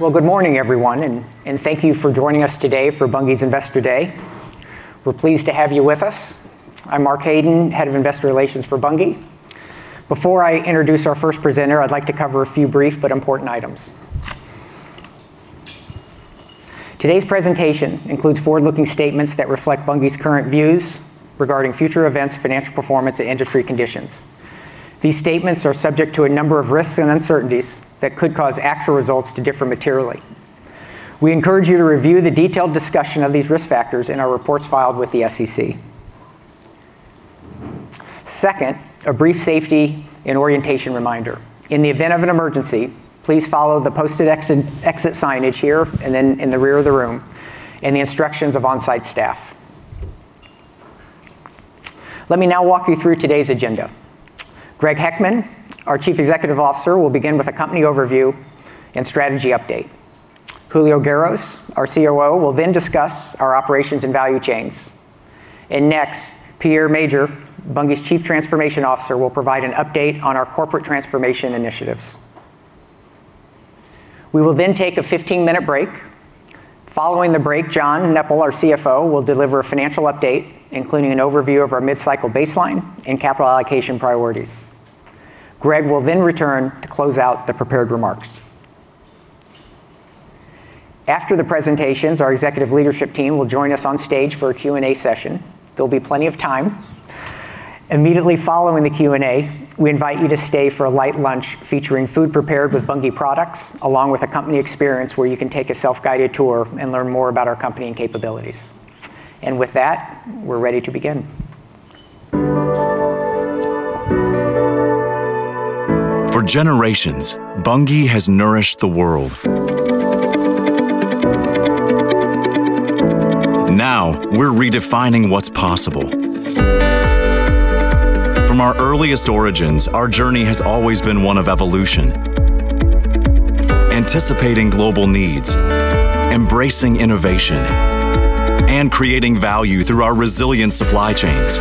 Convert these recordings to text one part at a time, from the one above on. Well, good morning everyone, and thank you for joining us today for Bunge's Investor Day. We're pleased to have you with us. I'm Mark Haden, Head of Investor Relations for Bunge. Before I introduce our first presenter, I'd like to cover a few brief but important items. Today's presentation includes forward-looking statements that reflect Bunge's current views regarding future events, financial performance, and industry conditions. These statements are subject to a number of risks and uncertainties that could cause actual results to differ materially. We encourage you to review the detailed discussion of these risk factors in our reports filed with the SEC. Second, a brief safety and orientation reminder. In the event of an emergency, please follow the posted exit signage here and then in the rear of the room, and the instructions of on-site staff. Let me now walk you through today's agenda. Greg Heckman, our Chief Executive Officer, will begin with a company overview and strategy update. Julio Garros, our COO, will then discuss our operations and value chains. Next, Pierre Mauger, Bunge's Chief Transformation Officer, will provide an update on our corporate transformation initiatives. We will then take a 15-minute break. Following the break, John Neppl, our CFO, will deliver a financial update, including an overview of our mid-cycle baseline and capital allocation priorities. Greg will then return to close out the prepared remarks. After the presentations, our executive leadership team will join us on stage for a Q&A session. There'll be plenty of time. Immediately following the Q&A, we invite you to stay for a light lunch featuring food prepared with Bunge products, along with a company experience where you can take a self-guided tour and learn more about our company and capabilities. With that, we're ready to begin. For generations, Bunge has nourished the world. Now we're redefining what's possible. From our earliest origins, our journey has always been one of evolution. Anticipating global needs, embracing innovation, and creating value through our resilient supply chains.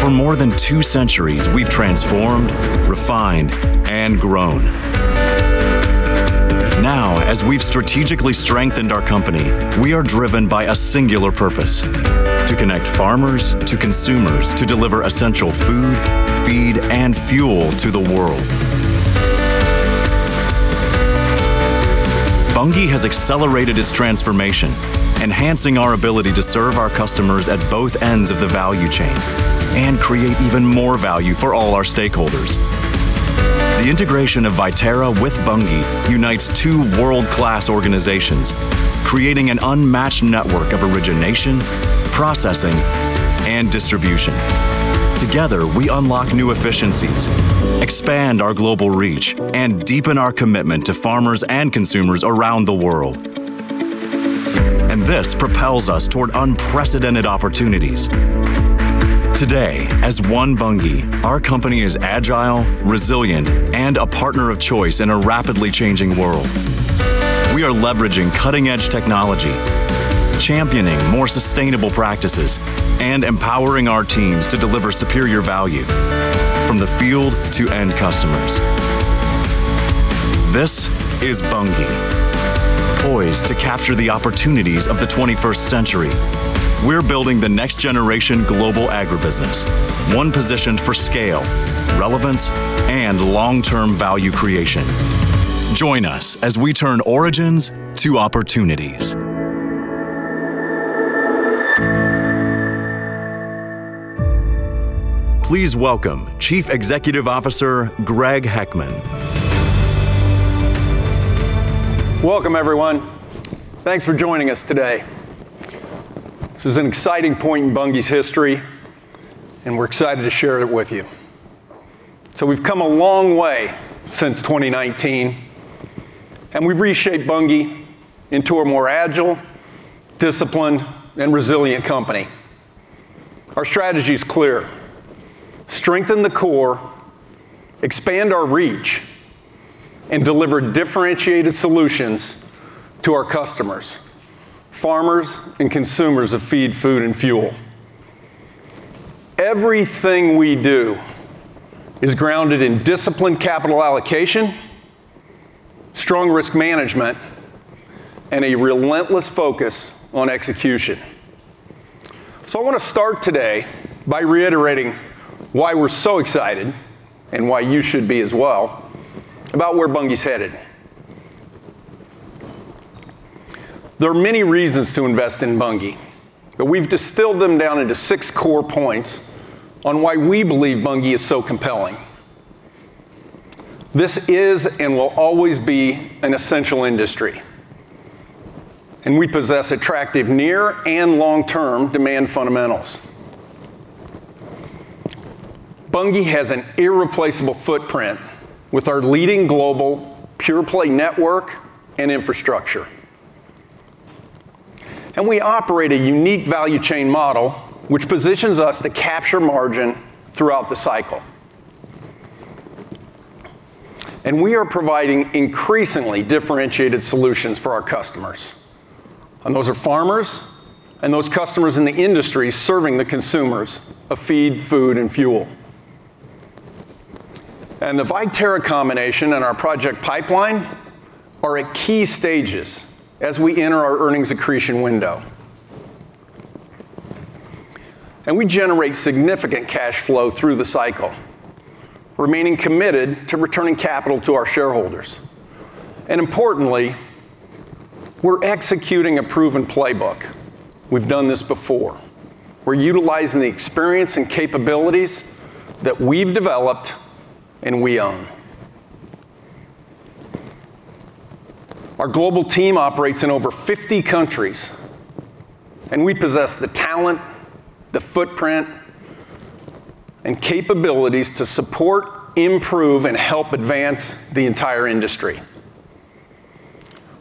For more than two centuries, we've transformed, refined, and grown. Now, as we've strategically strengthened our company, we are driven by a singular purpose: to connect farmers to consumers to deliver essential food, feed, and fuel to the world. Bunge has accelerated its transformation, enhancing our ability to serve our customers at both ends of the value chain and create even more value for all our stakeholders. The integration of Viterra with Bunge unites two world-class organizations, creating an unmatched network of origination, processing, and distribution. Together, we unlock new efficiencies, expand our global reach, and deepen our commitment to farmers and consumers around the world. This propels us toward unprecedented opportunities. Today, as one Bunge, our company is agile, resilient, and a partner of choice in a rapidly changing world. We are leveraging cutting-edge technology, championing more sustainable practices, and empowering our teams to deliver superior value from the field to end customers. This is Bunge. Poised to capture the opportunities of the 21st century. We're building the next-generation global agribusiness, one positioned for scale, relevance, and long-term value creation. Join us as we turn origins to opportunities. Please welcome Chief Executive Officer Greg Heckman. Welcome, everyone. Thanks for joining us today. This is an exciting point in Bunge's history, and we're excited to share it with you. We've come a long way since 2019, and we've reshaped Bunge into a more agile, disciplined, and resilient company. Our strategy is clear. Strengthen the core, expand our reach, and deliver differentiated solutions to our customers, farmers and consumers of feed, food, and fuel. Everything we do is grounded in disciplined capital allocation, strong risk management, and a relentless focus on execution. I want to start today by reiterating why we're so excited, and why you should be as well, about where Bunge's headed. There are many reasons to invest in Bunge, but we've distilled them down into six core points on why we believe Bunge is so compelling. This is and will always be an essential industry, and we possess attractive near and long-term demand fundamentals. Bunge has an irreplaceable footprint with our leading global pure-play network and infrastructure. We operate a unique value chain model, which positions us to capture margin throughout the cycle. We are providing increasingly differentiated solutions for our customers. Those are farmers and those customers in the industry serving the consumers of feed, food, and fuel. The Viterra combination and our project pipeline are at key stages as we enter our earnings accretion window. We generate significant cash flow through the cycle, remaining committed to returning capital to our shareholders. Importantly, we're executing a proven playbook. We've done this before. We're utilizing the experience and capabilities that we've developed and we own. Our global team operates in over 50 countries, and we possess the talent, the footprint, and capabilities to support, improve, and help advance the entire industry.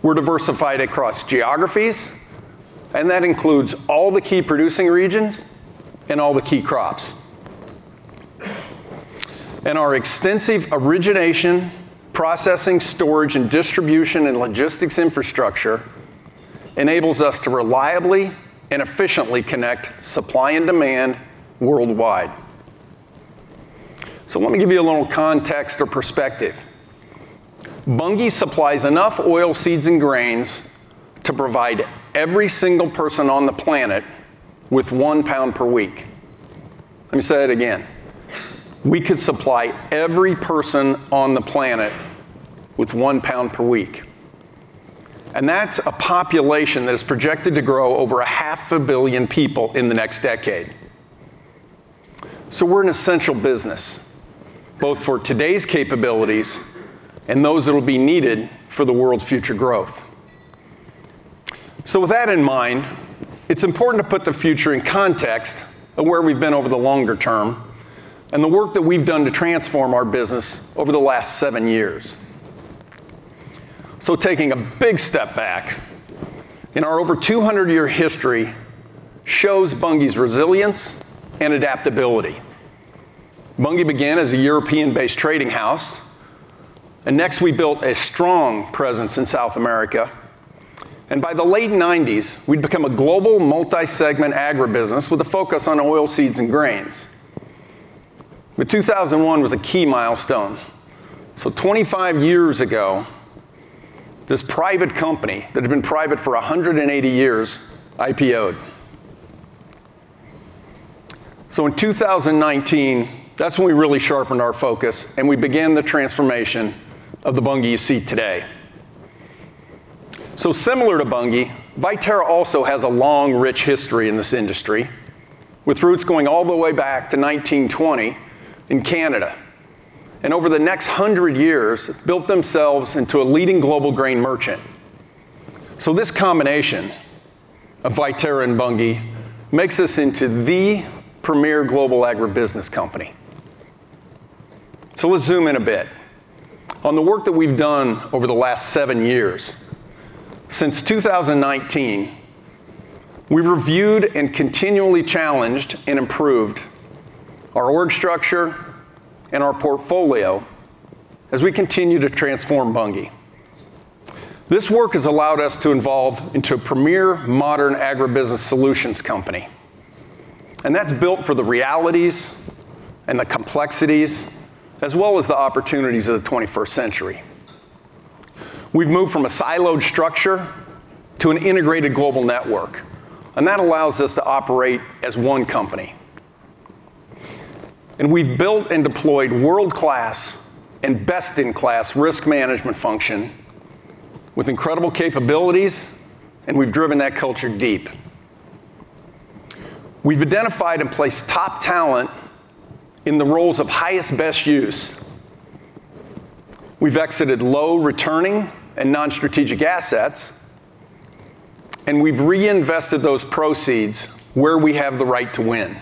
We're diversified across geographies, and that includes all the key producing regions and all the key crops. Our extensive origination, processing, storage, and distribution and logistics infrastructure enables us to reliably and efficiently connect supply and demand worldwide. Let me give you a little context or perspective. Bunge supplies enough oilseeds and grains to provide every single person on the planet with one pound per week. Let me say that again. We could supply every person on the planet with one pound per week. That's a population that is projected to grow over 500 million people in the next decade. We're an essential business, both for today's capabilities and those that will be needed for the world's future growth. With that in mind, it's important to put the future in context of where we've been over the longer term and the work that we've done to transform our business over the last seven years. Taking a big step back in our over 200-year history shows Bunge's resilience and adaptability. Bunge began as a European-based trading house, and next we built a strong presence in South America. By the late 1990s, we'd become a global multi-segment agribusiness with a focus on oilseeds and grains. 2001 was a key milestone. 25 years ago, this private company that had been private for 180 years, IPO'd. In 2019, that's when we really sharpened our focus and we began the transformation of the Bunge you see today. Similar to Bunge, Viterra also has a long, rich history in this industry, with roots going all the way back to 1920 in Canada. Over the next 100 years, built themselves into a leading global grain merchant. This combination of Viterra and Bunge makes us into the premier global agribusiness company. Let's zoom in a bit on the work that we've done over the last seven years. Since 2019, we've reviewed and continually challenged and improved our org structure and our portfolio as we continue to transform Bunge. This work has allowed us to evolve into a premier modern agribusiness solutions company, and that's built for the realities and the complexities as well as the opportunities of the 21st century. We've moved from a siloed structure to an integrated global network, and that allows us to operate as one company. We've built and deployed world-class and best-in-class risk management function with incredible capabilities, and we've driven that culture deep. We've identified and placed top talent in the roles of highest best use. We've exited low returning and non-strategic assets, and we've reinvested those proceeds where we have the right to win.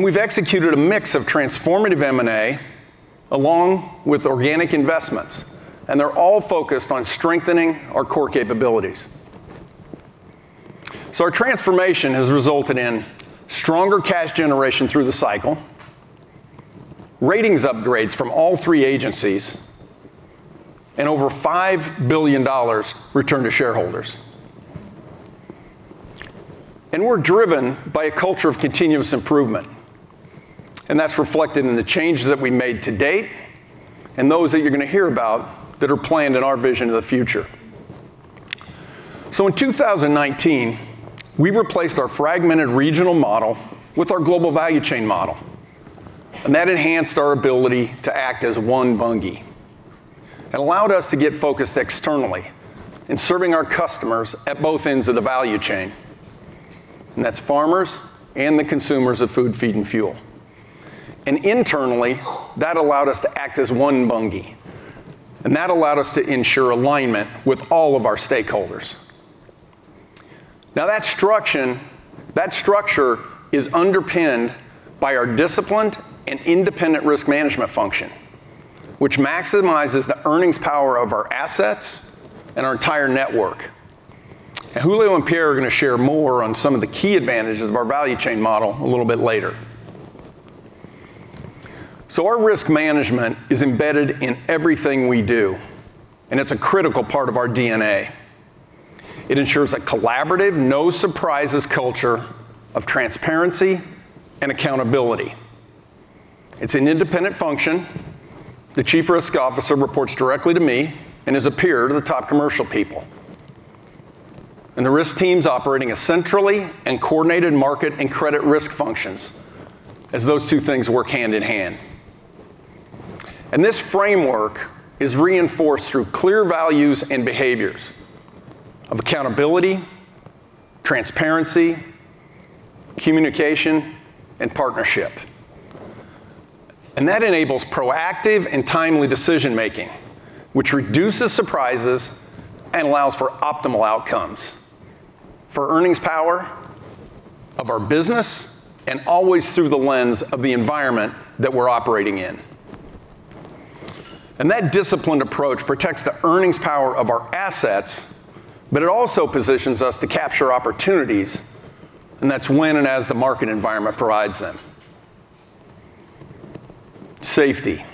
We've executed a mix of transformative M&A along with organic investments, and they're all focused on strengthening our core capabilities. Our transformation has resulted in stronger cash generation through the cycle, ratings upgrades from all three agencies, and over $5 billion returned to shareholders. We're driven by a culture of continuous improvement, and that's reflected in the changes that we made to date and those that you're going to hear about that are planned in our vision of the future. In 2019, we replaced our fragmented regional model with our global value chain model, and that enhanced our ability to act as one Bunge. It allowed us to get focused externally in serving our customers at both ends of the value chain, and that's farmers and the consumers of food, feed, and fuel. Internally, that allowed us to act as one Bunge, and that allowed us to ensure alignment with all of our stakeholders. That structure is underpinned by our disciplined and independent risk management function, which maximizes the earnings power of our assets and our entire network. Julio and Pierre are going to share more on some of the key advantages of our value chain model a little bit later. Our risk management is embedded in everything we do, and it's a critical part of our DNA. It ensures a collaborative, no-surprises culture of transparency and accountability. It's an independent function. The Chief Risk Officer reports directly to me and is a peer to the top commercial people. The risk team's operating centrally and coordinated market and credit risk functions as those two things work hand in hand. This framework is reinforced through clear values and behaviors of accountability, transparency, communication, and partnership. That enables proactive and timely decision-making, which reduces surprises and allows for optimal outcomes for earnings power of our business and always through the lens of the environment that we're operating in. That disciplined approach protects the earnings power of our assets, but it also positions us to capture opportunities, and that's when and as the market environment provides them. Safety.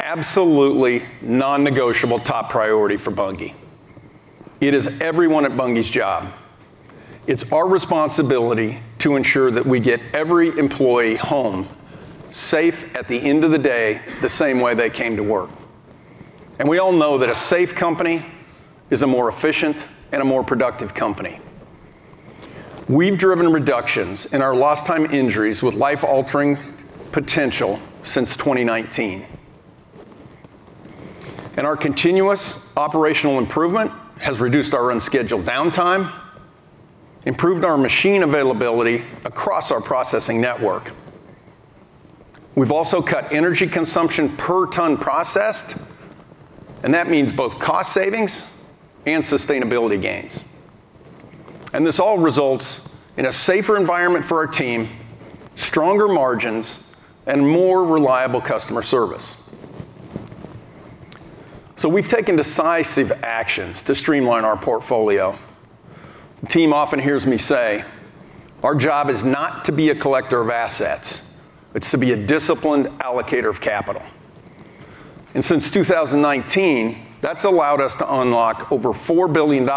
Absolutely non-negotiable top priority for Bunge. It is everyone at Bunge's job. It's our responsibility to ensure that we get every employee home safe at the end of the day the same way they came to work. We all know that a safe company is a more efficient and a more productive company. We've driven reductions in our lost time injuries with life-altering potential since 2019. Our continuous operational improvement has reduced our unscheduled downtime, improved our machine availability across our processing network. We've also cut energy consumption per ton processed, and that means both cost savings and sustainability gains. This all results in a safer environment for our team, stronger margins, and more reliable customer service. We've taken decisive actions to streamline our portfolio. The team often hears me say, "Our job is not to be a collector of assets. It's to be a disciplined allocator of capital." Since 2019, that's allowed us to unlock over $4 billion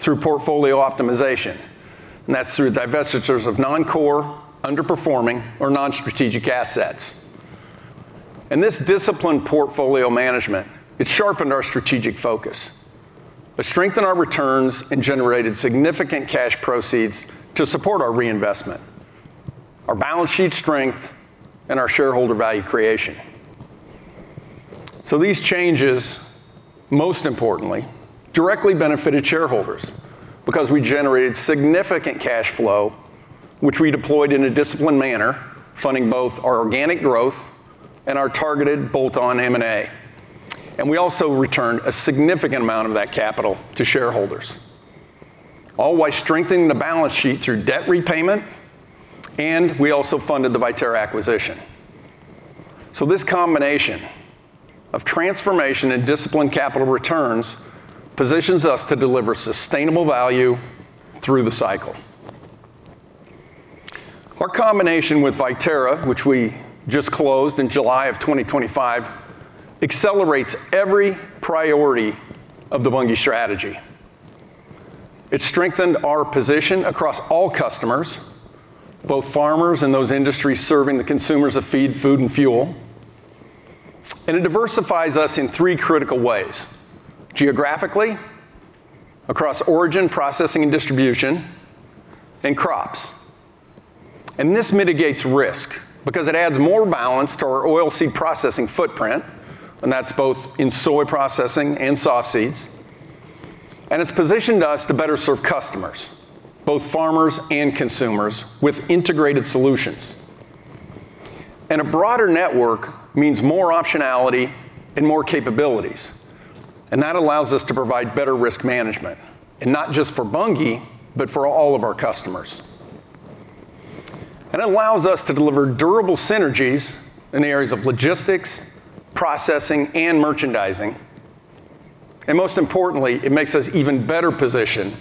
through portfolio optimization. That's through divestitures of non-core, underperforming, or non-strategic assets. This disciplined portfolio management, it sharpened our strategic focus. It strengthened our returns and generated significant cash proceeds to support our reinvestment, our balance sheet strength, and our shareholder value creation. These changes, most importantly, directly benefited shareholders because we generated significant cash flow, which we deployed in a disciplined manner, funding both our organic growth and our targeted bolt-on M&A. We also returned a significant amount of that capital to shareholders, all while strengthening the balance sheet through debt repayment, and we also funded the Viterra acquisition. This combination of transformation and disciplined capital returns positions us to deliver sustainable value through the cycle. Our combination with Viterra, which we just closed in July of 2025, accelerates every priority of the Bunge strategy. It strengthened our position across all customers, both farmers and those industries serving the consumers of feed, food, and fuel. It diversifies us in three critical ways, geographically, across origin, processing, and distribution, and crops. This mitigates risk because it adds more balance to our oilseed processing footprint, and that's both in soy processing and softseeds. It's positioned us to better serve customers, both farmers and consumers, with integrated solutions. A broader network means more optionality and more capabilities, and that allows us to provide better risk management, and not just for Bunge, but for all of our customers. It allows us to deliver durable synergies in the areas of logistics, processing, and merchandising. Most importantly, it makes us even better positioned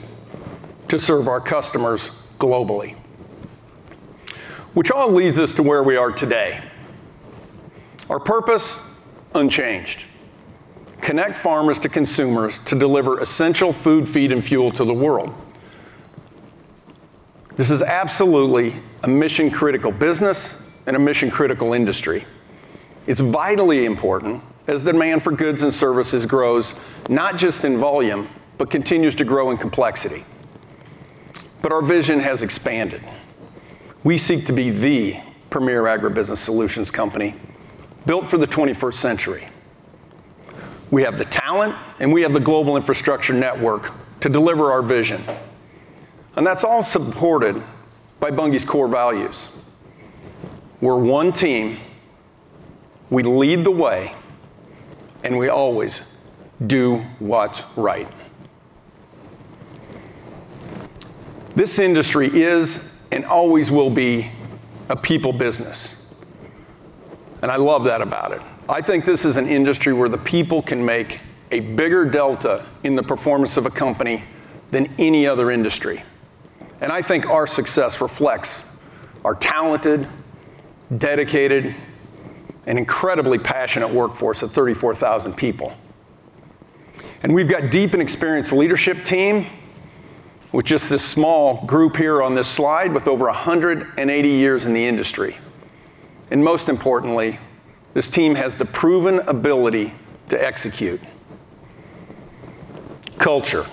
to serve our customers globally. Which all leads us to where we are today. Our purpose, unchanged. Connect farmers to consumers to deliver essential food, feed, and fuel to the world. This is absolutely a mission-critical business and a mission-critical industry. It's vitally important as demand for goods and services grows, not just in volume, but continues to grow in complexity. Our vision has expanded. We seek to be the premier agribusiness solutions company built for the 21st century. We have the talent and we have the global infrastructure network to deliver our vision. That's all supported by Bunge's core values. We're one team, we lead the way, and we always do what's right. This industry is, and always will be, a people business. I love that about it. I think this is an industry where the people can make a bigger delta in the performance of a company than any other industry. I think our success reflects our talented, An incredibly passionate workforce of 34,000 people. We've got deep and experienced leadership team with just this small group here on this slide with over 180 years in the industry. Most importantly, this team has the proven ability to execute. Culture.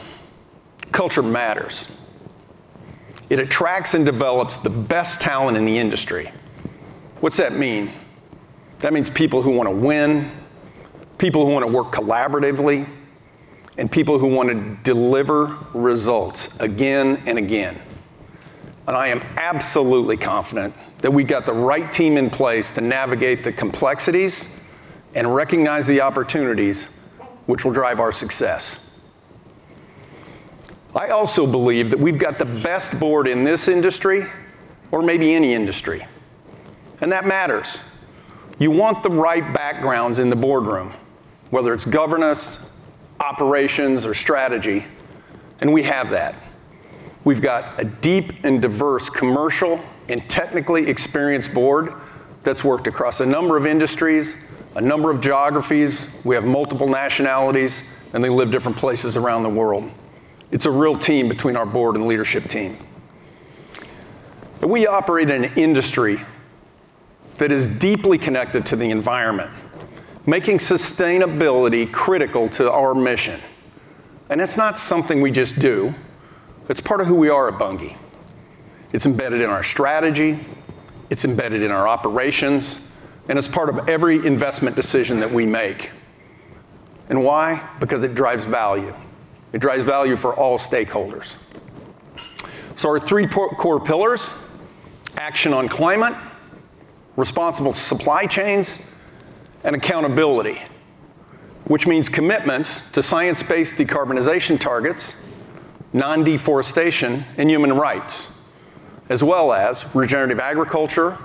Culture matters. It attracts and develops the best talent in the industry. What's that mean? That means people who wanna win, people who wanna work collaboratively, and people who wanna deliver results again and again. I am absolutely confident that we got the right team in place to navigate the complexities and recognize the opportunities which will drive our success. I also believe that we've got the best board in this industry or maybe any industry, and that matters. You want the right backgrounds in the boardroom, whether it's governance, operations, or strategy, and we have that. We've got a deep and diverse commercial and technically experienced board that's worked across a number of industries, a number of geographies. We have multiple nationalities, and they live different places around the world. It's a real team between our board and leadership team. We operate in an industry that is deeply connected to the environment, making sustainability critical to our mission. It's not something we just do, it's part of who we are at Bunge. It's embedded in our strategy, it's embedded in our operations, and it's part of every investment decision that we make. Why? Because it drives value. It drives value for all stakeholders. Our three core pillars, action on climate, responsible supply chains, and accountability, which means commitments to science-based decarbonization targets, non-deforestation and human rights, as well as regenerative agriculture,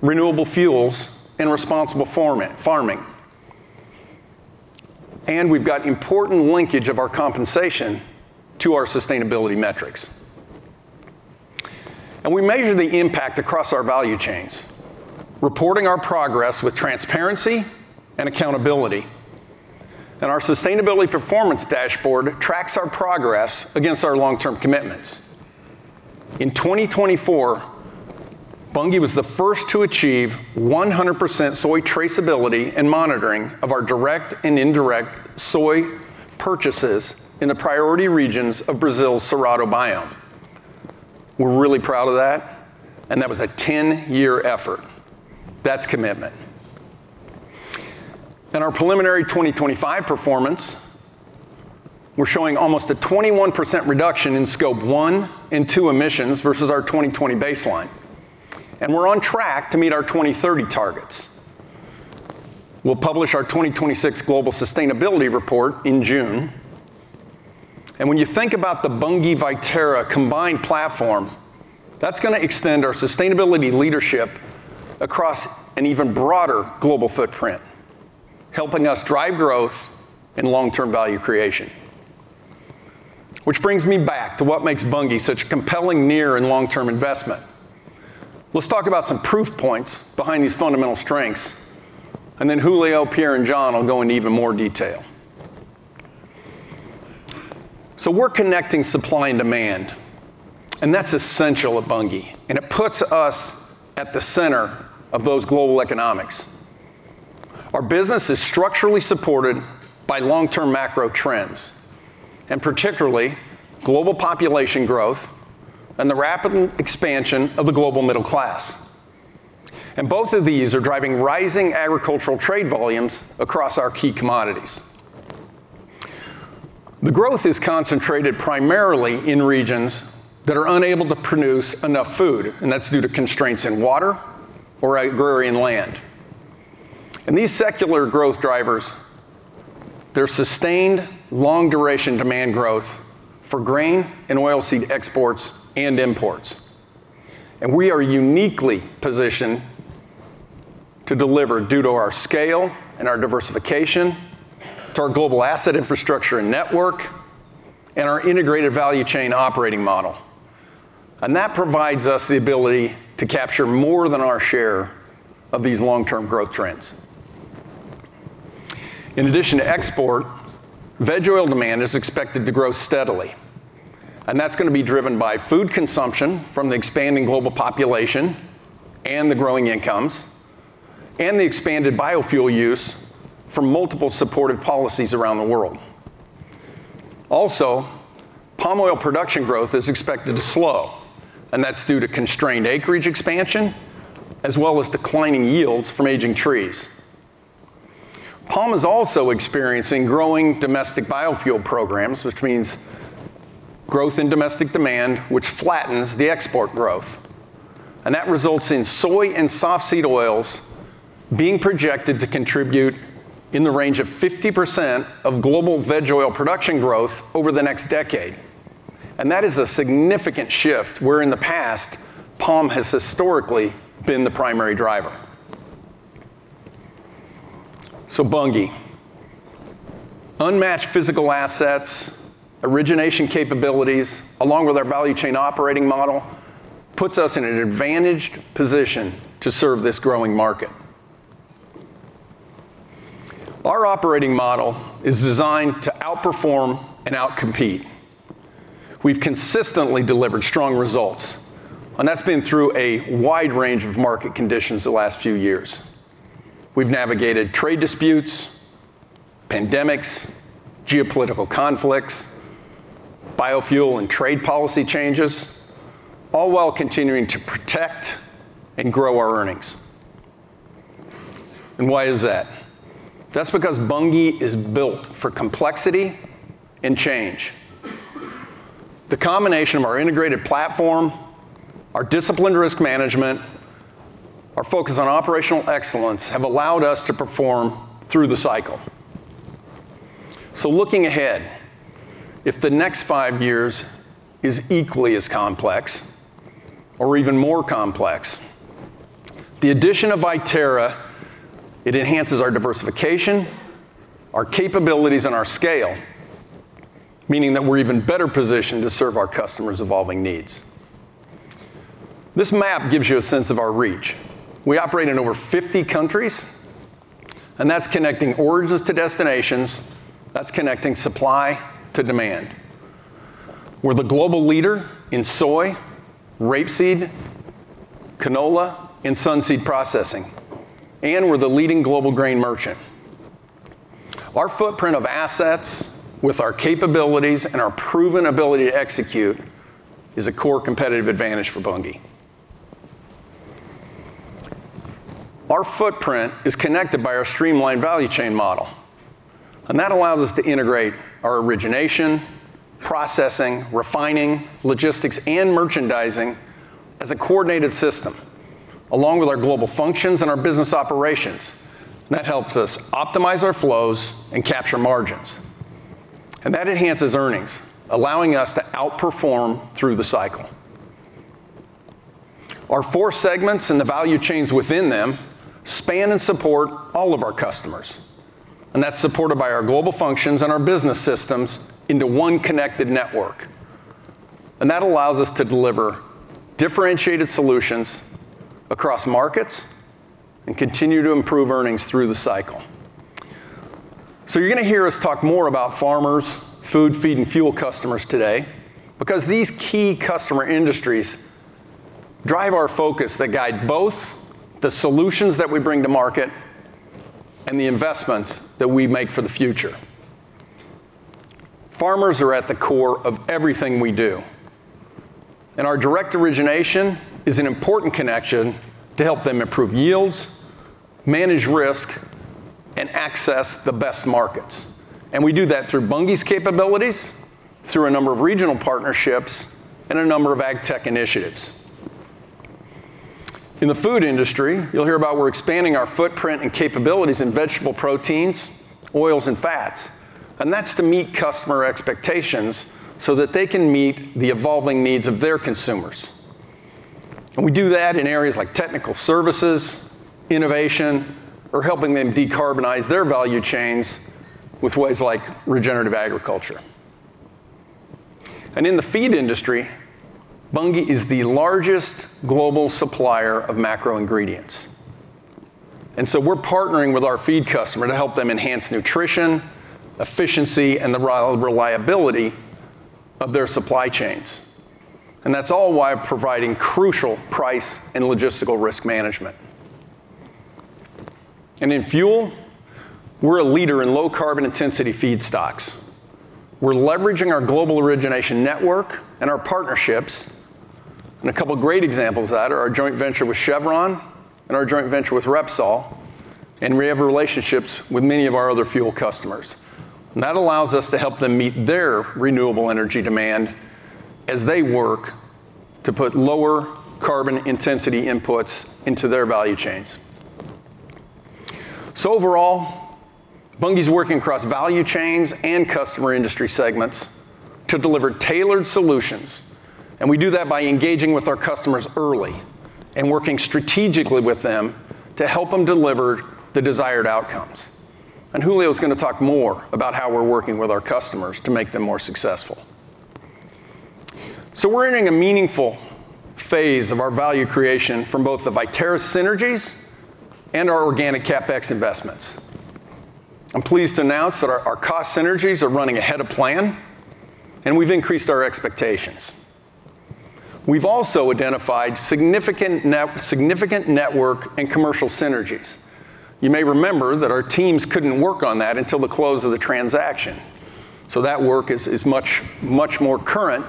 renewable fuels, and responsible farming. We've got important linkage of our compensation to our sustainability metrics. We measure the impact across our value chains, reporting our progress with transparency and accountability. Our sustainability performance dashboard tracks our progress against our long-term commitments. In 2024, Bunge was the first to achieve 100% soy traceability and monitoring of our direct and indirect soy purchases in the priority regions of Brazil's Cerrado biome. We're really proud of that, and that was a 10-year effort. That's commitment. In our preliminary 2025 performance, we're showing almost a 21% reduction in Scope 1 and 2 emissions versus our 2020 baseline, and we're on track to meet our 2030 targets. We'll publish our 2026 global sustainability report in June. When you think about the Bunge Viterra combined platform, that's gonna extend our sustainability leadership across an even broader global footprint, helping us drive growth and long-term value creation. Which brings me back to what makes Bunge such a compelling near and long-term investment. Let's talk about some proof points behind these fundamental strengths, and then Julio, Pierre, and John will go into even more detail. We're connecting supply and demand, and that's essential at Bunge, and it puts us at the center of those global economics. Our business is structurally supported by long-term macro trends, and particularly global population growth and the rapid expansion of the global middle class. Both of these are driving rising agricultural trade volumes across our key commodities. The growth is concentrated primarily in regions that are unable to produce enough food, and that's due to constraints in water or agrarian land. These secular growth drivers, they're sustained long duration demand growth for grain and oil seed exports and imports. We are uniquely positioned to deliver due to our scale and our diversification, to our global asset infrastructure and network, and our integrated value chain operating model. That provides us the ability to capture more than our share of these long-term growth trends. In addition to export, veg oil demand is expected to grow steadily, and that's gonna be driven by food consumption from the expanding global population and the growing incomes, and the expanded biofuel use from multiple supported policies around the world. Also, palm oil production growth is expected to slow, and that's due to constrained acreage expansion, as well as declining yields from aging trees. Palm is also experiencing growing domestic biofuel programs, which means growth in domestic demand, which flattens the export growth. That results in soy and softseed oils being projected to contribute in the range of 50% of global veg oil production growth over the next decade. That is a significant shift, where in the past, palm has historically been the primary driver. Bunge unmatched physical assets, origination capabilities, along with our value chain operating model, puts us in an advantaged position to serve this growing market. Our operating model is designed to outperform and outcompete. We've consistently delivered strong results, and that's been through a wide range of market conditions the last few years. We've navigated trade disputes, pandemics, geopolitical conflicts, biofuel and trade policy changes, all while continuing to protect and grow our earnings. Why is that? That's because Bunge is built for complexity and change. The combination of our integrated platform, our disciplined risk management, our focus on operational excellence have allowed us to perform through the cycle. Looking ahead, if the next five years is equally as complex or even more complex, the addition of Viterra, it enhances our diversification, our capabilities, and our scale, meaning that we're even better positioned to serve our customers' evolving needs. This map gives you a sense of our reach. We operate in over 50 countries, and that's connecting origins to destinations, that's connecting supply to demand. We're the global leader in soy, rapeseed, canola, and sunseed processing. We're the leading global grain merchant. Our footprint of assets with our capabilities and our proven ability to execute is a core competitive advantage for Bunge. Our footprint is connected by our streamlined value chain model, and that allows us to integrate our origination, processing, refining, logistics, and merchandising as a coordinated system, along with our global functions and our business operations. That helps us optimize our flows and capture margins. That enhances earnings, allowing us to outperform through the cycle. Our four segments and the value chains within them span and support all of our customers, and that's supported by our global functions and our business systems into one connected network. That allows us to deliver differentiated solutions across markets and continue to improve earnings through the cycle. You're gonna hear us talk more about farmers, food, feed, and fuel customers today because these key customer industries drive our focus that guide both the solutions that we bring to market and the investments that we make for the future. Farmers are at the core of everything we do, and our direct origination is an important connection to help them improve yields, manage risk, and access the best markets. We do that through Bunge's capabilities, through a number of regional partnerships, and a number of ag tech initiatives. In the food industry, you'll hear about we're expanding our footprint and capabilities in vegetable proteins, oils, and fats, and that's to meet customer expectations so that they can meet the evolving needs of their consumers. We do that in areas like technical services, innovation, or helping them decarbonize their value chains with ways like regenerative agriculture. In the feed industry, Bunge is the largest global supplier of macro ingredients. We're partnering with our feed customer to help them enhance nutrition, efficiency, and the reliability of their supply chains. That's all while providing crucial price and logistical risk management. In fuel, we're a leader in low carbon intensity feedstocks. We're leveraging our global origination network and our partnerships, and a couple great examples of that are our joint venture with Chevron and our joint venture with Repsol, and we have relationships with many of our other fuel customers. That allows us to help them meet their renewable energy demand as they work to put lower carbon intensity inputs into their value chains. Overall, Bunge's working across value chains and customer industry segments to deliver tailored solutions, and we do that by engaging with our customers early and working strategically with them to help them deliver the desired outcomes. Julio is gonna talk more about how we're working with our customers to make them more successful. We're entering a meaningful phase of our value creation from both the Viterra synergies and our organic CapEx investments. I'm pleased to announce that our cost synergies are running ahead of plan, and we've increased our expectations. We've also identified significant network and commercial synergies. You may remember that our teams couldn't work on that until the close of the transaction, so that work is much more current,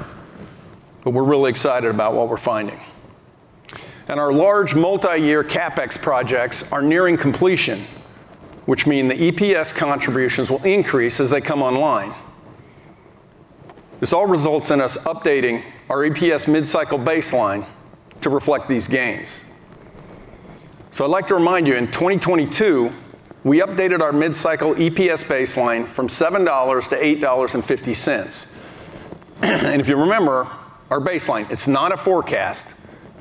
but we're really excited about what we're finding. Our large multi-year CapEx projects are nearing completion, which mean the EPS contributions will increase as they come online. This all results in us updating our EPS mid-cycle baseline to reflect these gains. I'd like to remind you, in 2022, we updated our mid-cycle EPS baseline from $7 to $8.50. If you remember our baseline, it's not a forecast,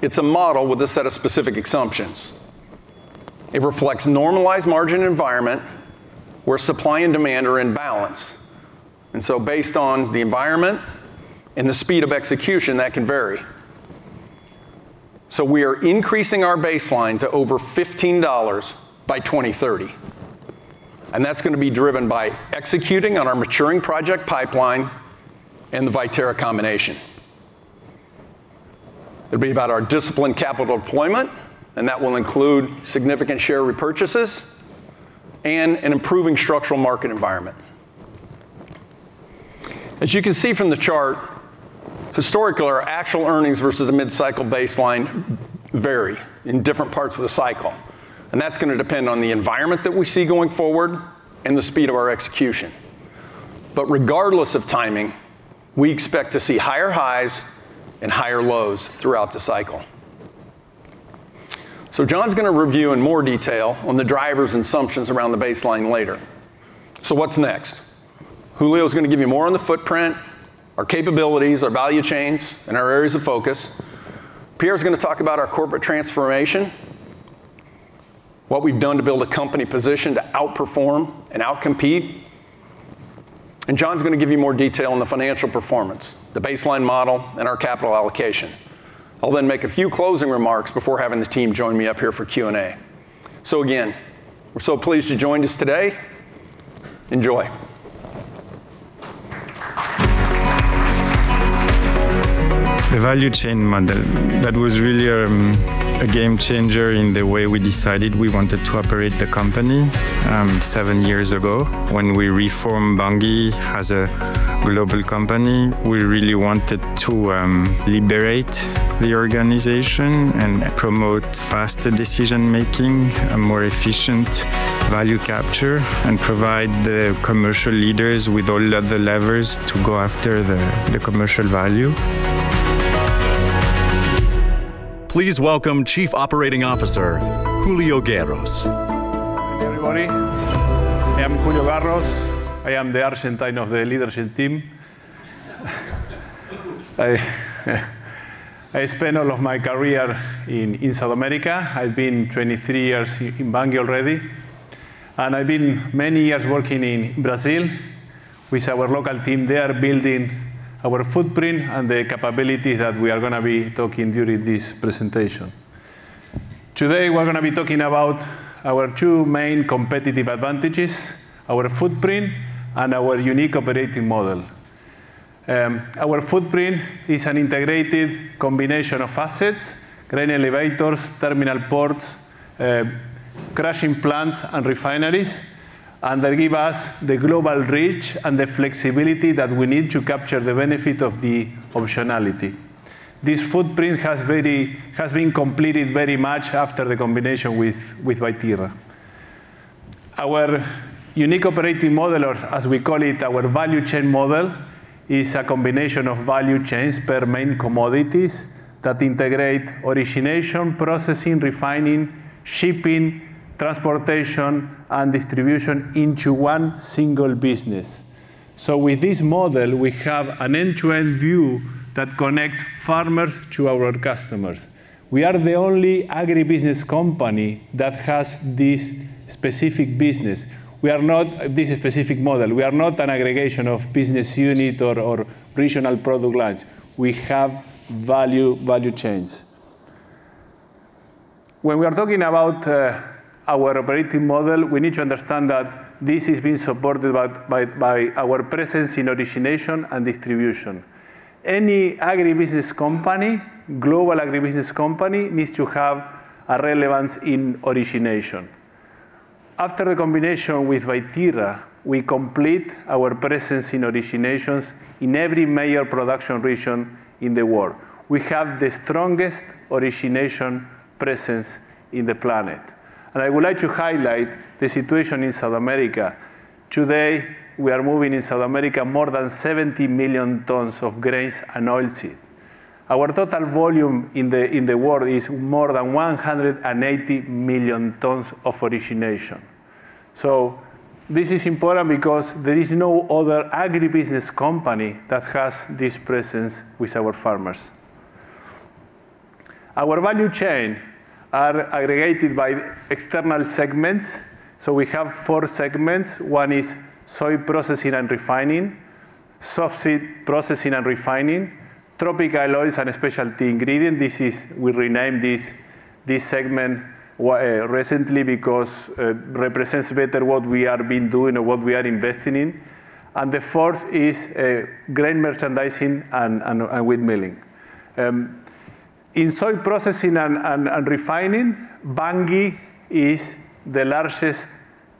it's a model with a set of specific assumptions. It reflects normalized margin environment where supply and demand are in balance. Based on the environment and the speed of execution, that can vary. We are increasing our baseline to over $15 by 2030. That's going to be driven by executing on our maturing project pipeline and the Viterra combination. It'll be about our disciplined capital deployment, and that will include significant share repurchases and an improving structural market environment. As you can see from the chart, historically, our actual earnings versus the mid-cycle baseline vary in different parts of the cycle. That's going to depend on the environment that we see going forward and the speed of our execution. Regardless of timing, we expect to see higher highs and higher lows throughout the cycle. John's going to review in more detail on the drivers and assumptions around the baseline later. What's next? Julio is going to give you more on the footprint, our capabilities, our value chains, and our areas of focus. Pierre is going to talk about our corporate transformation, what we've done to build a company positioned to outperform and out-compete. John’s going to give you more detail on the financial performance, the baseline model, and our capital allocation. I'll then make a few closing remarks before having the team join me up here for Q&A. Again, we're so pleased you joined us today. Enjoy. The value chain model that was really a game changer in the way we decided we wanted to operate the company seven years ago. When we reformed Bunge as a global company, we really wanted to liberate the organization and promote faster decision-making, a more efficient value capture, and provide the commercial leaders with all of the levers to go after the commercial value. Please welcome Chief Operating Officer, Julio Garros. Thank you, everybody. I am Julio Garros. I am the Argentine of the leadership team. I spent all of my career in South America. I've been 23 years in Bunge already, and I've been many years working in Brazil with our local team there, building our footprint and the capability that we are gonna be talking during this presentation. Today, we're gonna be talking about our two main competitive advantages, our footprint and our unique operating model. Our footprint is an integrated combination of assets, grain elevators, terminal ports, crushing plants, and refineries, and they give us the global reach and the flexibility that we need to capture the benefit of the optionality. This footprint has been completed very much after the combination with Viterra. Our unique operating model, or as we call it, our value chain model, is a combination of value chains per main commodities that integrate origination, processing, refining, shipping, transportation, and distribution into one single business. With this model, we have an end-to-end view that connects farmers to our customers. We are the only agribusiness company that has this specific business. We are not this specific model. We are not an aggregation of business unit or regional product lines. We have value chains. When we are talking about our operating model, we need to understand that this is being supported by our presence in origination and distribution. Any global agribusiness company needs to have a relevance in origination. After the combination with Viterra, we complete our presence in originations in every major production region in the world. We have the strongest origination presence on the planet. I would like to highlight the situation in South America. Today, we are moving in South America more than 70 million tons of grains and oilseed. Our total volume in the world is more than 180 million tons of origination. This is important because there is no other agribusiness company that has this presence with our farmers. Our value chain are aggregated by external segments. We have four segments. One is Soy Processing and Refining, Softseed Processing and Refining, Tropical Oils and Specialty Ingredients. We renamed this segment recently because it represents better what we have been doing and what we are investing in. The fourth is Grain Merchandising and Wheat Milling. In Soy Processing and Refining, Bunge is the largest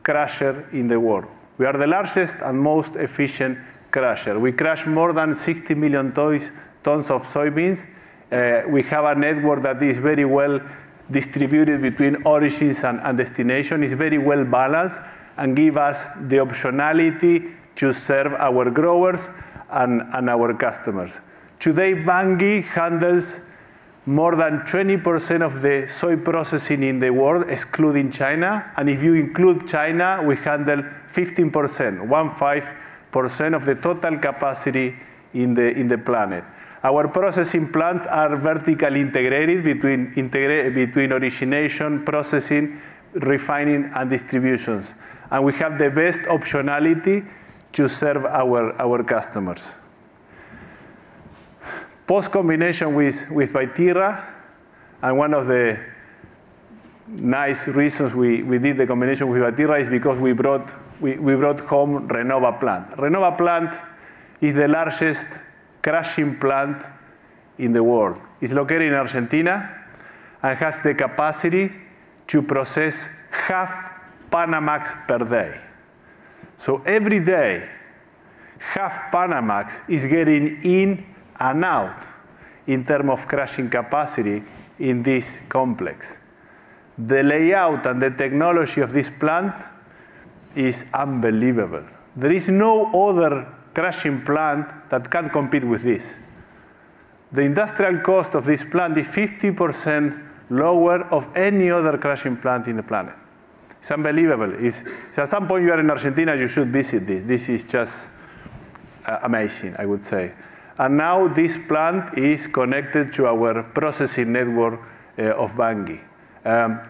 crusher in the world. We are the largest and most efficient crusher. We crush more than 60 million tons of soybeans. We have a network that is very well distributed between origins and destination. It's very well-balanced and give us the optionality to serve our growers and our customers. Today, Bunge handles more than 20% of the soy processing in the world excluding China, and if you include China, we handle 15% of the total capacity in the planet. Our processing plant are vertically integrated between origination, processing, refining, and distributions. We have the best optionality to serve our customers. Post-combination with Viterra, one of the nice reasons we did the combination with Viterra is because we brought home Renova plant. Renova plant is the largest crushing plant in the world. It's located in Argentina, and it has the capacity to process half Panamax per day. Every day, half Panamax is getting in and out in terms of crushing capacity in this complex. The layout and the technology of this plant is unbelievable. There is no other crushing plant that can compete with this. The industrial cost of this plant is 50% lower than any other crushing plant on the planet. It's unbelievable. At some point, if you are in Argentina, you should visit this. This is just amazing, I would say. Now this plant is connected to our processing network of Bunge.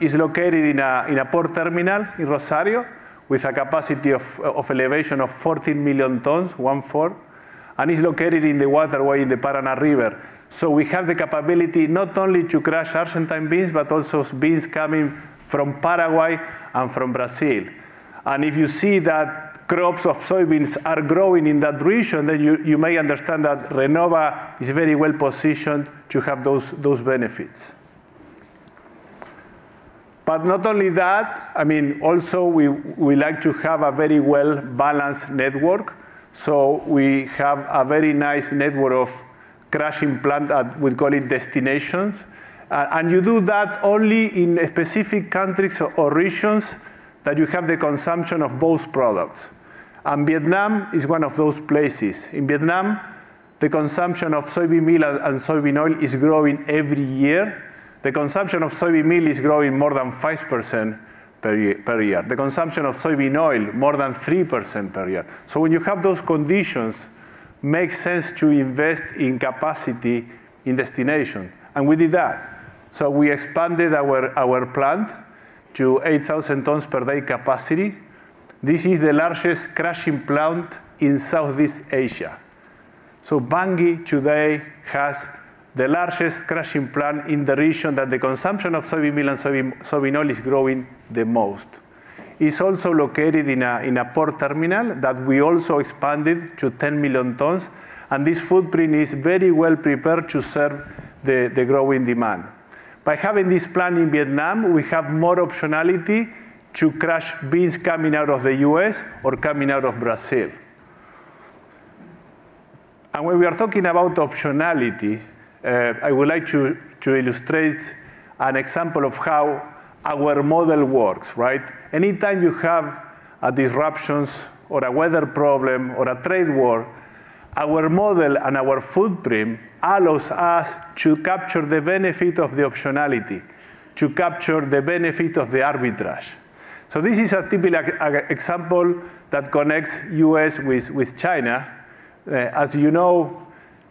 It's located in a port terminal in Rosario with a capacity of 14 million tons, 14, and is located in the waterway in the Paraná River. We have the capability not only to crush Argentine beans, but also beans coming from Paraguay and from Brazil. If you see that crops of soybeans are growing in that region, then you may understand that Renova is very well positioned to have those benefits. Not only that, I mean, also we like to have a very well-balanced network. We have a very nice network of crushing plant we call it destinations. You do that only in specific countries or regions that you have the consumption of both products. Vietnam is one of those places. In Vietnam, the consumption of soybean meal and soybean oil is growing every year. The consumption of soybean meal is growing more than 5% per year. The consumption of soybean oil, more than 3% per year. When you have those conditions, makes sense to invest in capacity in destination, and we did that. We expanded our plant to 8,000 tons per day capacity. This is the largest crushing plant in Southeast Asia. Bunge today has the largest crushing plant in the region that the consumption of soybean meal and soybean oil is growing the most. It's also located in a port terminal that we also expanded to 10 million tons, and this footprint is very well prepared to serve the growing demand. By having this plant in Vietnam, we have more optionality to crush beans coming out of the U.S. or coming out of Brazil. When we are talking about optionality, I would like to illustrate an example of how our model works, right? Anytime you have disruptions or a weather problem or a trade war, our model and our footprint allows us to capture the benefit of the optionality, to capture the benefit of the arbitrage. This is a typical example that connects U.S. with China. As you know,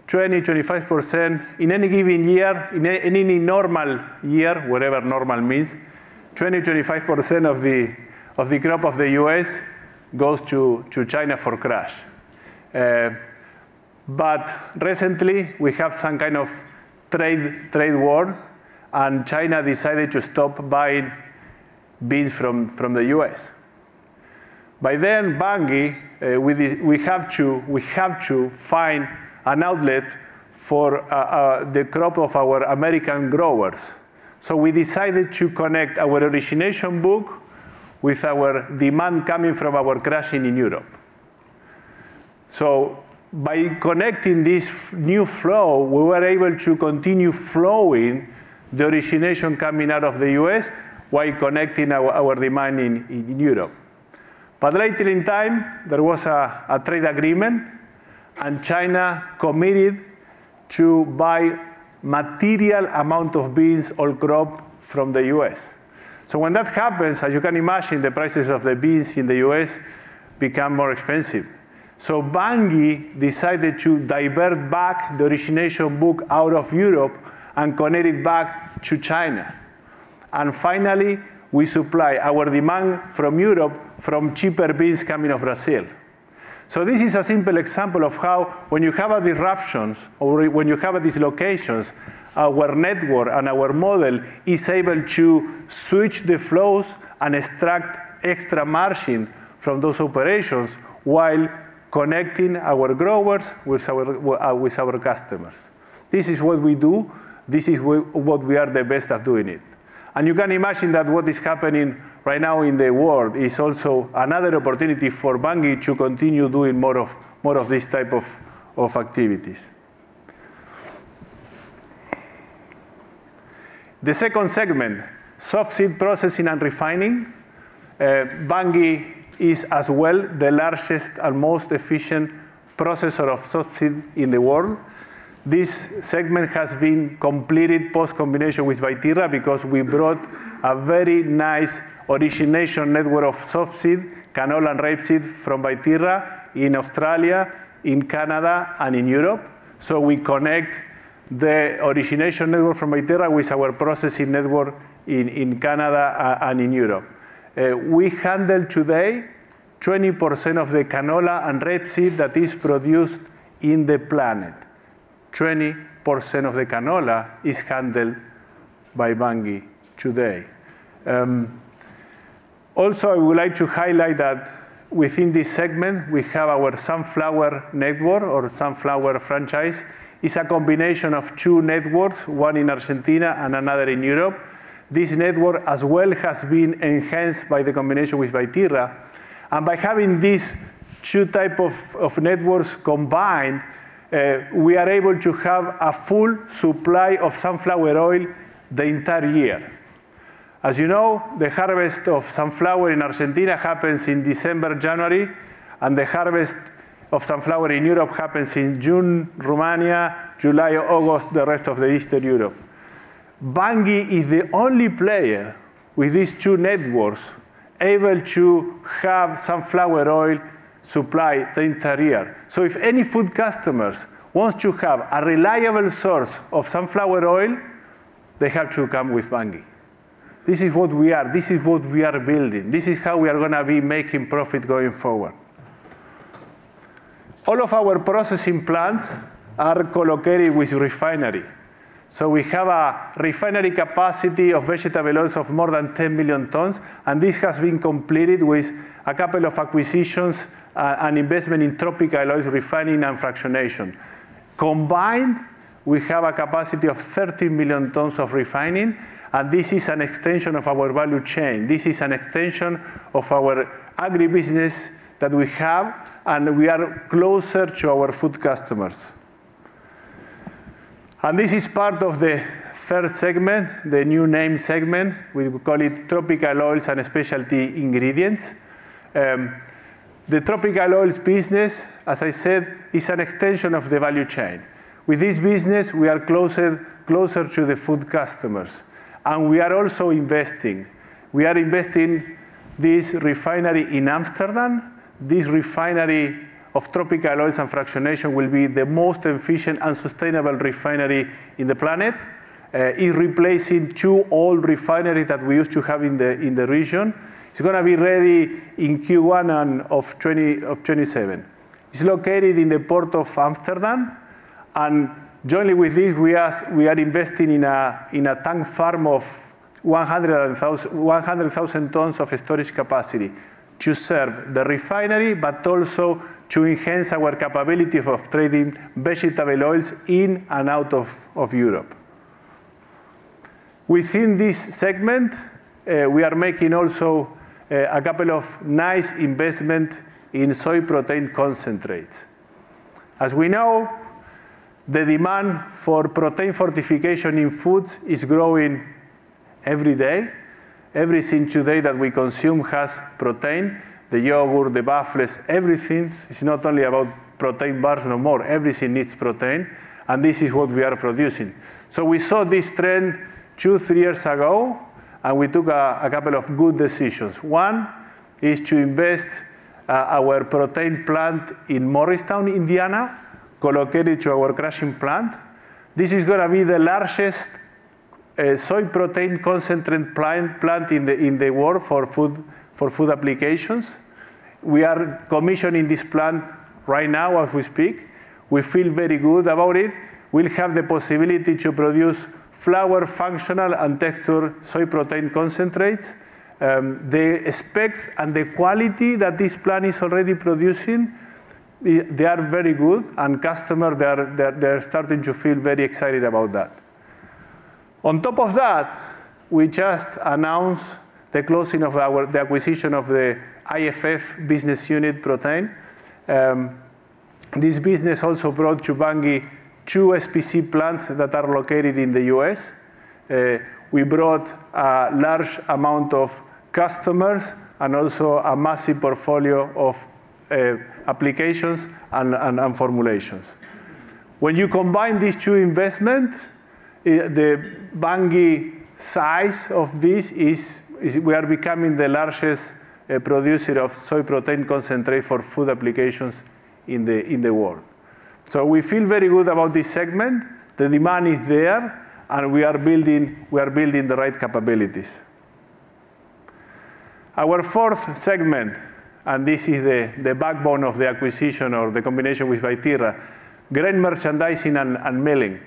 20%-25% in any given year, in any normal year, whatever normal means, 20%-25% of the crop of the U.S. goes to China for crush. Recently, we have some kind of trade war, and China decided to stop buying beans from the U.S. By then, Bunge, we have to find an outlet for the crop of our American growers. We decided to connect our origination book with our demand coming from our crushing in Europe. By connecting this new flow, we were able to continue flowing the origination coming out of the U.S. while connecting our demand in Europe. Later in time, there was a trade agreement, and China committed to buy material amount of beans or crop from the U.S. When that happens, as you can imagine, the prices of the beans in the U.S. become more expensive. Bunge decided to divert back the origination book out of Europe and connect it back to China. Finally, we supply our demand from Europe from cheaper beans coming from Brazil. This is a simple example of how when you have a disruptions or when you have a dislocations, our network and our model is able to switch the flows and extract extra margin from those operations while connecting our growers with our customers. This is what we do. This is what we are the best at doing it. You can imagine that what is happening right now in the world is also another opportunity for Bunge to continue doing more of this type of activities. The second segment, Softseed Processing and Refining. Bunge is as well the largest and most efficient processor of softseed in the world. This segment has been completed post combination with Viterra because we brought a very nice origination network of softseed, canola, and rapeseed from Viterra in Australia, in Canada and in Europe. We connect the origination network from Viterra with our processing network in Canada and in Europe. We handle today, 20% of the canola and rapeseed that is produced in the planet. 20% of the canola is handled by Bunge today. Also I would like to highlight that within this segment we have our sunflower network or sunflower franchise. It's a combination of two networks, one in Argentina and another in Europe. This network as well has been enhanced by the combination with Viterra. By having these two type of networks combined, we are able to have a full supply of sunflower oil the entire year. As you know, the harvest of sunflower in Argentina happens in December, January, and the harvest of sunflower in Europe happens in June, Romania, July, August, the rest of the Eastern Europe. Bunge is the only player with these two networks able to have sunflower oil supply the entire year. If any food customers wants to have a reliable source of sunflower oil, they have to come with Bunge. This is what we are, this is what we are building. This is how we are gonna be making profit going forward. All of our processing plants are co-located with refinery. We have a refinery capacity of vegetable oils of more than 10 million tons, and this has been completed with a couple of acquisitions and investment in tropical oils refining and fractionation. Combined, we have a capacity of 30 million tons of refining, and this is an extension of our value chain. This is an extension of our agribusiness that we have, and we are closer to our food customers. This is part of the third segment, the new name segment. We call it Tropical Oils and Specialty Ingredients. The tropical oils business, as I said, is an extension of the value chain. With this business, we are closer to the food customers, and we are also investing. We are investing this refinery in Amsterdam. This refinery of tropical oils and fractionation will be the most efficient and sustainable refinery in the planet. It's replacing two old refineries that we used to have in the region. It's gonna be ready in Q1 of 2027. It's located in the port of Amsterdam, and jointly with this, we are investing in a tank farm of 100,000 tons of storage capacity to serve the refinery, but also to enhance our capability of trading vegetable oils in and out of Europe. Within this segment, we are making also a couple of nice investment in soy protein concentrate. As we know, the demand for protein fortification in foods is growing every day. Everything today that we consume has protein. The yogurt, the bars, everything. It's not only about protein bars no more. Everything needs protein, and this is what we are producing. We saw this trend two, three years ago, and we took a couple of good decisions. One is to invest our protein plant in Morristown, Indiana, co-located to our crushing plant. This is gonna be the largest soy protein concentrate plant in the world for food applications. We are commissioning this plant right now as we speak. We feel very good about it. We'll have the possibility to produce flour, functional and texture soy protein concentrates. The specs and the quality that this plant is already producing are very good and customers are starting to feel very excited about that. On top of that, we just announced the closing of our acquisition of the IFF protein business unit. This business also brought to Bunge two SPC plants that are located in the U.S. We brought a large amount of customers and also a massive portfolio of applications and formulations. When you combine these two investments, the Bunge size of this is we are becoming the largest producer of soy protein concentrate for food applications in the world. We feel very good about this segment. The demand is there, and we are building the right capabilities. Our fourth segment, this is the backbone of the acquisition or the combination with Viterra, Grain Merchandising and Milling.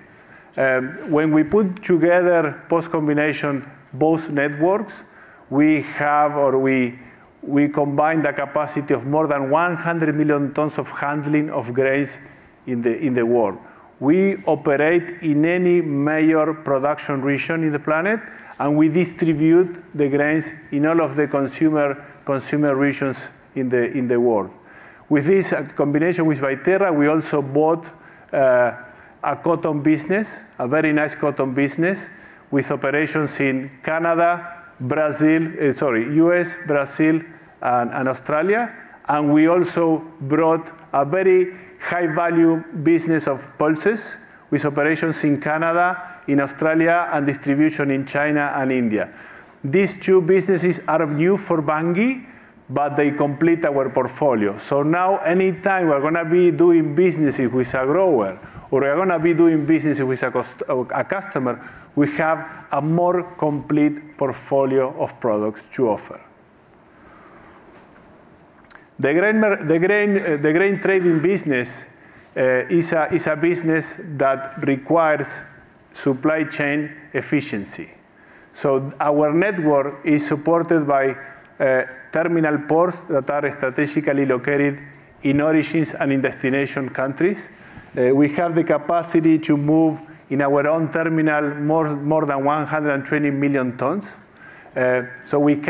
When we put together post combination both networks we have, we combine the capacity of more than 100 million tons of handling of grains in the world. We operate in any major production region in the planet. We distribute the grains in all of the consumer regions in the world. With this combination with Viterra, we also bought a cotton business, a very nice cotton business with operations in Canada, US, Brazil, and Australia. We also brought a very high value business of pulses with operations in Canada, Australia, and distribution in China and India. These two businesses are new for Bunge, but they complete our portfolio. Now anytime we're gonna be doing businesses with a grower, or we're gonna be doing business with a customer, we have a more complete portfolio of products to offer. The grain trading business is a business that requires supply chain efficiency. Our network is supported by terminal ports that are strategically located in origins and in destination countries. We have the capacity to move in our own terminal more than 120 million tons. So we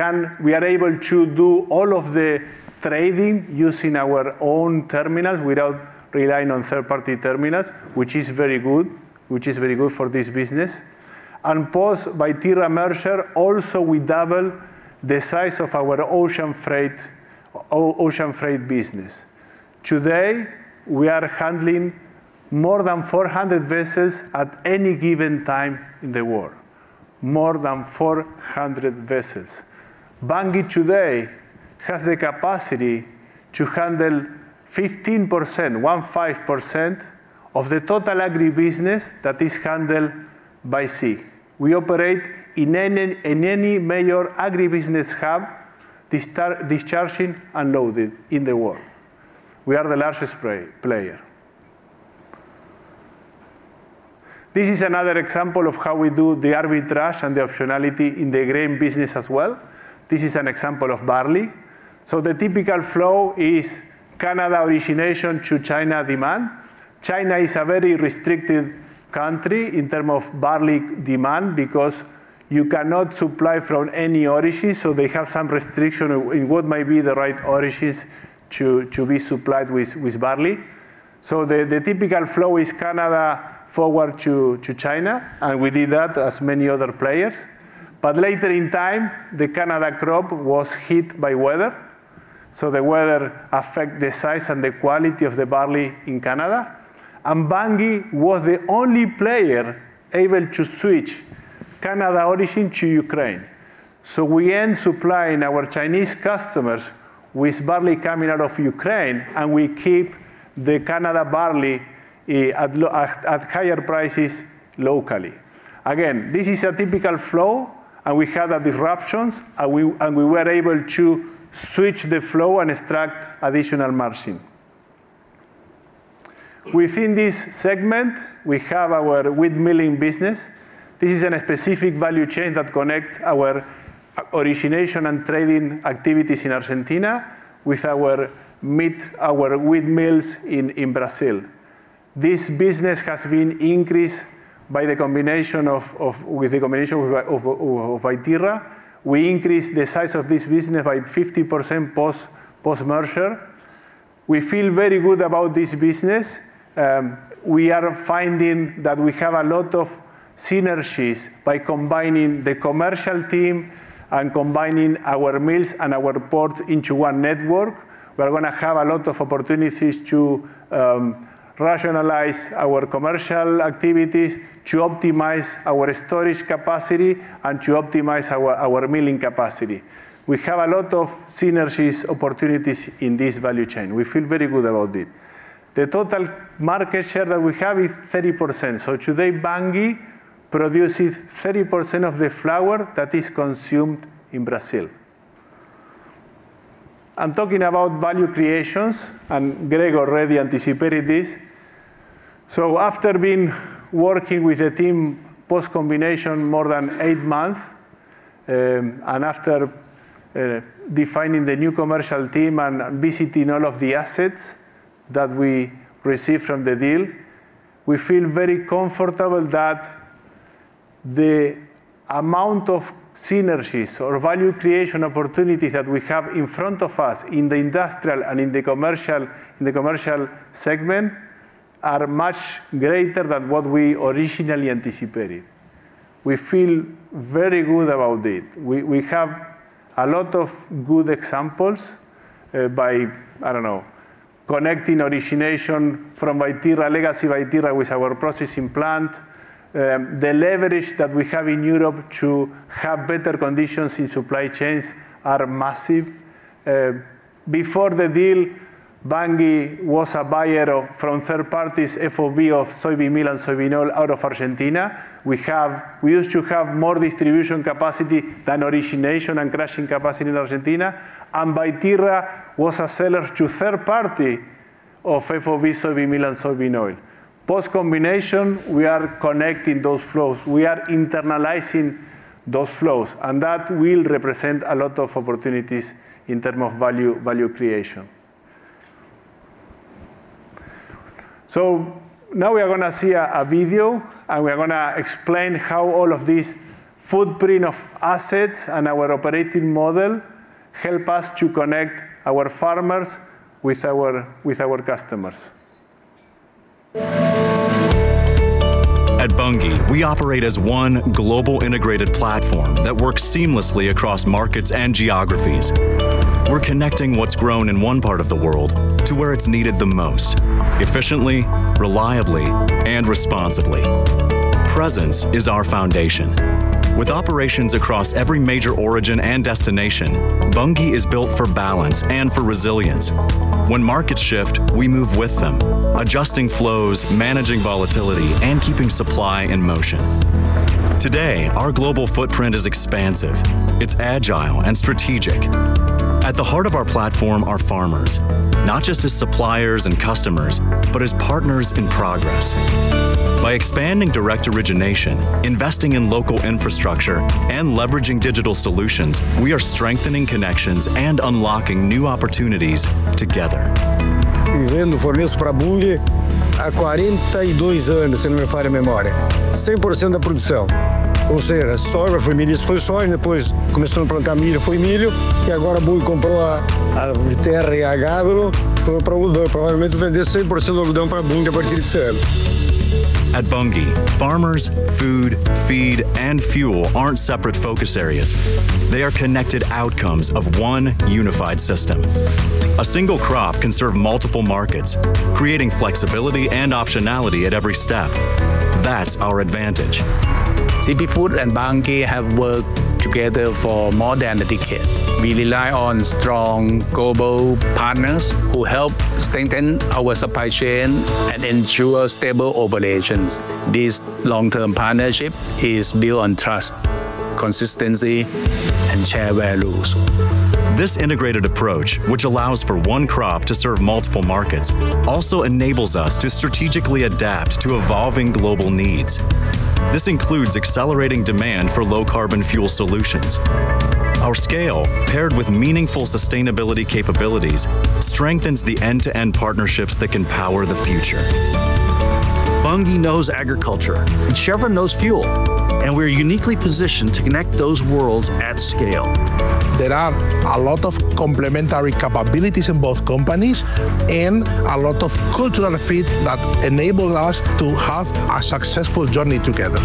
are able to do all of the trading using our own terminals without relying on third-party terminals, which is very good for this business. Post Viterra merger we double the size of our ocean freight business. Today, we are handling more than 400 vessels at any given time in the world. More than 400 vessels. Bunge today has the capacity to handle 15%, 15%, of the total agribusiness that is handled by sea. We operate in any major agribusiness hub discharging and loading in the world. We are the largest player. This is another example of how we do the arbitrage and the optionality in the grain business as well. This is an example of barley. The typical flow is Canada origination to China demand. China is a very restricted country in terms of barley demand because you cannot supply from any origin, so they have some restriction in what might be the right origins to be supplied with barley. The typical flow is Canada forward to China, and we did that as many other players. Later in time, the Canada crop was hit by weather, so the weather affect the size and the quality of the barley in Canada. Bunge was the only player able to switch Canada origin to Ukraine. We end supplying our Chinese customers with barley coming out of Ukraine, and we keep the Canada barley at higher prices locally. Again, this is a typical flow, and we had disruptions, and we were able to switch the flow and extract additional margin. Within this segment, we have our wheat milling business. This is a specific value chain that connect our origination and trading activities in Argentina with our milling, our wheat mills in Brazil. This business has been increased by the combination with Viterra. We increased the size of this business by 50% post-merger. We feel very good about this business. We are finding that we have a lot of synergies by combining the commercial team and combining our mills and our ports into one network. We're gonna have a lot of opportunities to rationalize our commercial activities, to optimize our storage capacity, and to optimize our milling capacity. We have a lot of synergies opportunities in this value chain. We feel very good about it. The total market share that we have is 30%. Today, Bunge produces 30% of the flour that is consumed in Brazil. I'm talking about value creations, and Greg already anticipated this. After being working with the team post-combination more than eight months, and after defining the new commercial team and visiting all of the assets that we received from the deal, we feel very comfortable that the amount of synergies or value creation opportunities that we have in front of us in the industrial and in the commercial segment are much greater than what we originally anticipated. We feel very good about it. We have a lot of good examples by connecting origination from Viterra, legacy Viterra with our processing plant. The leverage that we have in Europe to have better conditions in supply chains are massive. Before the deal, Bunge was a buyer from third parties, FOB of soybean meal and soybean oil out of Argentina. We used to have more distribution capacity than origination and crushing capacity in Argentina. Viterra was a seller to third party of FOB soybean meal and soybean oil. Post-combination, we are connecting those flows. We are internalizing those flows, and that will represent a lot of opportunities in terms of value creation. Now we are gonna see a video, and we are gonna explain how all of this footprint of assets and our operating model help us to connect our farmers with our customers. At Bunge, we operate as one global integrated platform that works seamlessly across markets and geographies. We're connecting what's grown in one part of the world to where it's needed the most efficiently, reliably, and responsibly. Presence is our foundation. With operations across every major origin and destination, Bunge is built for balance and for resilience. When markets shift, we move with them, adjusting flows, managing volatility, and keeping supply in motion. Today, our global footprint is expansive. It's agile and strategic. At the heart of our platform are farmers, not just as suppliers and customers, but as partners in progress. By expanding direct origination, investing in local infrastructure, and leveraging digital solutions, we are strengthening connections and unlocking new opportunities together. At Bunge, farmers, food, feed, and fuel aren't separate focus areas. They are connected outcomes of one unified system. A single crop can serve multiple markets, creating flexibility and optionality at every step. That's our advantage. CP Foods and Bunge have worked together for more than a decade. We rely on strong global partners who help strengthen our supply chain and ensure stable operations. This long-term partnership is built on trust, consistency, and shared values. This integrated approach, which allows for one crop to serve multiple markets, also enables us to strategically adapt to evolving global needs. This includes accelerating demand for low carbon fuel solutions. Our scale, paired with meaningful sustainability capabilities, strengthens the end-to-end partnerships that can power the future. Bunge knows agriculture, and Chevron knows fuel, and we're uniquely positioned to connect those worlds at scale. There are a lot of complementary capabilities in both companies and a lot of cultural fit that enable us to have a successful journey together.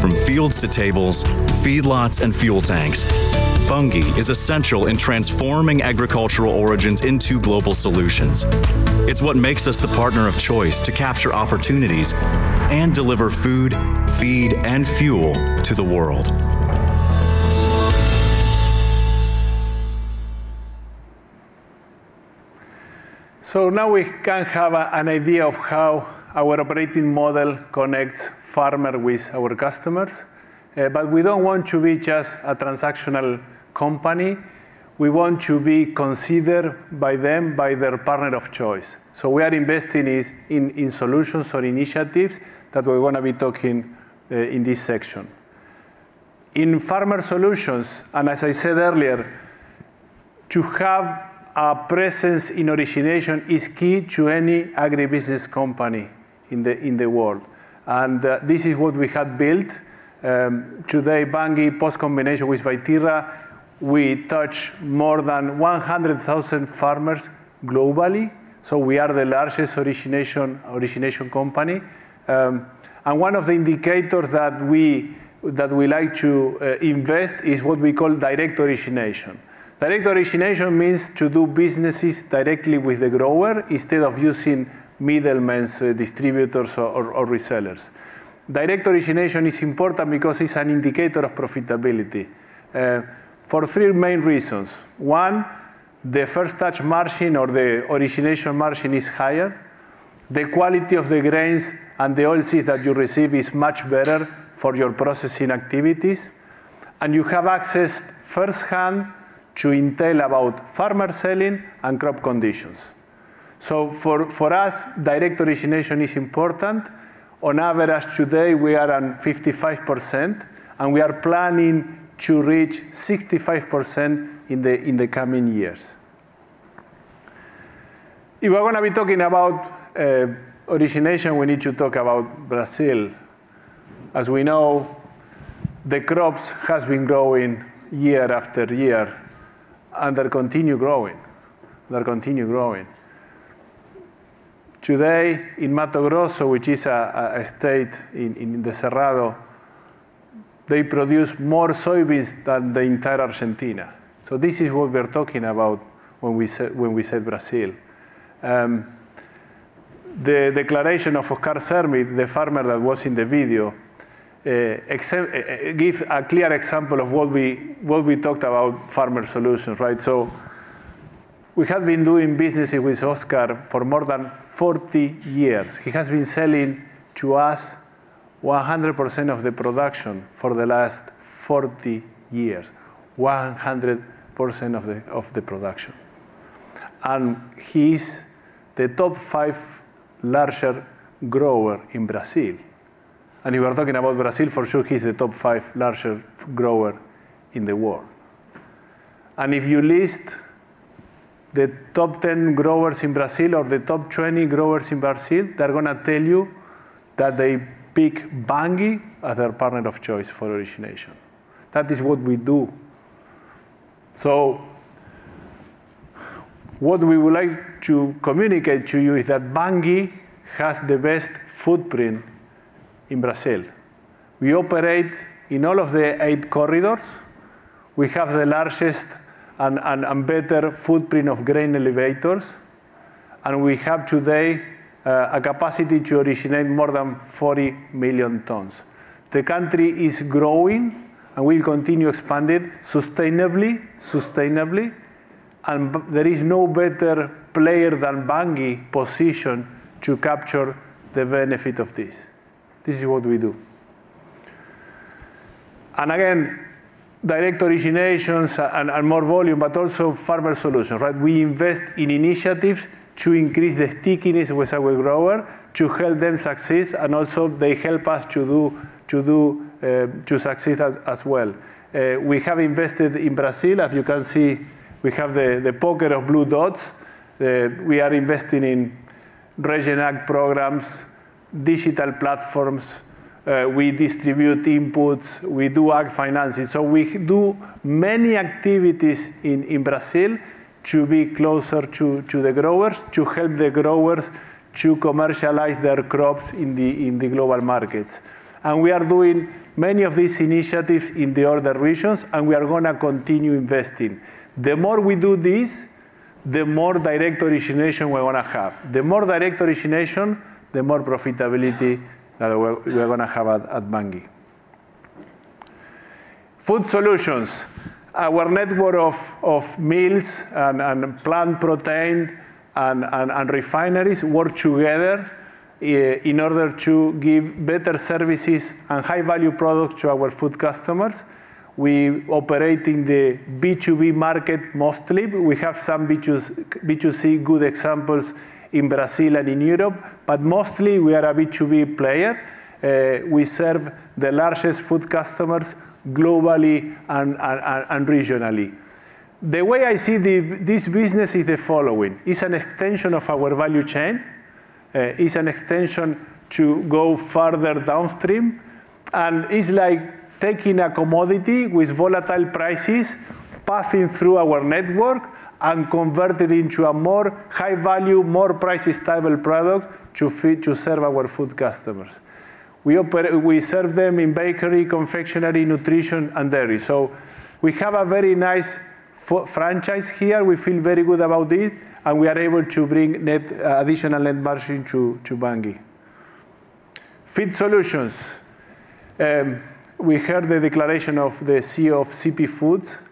From fields to tables, feedlots, and fuel tanks, Bunge is essential in transforming agricultural origins into global solutions. It's what makes us the partner of choice to capture opportunities and deliver food, feed, and fuel to the world. Now we can have an idea of how our operating model connects farmer with our customers. But we don't want to be just a transactional company. We want to be considered by them, by their partner of choice. We are investing in solutions or initiatives that we're gonna be talking in this section. In farmer solutions, and as I said earlier, to have a presence in origination is key to any agribusiness company in the world. This is what we have built. Today, Bunge post combination with Viterra, we touch more than 100,000 farmers globally, so we are the largest origination company. One of the indicators that we like to invest is what we call direct origination. Direct origination means to do business directly with the grower instead of using middlemen, distributors, or resellers. Direct origination is important because it's an indicator of profitability for three main reasons. One, the first touch margin or the origination margin is higher. The quality of the grains and the oilseed that you receive is much better for your processing activities, and you have access firsthand to intel about farmer selling and crop conditions. So for us, direct origination is important. On average, today, we are on 55%, and we are planning to reach 65% in the coming years. If we're gonna be talking about origination, we need to talk about Brazil. As we know, the crops has been growing year after year, and they continue growing. Today, in Mato Grosso, which is a state in the Cerrado, they produce more soybeans than the entire Argentina. This is what we're talking about when we say Brazil. The declaration of Oscar Zermi, the farmer that was in the video, gives a clear example of what we talked about farmer solutions, right? We have been doing business with Oscar for more than 40 years. He has been selling to us 100% of the production for the last 40 years. 100% of the production. He's the top five largest grower in Brazil. We are talking about Brazil, for sure, it's the top five largest grower in the world. If you list the top 10 growers in Brazil or the top 20 growers in Brazil, they're gonna tell you that they pick Bunge as their partner of choice for origination. That is what we do. What we would like to communicate to you is that Bunge has the best footprint in Brazil. We operate in all of the eight corridors. We have the largest and better footprint of grain elevators, and we have today a capacity to originate more than 40 million tons. The country is growing, and we continue expanded sustainably, and there is no better player than Bunge positioned to capture the benefit of this. This is what we do. Again, direct origination and are more volume, but also farmer solutions, right? We invest in initiatives to increase the stickiness with our grower to help them succeed, and also they help us to do to succeed as well. We have invested in Brazil. As you can see, we have the pocket of blue dots. We are investing in Brazilian ag programs, digital platforms, we distribute inputs, we do ag financing. We do many activities in Brazil to be closer to the growers, to help the growers to commercialize their crops in the global markets. We are doing many of these initiatives in the other regions, and we are gonna continue investing. The more we do this, the more direct origination we're gonna have. The more direct origination, the more profitability that we're gonna have at Bunge. Food solutions. Our network of mills and plant protein and refineries work together in order to give better services and high-value products to our food customers. We operate in the B2B market mostly. We have some B2C good examples in Brazil and in Europe, but mostly we are a B2B player. We serve the largest food customers globally and regionally. The way I see this business is the following. It's an extension of our value chain. It's an extension to go further downstream, and it's like taking a commodity with volatile prices, passing through our network, and convert it into a more high value, more price stable product to feed, to serve our food customers. We serve them in bakery, confectionery, nutrition, and dairy. We have a very nice franchise here. We feel very good about it, and we are able to bring net additional net margin to Bunge. Feed Solutions. We heard the declaration of the CEO of CP Foods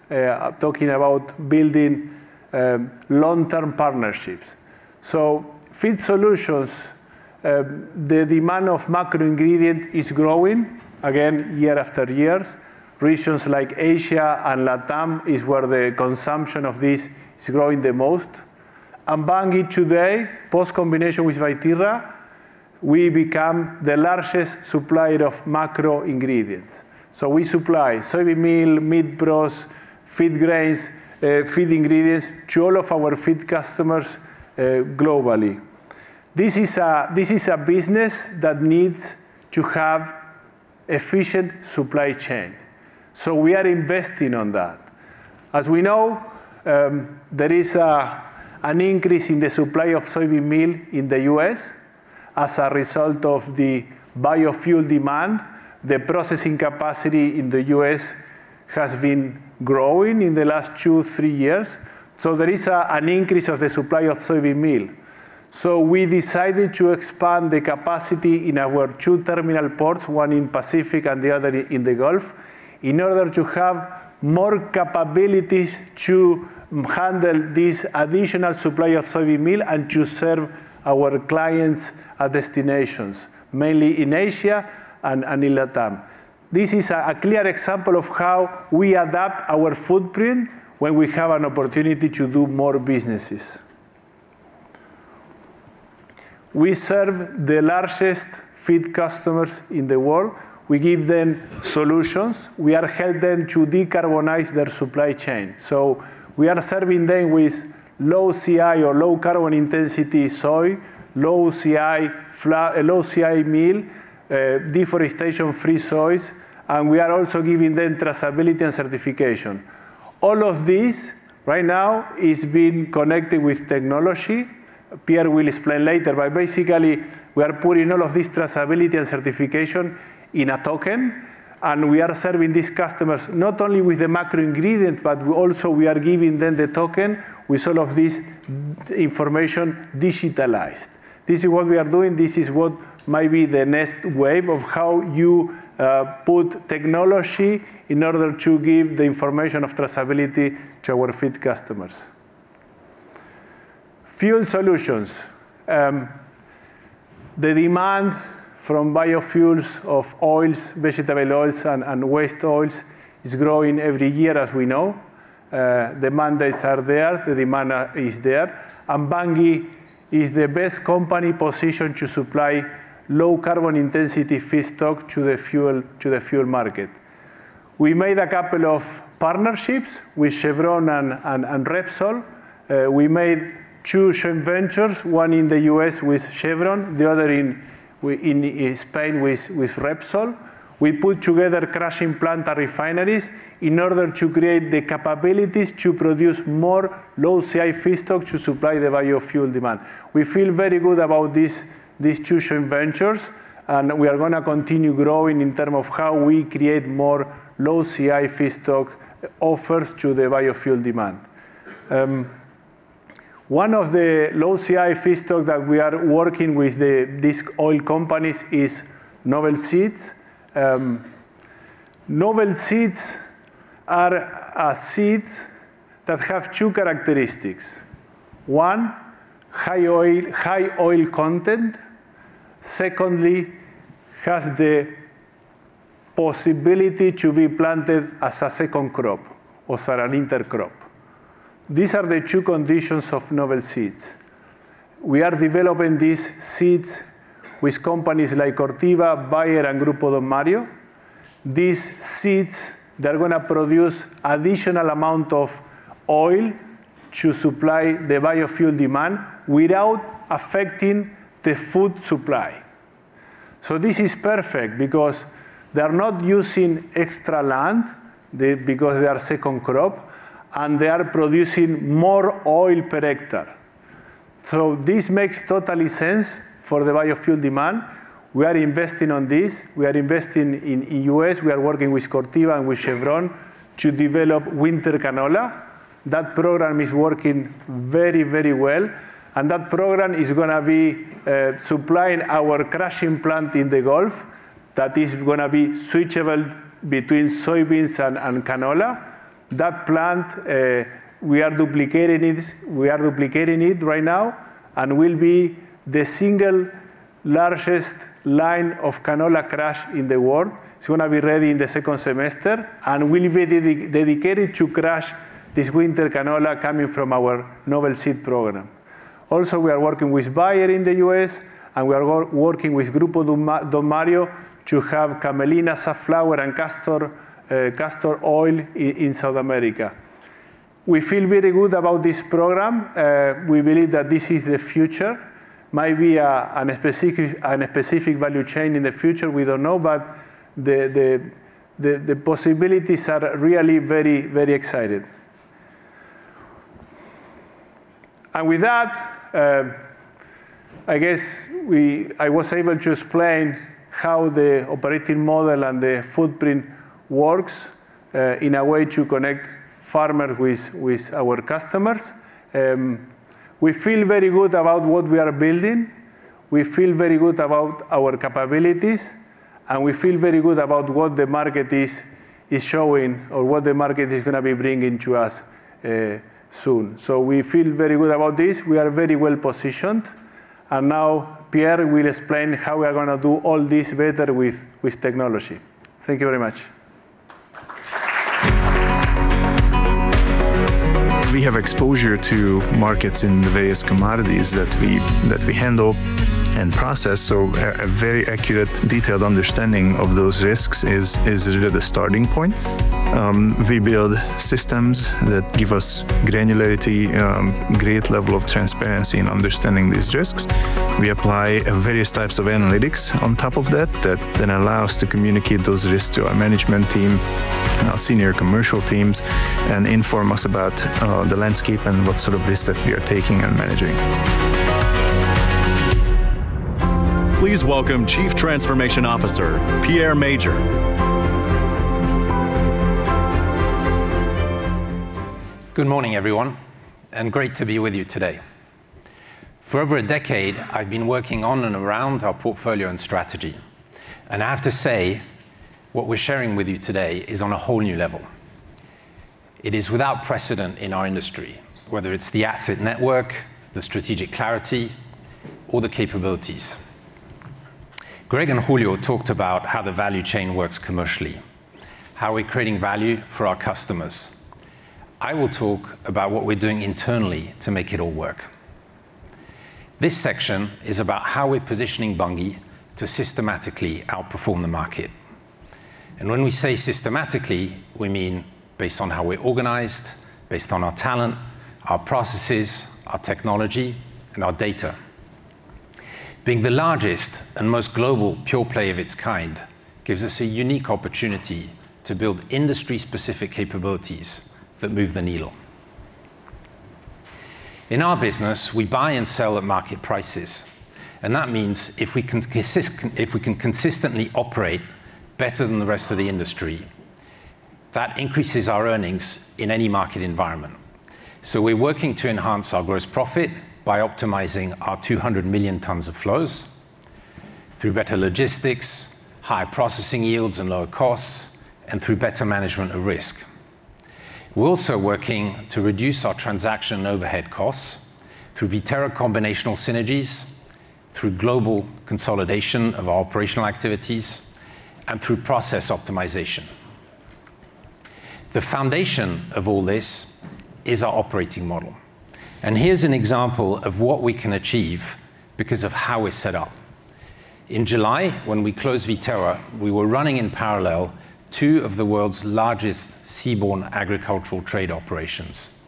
talking about building long-term partnerships. Feed Solutions, the demand of macro ingredient is growing again year after year. Regions like Asia and LatAm is where the consumption of this is growing the most. Bunge today, post combination with Viterra, we become the largest supplier of macro ingredients. We supply soybean meal, meat proteins, feed grains, feed ingredients to all of our feed customers globally. This is a business that needs to have efficient supply chain, so we are investing in that. As we know, there is an increase in the supply of soybean meal in the U.S. as a result of the biofuel demand. The processing capacity in the U.S. has been growing in the last two to three years, so there is an increase of the supply of soybean meal. We decided to expand the capacity in our two terminal ports, one in Pacific and the other in the Gulf, in order to have more capabilities to handle this additional supply of soybean meal and to serve our clients at destinations, mainly in Asia and in LatAm. This is a clear example of how we adapt our footprint when we have an opportunity to do more businesses. We serve the largest feed customers in the world. We give them solutions. We are help them to decarbonize their supply chain. We are serving them with low CI or low carbon intensity soy, low CI meal, deforestation-free soys, and we are also giving them traceability and certification. All of this right now is being connected with technology. Pierre will explain later, but basically, we are putting all of this traceability and certification in a token, and we are serving these customers not only with the macro ingredient, but we also are giving them the token with all of this information digitalized. This is what we are doing. This is what might be the next wave of how you put technology in order to give the information of traceability to our feed customers. Fuel solutions. The demand from biofuels of oils, vegetable oils and waste oils is growing every year, as we know. The mandates are there. The demand is there. Bunge is the best company positioned to supply low carbon intensity feedstock to the fuel market. We made a couple of partnerships with Chevron and Repsol. We made two joint ventures, one in the U.S. with Chevron, the other in Spain with Repsol. We put together crushing plant refineries in order to create the capabilities to produce more low CI feedstock to supply the biofuel demand. We feel very good about these two joint ventures, and we are gonna continue growing in terms of how we create more low CI feedstock offers to the biofuel demand. One of the low CI feedstock that we are working with these oil companies is novel seeds. Novel seeds are seeds that have two characteristics. One, high oil content. Secondly, has the possibility to be planted as a second crop or as an intercrop. These are the two conditions of novel seeds. We are developing these seeds with companies like Corteva, Bayer, and Grupo Donmario. These seeds, they are gonna produce additional amount of oil to supply the biofuel demand without affecting the food supply. This is perfect because they are not using extra land, they, because they are second crop, and they are producing more oil per hectare. This makes totally sense for the biofuel demand. We are investing on this. We are investing in U.S. We are working with Corteva and with Chevron to develop winter canola. That program is working very, very well, and that program is gonna be supplying our crushing plant in the Gulf that is gonna be switchable between soybeans and canola. That plant, we are duplicating it. We are duplicating it right now and will be the single largest line of canola crush in the world. It's gonna be ready in the second semester, and will be dedicated to crush this winter canola coming from our novel seed program. Also, we are working with Bayer in the U.S., and we are working with Grupo Donmario to have camelina, safflower, and castor oil in South America. We feel very good about this program. We believe that this is the future. Maybe a specific value chain in the future, we don't know, but the possibilities are really very exciting. With that, I guess I was able to explain how the operating model and the footprint works in a way to connect farmer with our customers. We feel very good about what we are building. We feel very good about our capabilities, and we feel very good about what the market is showing or what the market is gonna be bringing to us, soon. We feel very good about this. We are very well positioned, and now Pierre will explain how we are gonna do all this better with technology. Thank you very much. We have exposure to markets in the various commodities that we handle and process, so a very accurate, detailed understanding of those risks is really the starting point. We build systems that give us granularity, great level of transparency in understanding these risks. We apply various types of analytics on top of that then allow us to communicate those risks to our management team and our senior commercial teams and inform us about the landscape and what sort of risks that we are taking and managing. Please welcome Chief Transformation Officer, Pierre Mauger. Good morning, everyone, and great to be with you today. For over a decade, I've been working on and around our portfolio and strategy, and I have to say what we're sharing with you today is on a whole new level. It is without precedent in our industry, whether it's the asset network, the strategic clarity, or the capabilities. Greg and Julio talked about how the value chain works commercially, how we're creating value for our customers. I will talk about what we're doing internally to make it all work. This section is about how we're positioning Bunge to systematically outperform the market. When we say systematically, we mean based on how we're organized, based on our talent, our processes, our technology, and our data. Being the largest and most global pure play of its kind gives us a unique opportunity to build industry-specific capabilities that move the needle. In our business, we buy and sell at market prices, and that means if we can consistently operate better than the rest of the industry, that increases our earnings in any market environment. We're working to enhance our gross profit by optimizing our 200 million tons of flows through better logistics, higher processing yields and lower costs, and through better management of risk. We're also working to reduce our transaction overhead costs through Viterra combination synergies, through global consolidation of our operational activities, and through process optimization. The foundation of all this is our operating model. Here's an example of what we can achieve because of how we're set up. In July, when we closed Viterra, we were running in parallel two of the world's largest seaborne agricultural trade operations,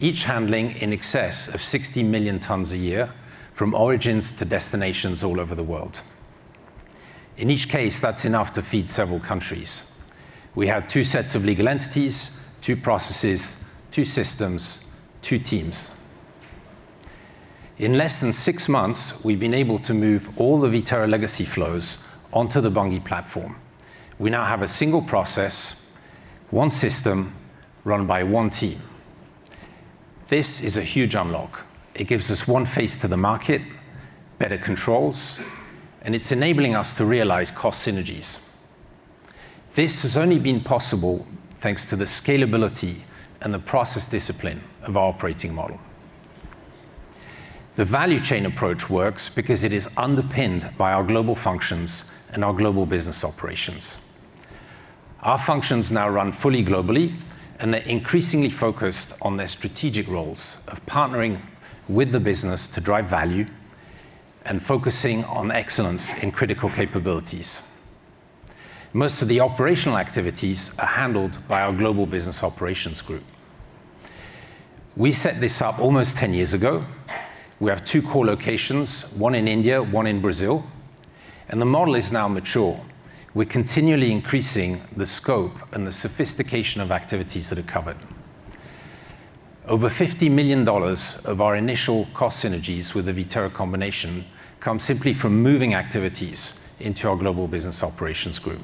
each handling in excess of 60 million tons a year from origins to destinations all over the world. In each case, that's enough to feed several countries. We had two sets of legal entities, two processes, two systems, two teams. In less than six months, we've been able to move all the Viterra legacy flows onto the Bunge platform. We now have a single process, one system run by one team. This is a huge unlock. It gives us one face to the market, better controls, and it's enabling us to realize cost synergies. This has only been possible thanks to the scalability and the process discipline of our operating model. The value chain approach works because it is underpinned by our global functions and our global business operations. Our functions now run fully globally, and they're increasingly focused on the strategic roles of partnering with the business to drive value and focusing on excellence in critical capabilities. Most of the operational activities are handled by our Global Business Operations Group. We set this up almost 10 years ago. We have two core locations, one in India, one in Brazil, and the model is now mature. We're continually increasing the scope and the sophistication of activities that are covered. Over $50 million of our initial cost synergies with the Viterra combination come simply from moving activities into our global business operations group.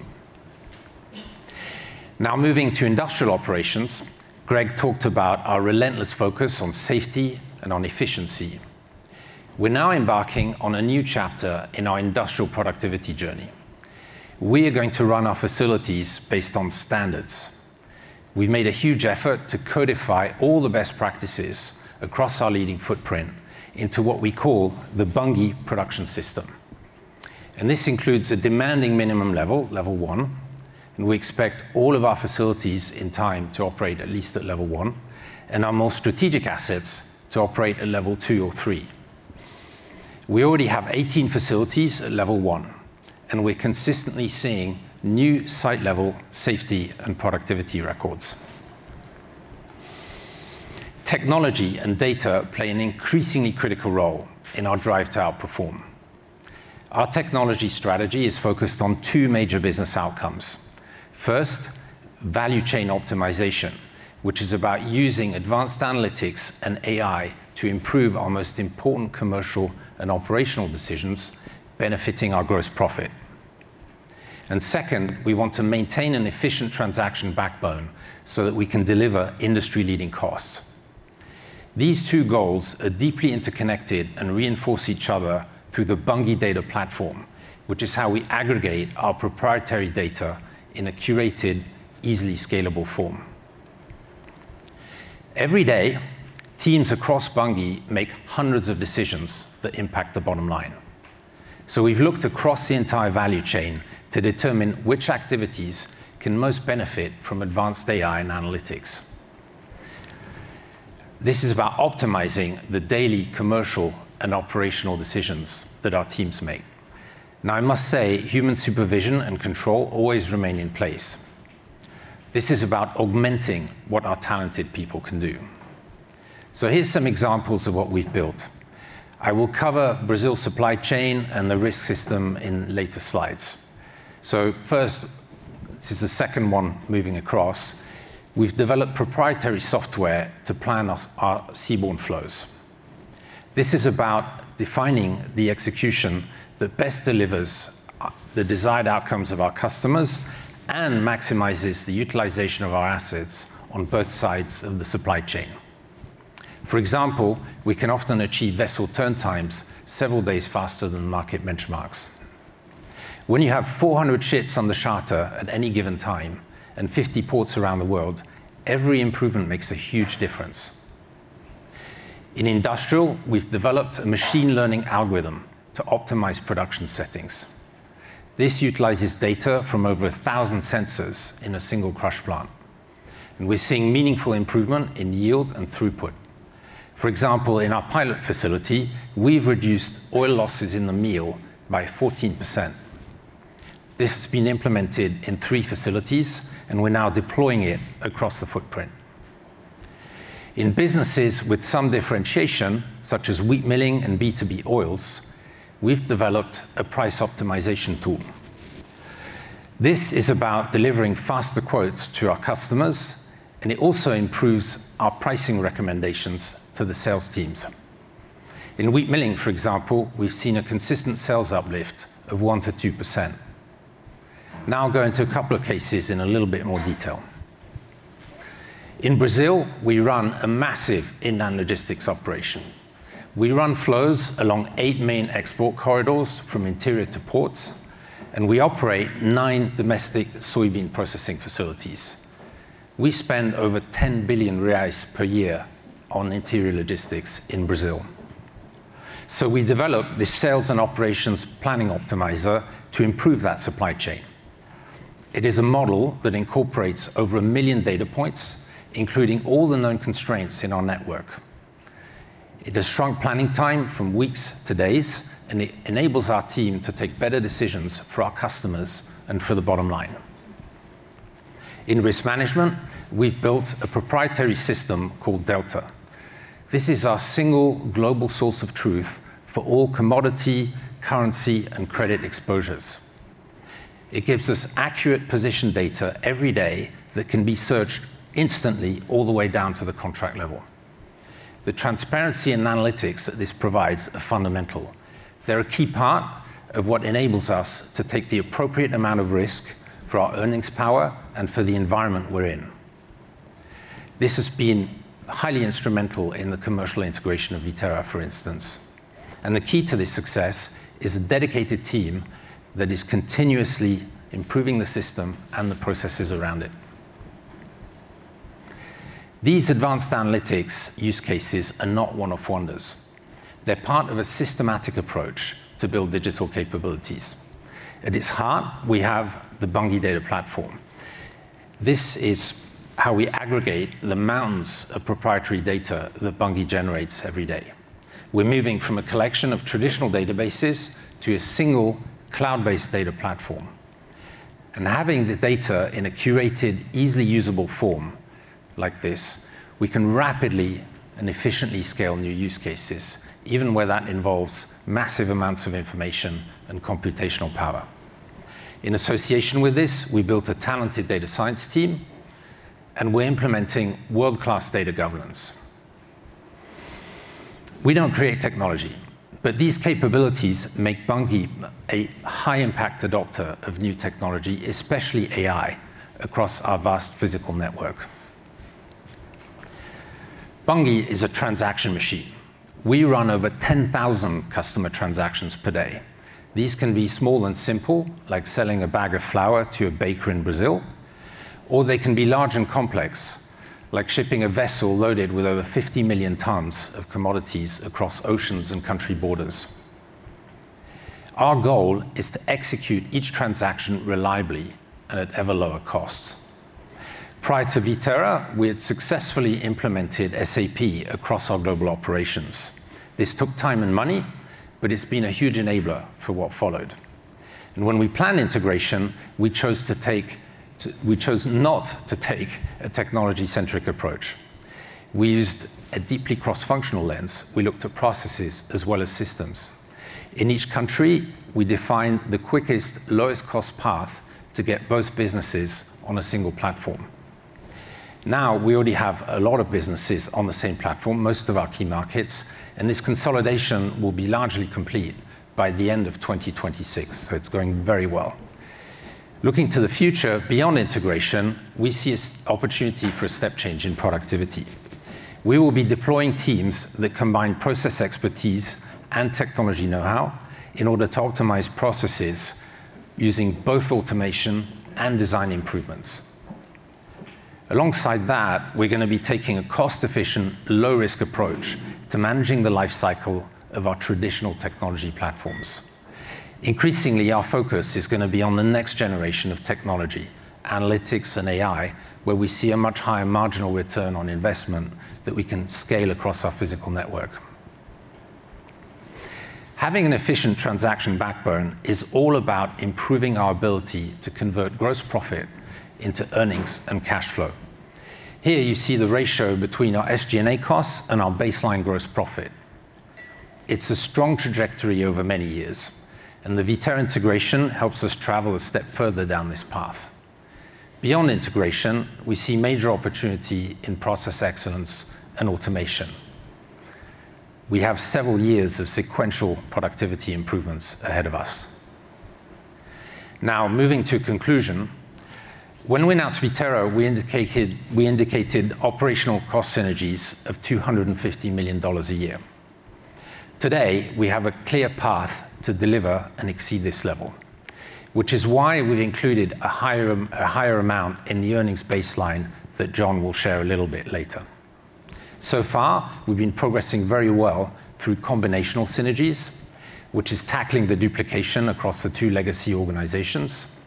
Now moving to industrial operations, Greg talked about our relentless focus on safety and on efficiency. We're now embarking on a new chapter in our industrial productivity journey. We are going to run our facilities based on standards. We've made a huge effort to codify all the best practices across our leading footprint into what we call the Bunge Production System, and this includes a demanding minimum Level 1, and we expect all of our facilities in time to operate at least at Level 1, and our most strategic assets to operate at Level 2 or 3. We already have 18 facilities at Level 1, and we're consistently seeing new site-level safety and productivity records. Technology and data play an increasingly critical role in our drive to outperform. Our technology strategy is focused on two major business outcomes. First, value chain optimization, which is about using advanced analytics and AI to improve our most important commercial and operational decisions benefiting our gross profit. Second, we want to maintain an efficient transaction backbone so that we can deliver industry-leading costs. These two goals are deeply interconnected and reinforce each other through the Bunge Data Platform, which is how we aggregate our proprietary data in a curated, easily scalable form. Every day, teams across Bunge make hundreds of decisions that impact the bottom line. We've looked across the entire value chain to determine which activities can most benefit from advanced AI and analytics. This is about optimizing the daily commercial and operational decisions that our teams make. Now, I must say, human supervision and control always remain in place. This is about augmenting what our talented people can do. Here's some examples of what we've built. I will cover Brazil's supply chain and the risk system in later slides. First, this is the second one moving across. We've developed proprietary software to plan our seaborne flows.nThis is about defining the execution that best delivers the desired outcomes of our customers and maximizes the utilization of our assets on both sides of the supply chain. For example, we can often achieve vessel turn times several days faster than market benchmarks. When you have 400 ships on the charter at any given time and 50 ports around the world, every improvement makes a huge difference. In industrial, we've developed a machine learning algorithm to optimize production settings. This utilizes data from over 1,000 sensors in a single crush plant, and we're seeing meaningful improvement in yield and throughput. For example, in our pilot facility, we've reduced oil losses in the meal by 14%. This has been implemented in three facilities, and we're now deploying it across the footprint. In businesses with some differentiation, such as wheat milling and B2B oils, we've developed a price optimization tool. This is about delivering faster quotes to our customers, and it also improves our pricing recommendations to the sales teams. In wheat milling, for example, we've seen a consistent sales uplift of 1%-2%. Now I'll go into a couple of cases in a little bit more detail. In Brazil, we run a massive inland logistics operation. We run flows along eight main export corridors from interior to ports, and we operate nine domestic soybean processing facilities. We spend over 10 billion reais per year on interior logistics in Brazil. We developed the sales and operations planning optimizer to improve that supply chain. It is a model that incorporates over a million data points, including all the known constraints in our network. It has shrunk planning time from weeks to days, and it enables our team to take better decisions for our customers and for the bottom line. In risk management, we've built a proprietary system called Delta. This is our single global source of truth for all commodity, currency, and credit exposures. It gives us accurate position data every day that can be searched instantly all the way down to the contract level. The transparency and analytics that this provides are fundamental. They're a key part of what enables us to take the appropriate amount of risk for our earnings power and for the environment we're in. This has been highly instrumental in the commercial integration of Viterra, for instance, and the key to this success is a dedicated team that is continuously improving the system and the processes around it. These advanced analytics use cases are not one-off wonders. They're part of a systematic approach to build digital capabilities. At its heart, we have the Bunge Data Platform. This is how we aggregate the mounds of proprietary data that Bunge generates every day. We're moving from a collection of traditional databases to a single cloud-based data platform. Having the data in a curated, easily usable form like this, we can rapidly and efficiently scale new use cases, even where that involves massive amounts of information and computational power. In association with this, we built a talented data science team, and we're implementing world-class data governance. We don't create technology, but these capabilities make Bunge a high-impact adopter of new technology, especially AI, across our vast physical network. Bunge is a transaction machine. We run over 10,000 customer transactions per day. These can be small and simple, like selling a bag of flour to a baker in Brazil, or they can be large and complex, like shipping a vessel loaded with over 50 million tons of commodities across oceans and country borders. Our goal is to execute each transaction reliably and at ever lower costs. Prior to Viterra, we had successfully implemented SAP across our global operations. This took time and money, but it's been a huge enabler for what followed. When we planned integration, we chose not to take a technology-centric approach. We used a deeply cross-functional lens. We looked at processes as well as systems. In each country, we defined the quickest, lowest cost path to get both businesses on a single platform. Now, we already have a lot of businesses on the same platform, most of our key markets, and this consolidation will be largely complete by the end of 2026, so it's going very well. Looking to the future beyond integration, we see opportunity for a step change in productivity. We will be deploying teams that combine process expertise and technology know-how in order to optimize processes using both automation and design improvements. Alongside that, we're gonna be taking a cost-efficient, low-risk approach to managing the life cycle of our traditional technology platforms. Increasingly, our focus is gonna be on the next generation of technology, analytics and AI, where we see a much higher marginal return on investment that we can scale across our physical network. Having an efficient transaction backbone is all about improving our ability to convert gross profit into earnings and cash flow. Here you see the ratio between our SG&A costs and our baseline gross profit. It's a strong trajectory over many years, and the Viterra integration helps us travel a step further down this path. Beyond integration, we see major opportunity in process excellence and automation. We have several years of sequential productivity improvements ahead of us. Now, moving to conclusion. When we announced Viterra, we indicated operational cost synergies of $250 million a year. Today, we have a clear path to deliver and exceed this level, which is why we've included a higher amount in the earnings baseline that John will share a little bit later. So far, we've been progressing very well through combinational synergies, which is tackling the duplication across the two legacy organizations.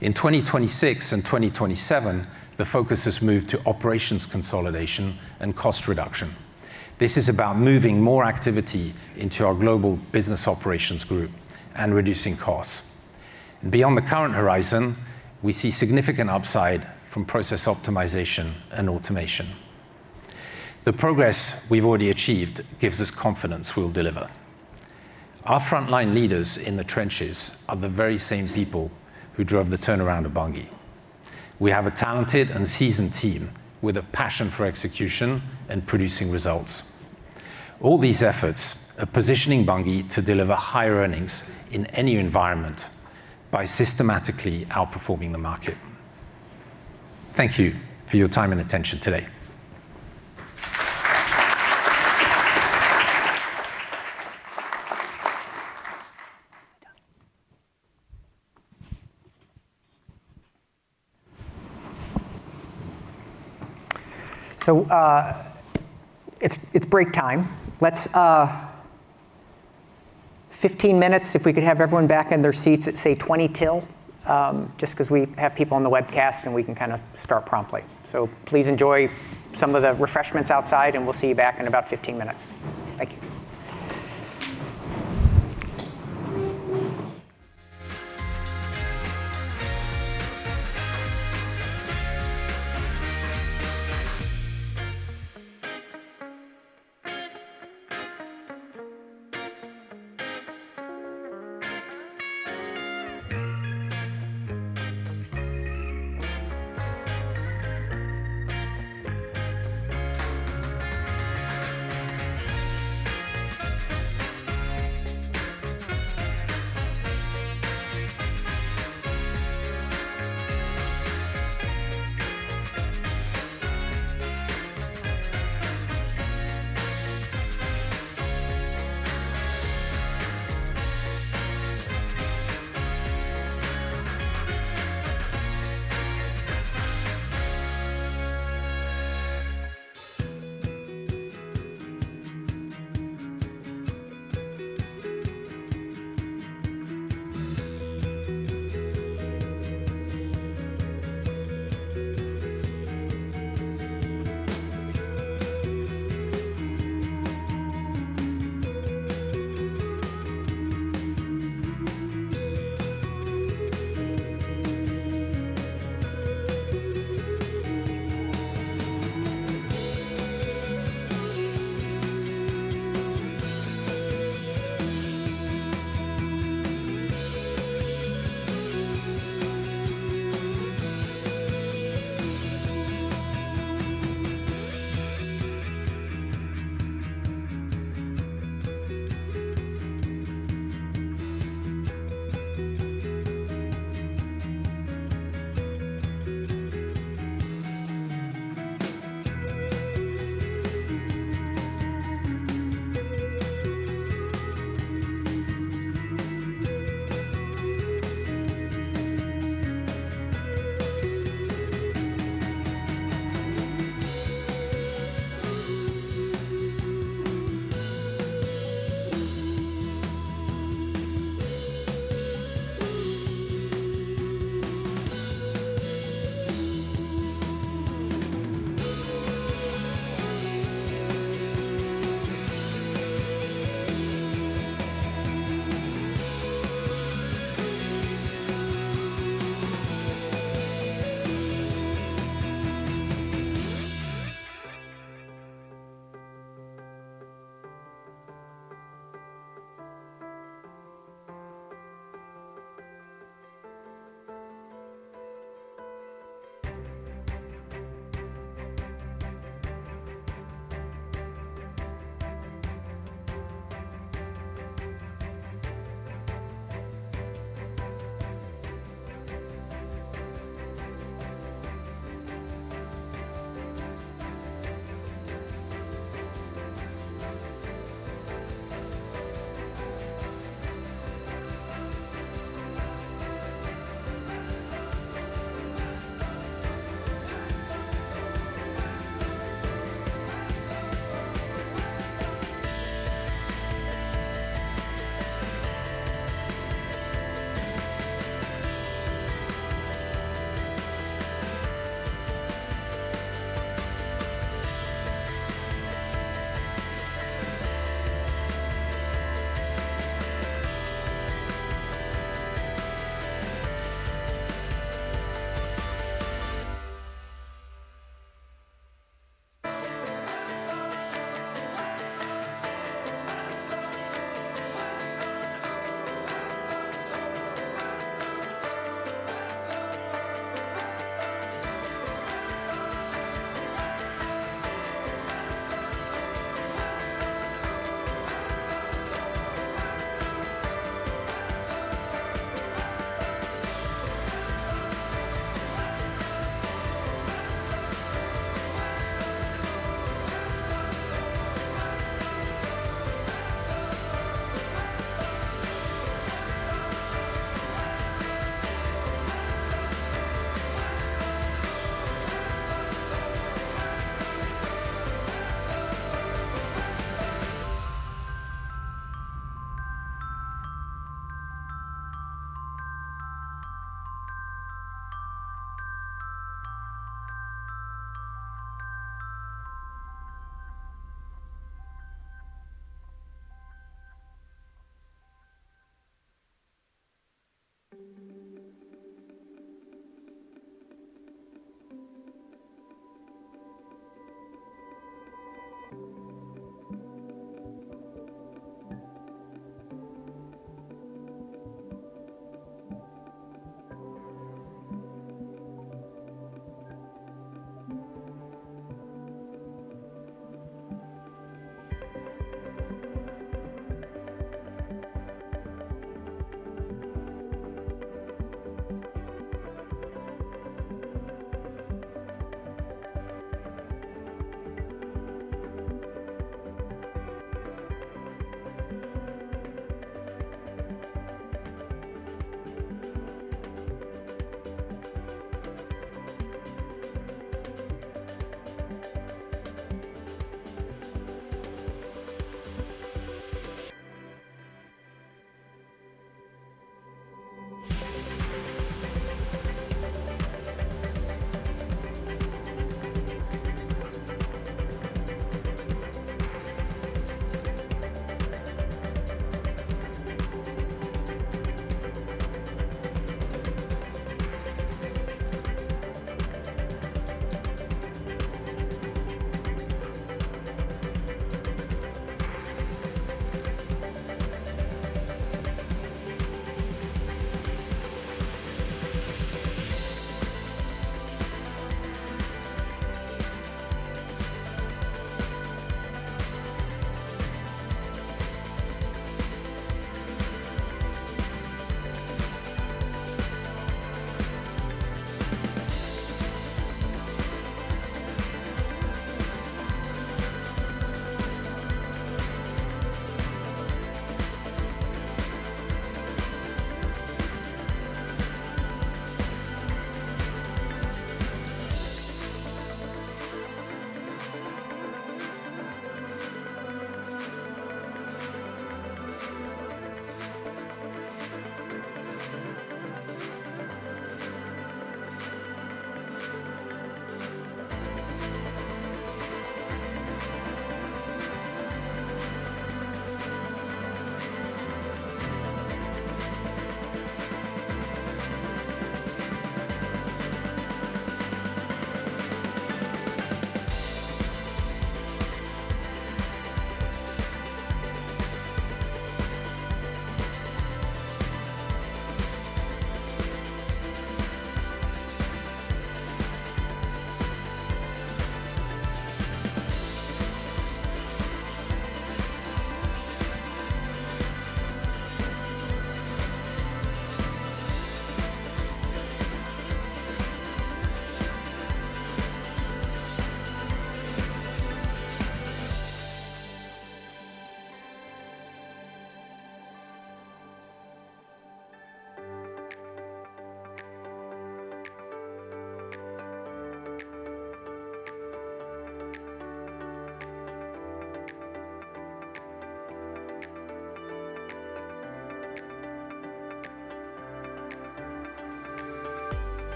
In 2026 and 2027, the focus has moved to operations consolidation and cost reduction. This is about moving more activity into our global business operations group and reducing costs. Beyond the current horizon, we see significant upside from process optimization and automation. The progress we've already achieved gives us confidence we'll deliver. Our frontline leaders in the trenches are the very same people who drove the turnaround of Bunge. We have a talented and seasoned team with a passion for execution and producing results. All these efforts are positioning Bunge to deliver higher earnings in any environment by systematically outperforming the market. Thank you for your time and attention today. It's break time. Let's take 15 minutes if we could have everyone back in their seats at, say, 20 till, just 'cause we have people on the webcast, and we can kinda start promptly. Please enjoy some of the refreshments outside, and we'll see you back in about 15 minutes. Thank you.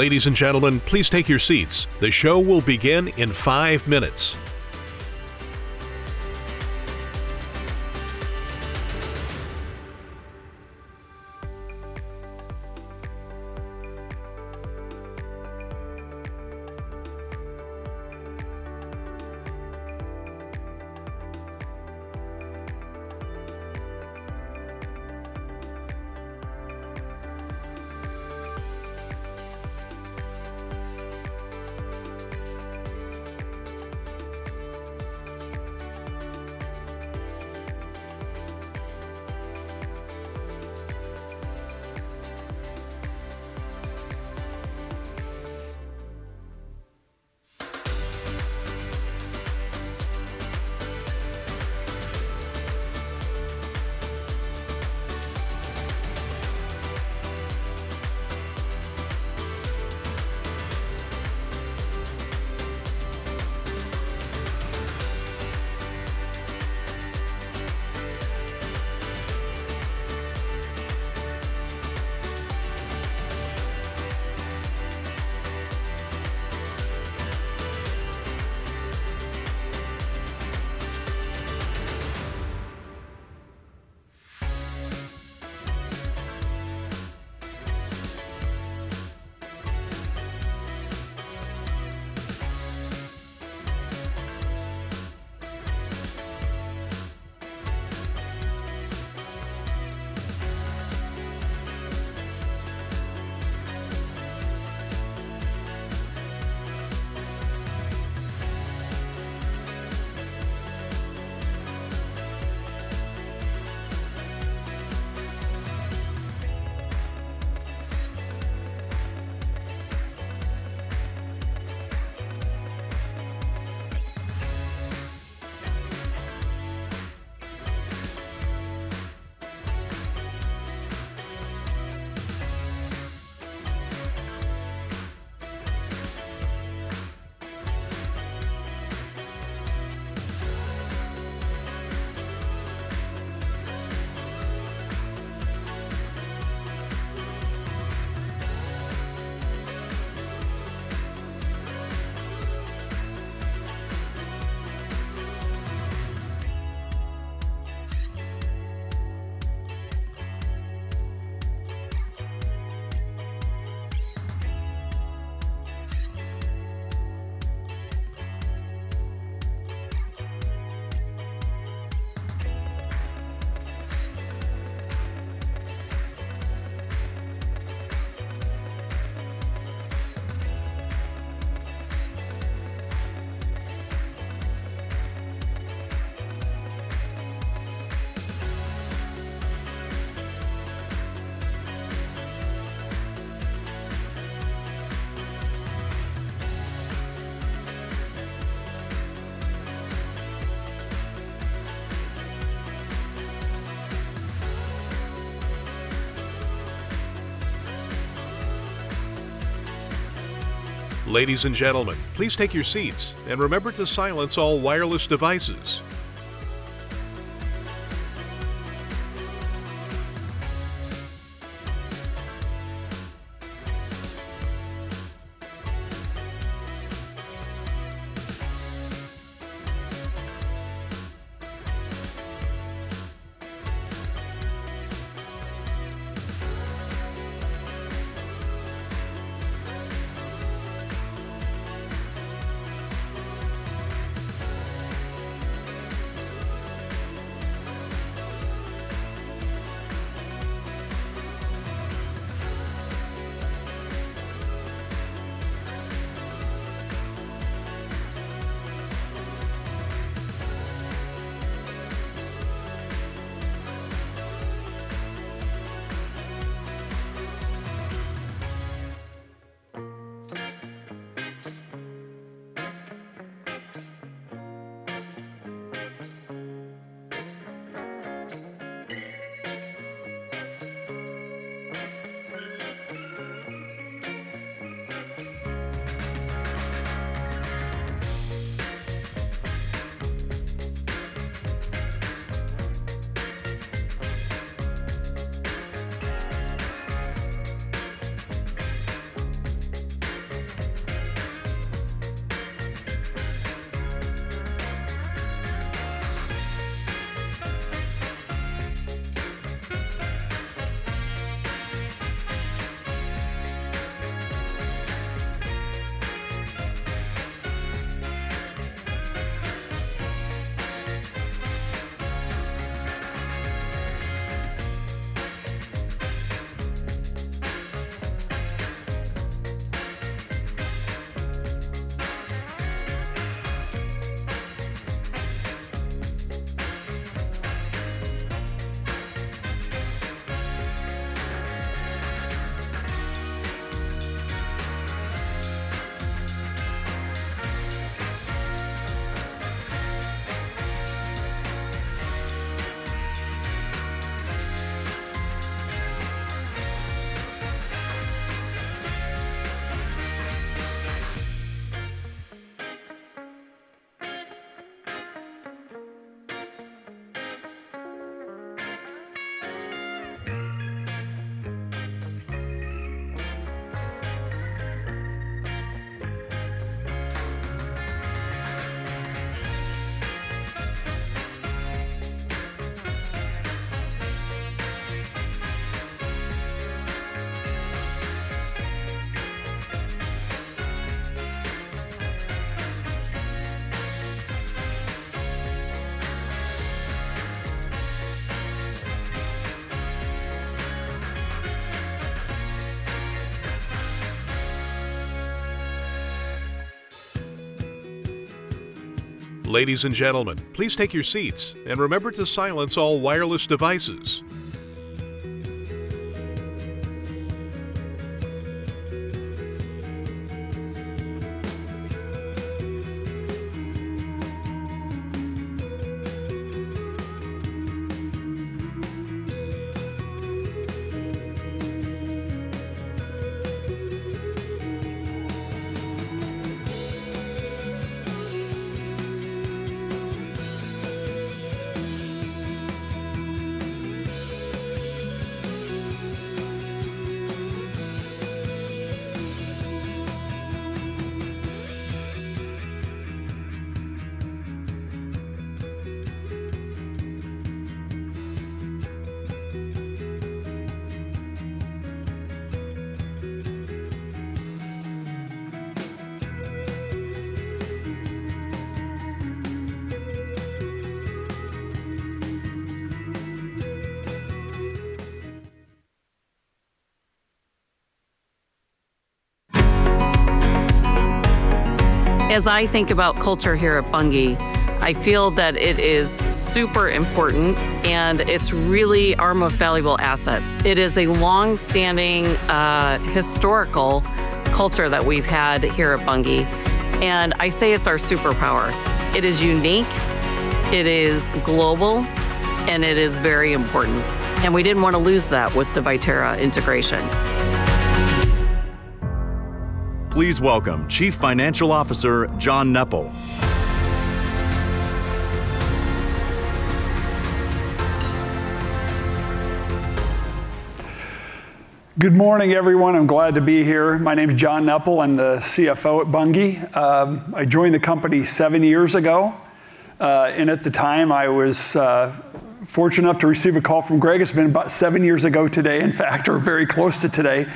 Ladies and gentlemen, please take your seats. The show will begin in five minutes. Ladies and gentlemen, please take your seats and remember to silence all wireless devices. As I think about culture here at Bunge, I feel that it is super important, and it's really our most valuable asset. It is a long-standing, historical culture that we've had here at Bunge, and I say it's our superpower. It is unique, it is global, and it is very important, and we didn't want to lose that with the Viterra integration. Please welcome Chief Financial Officer, John Neppl. Good morning, everyone. I'm glad to be here. My name is John Neppl. I'm the CFO at Bunge. I joined the company seven years ago. At the time, I was fortunate enough to receive a call from Greg. It's been about seven years ago today, in fact, or very close to today.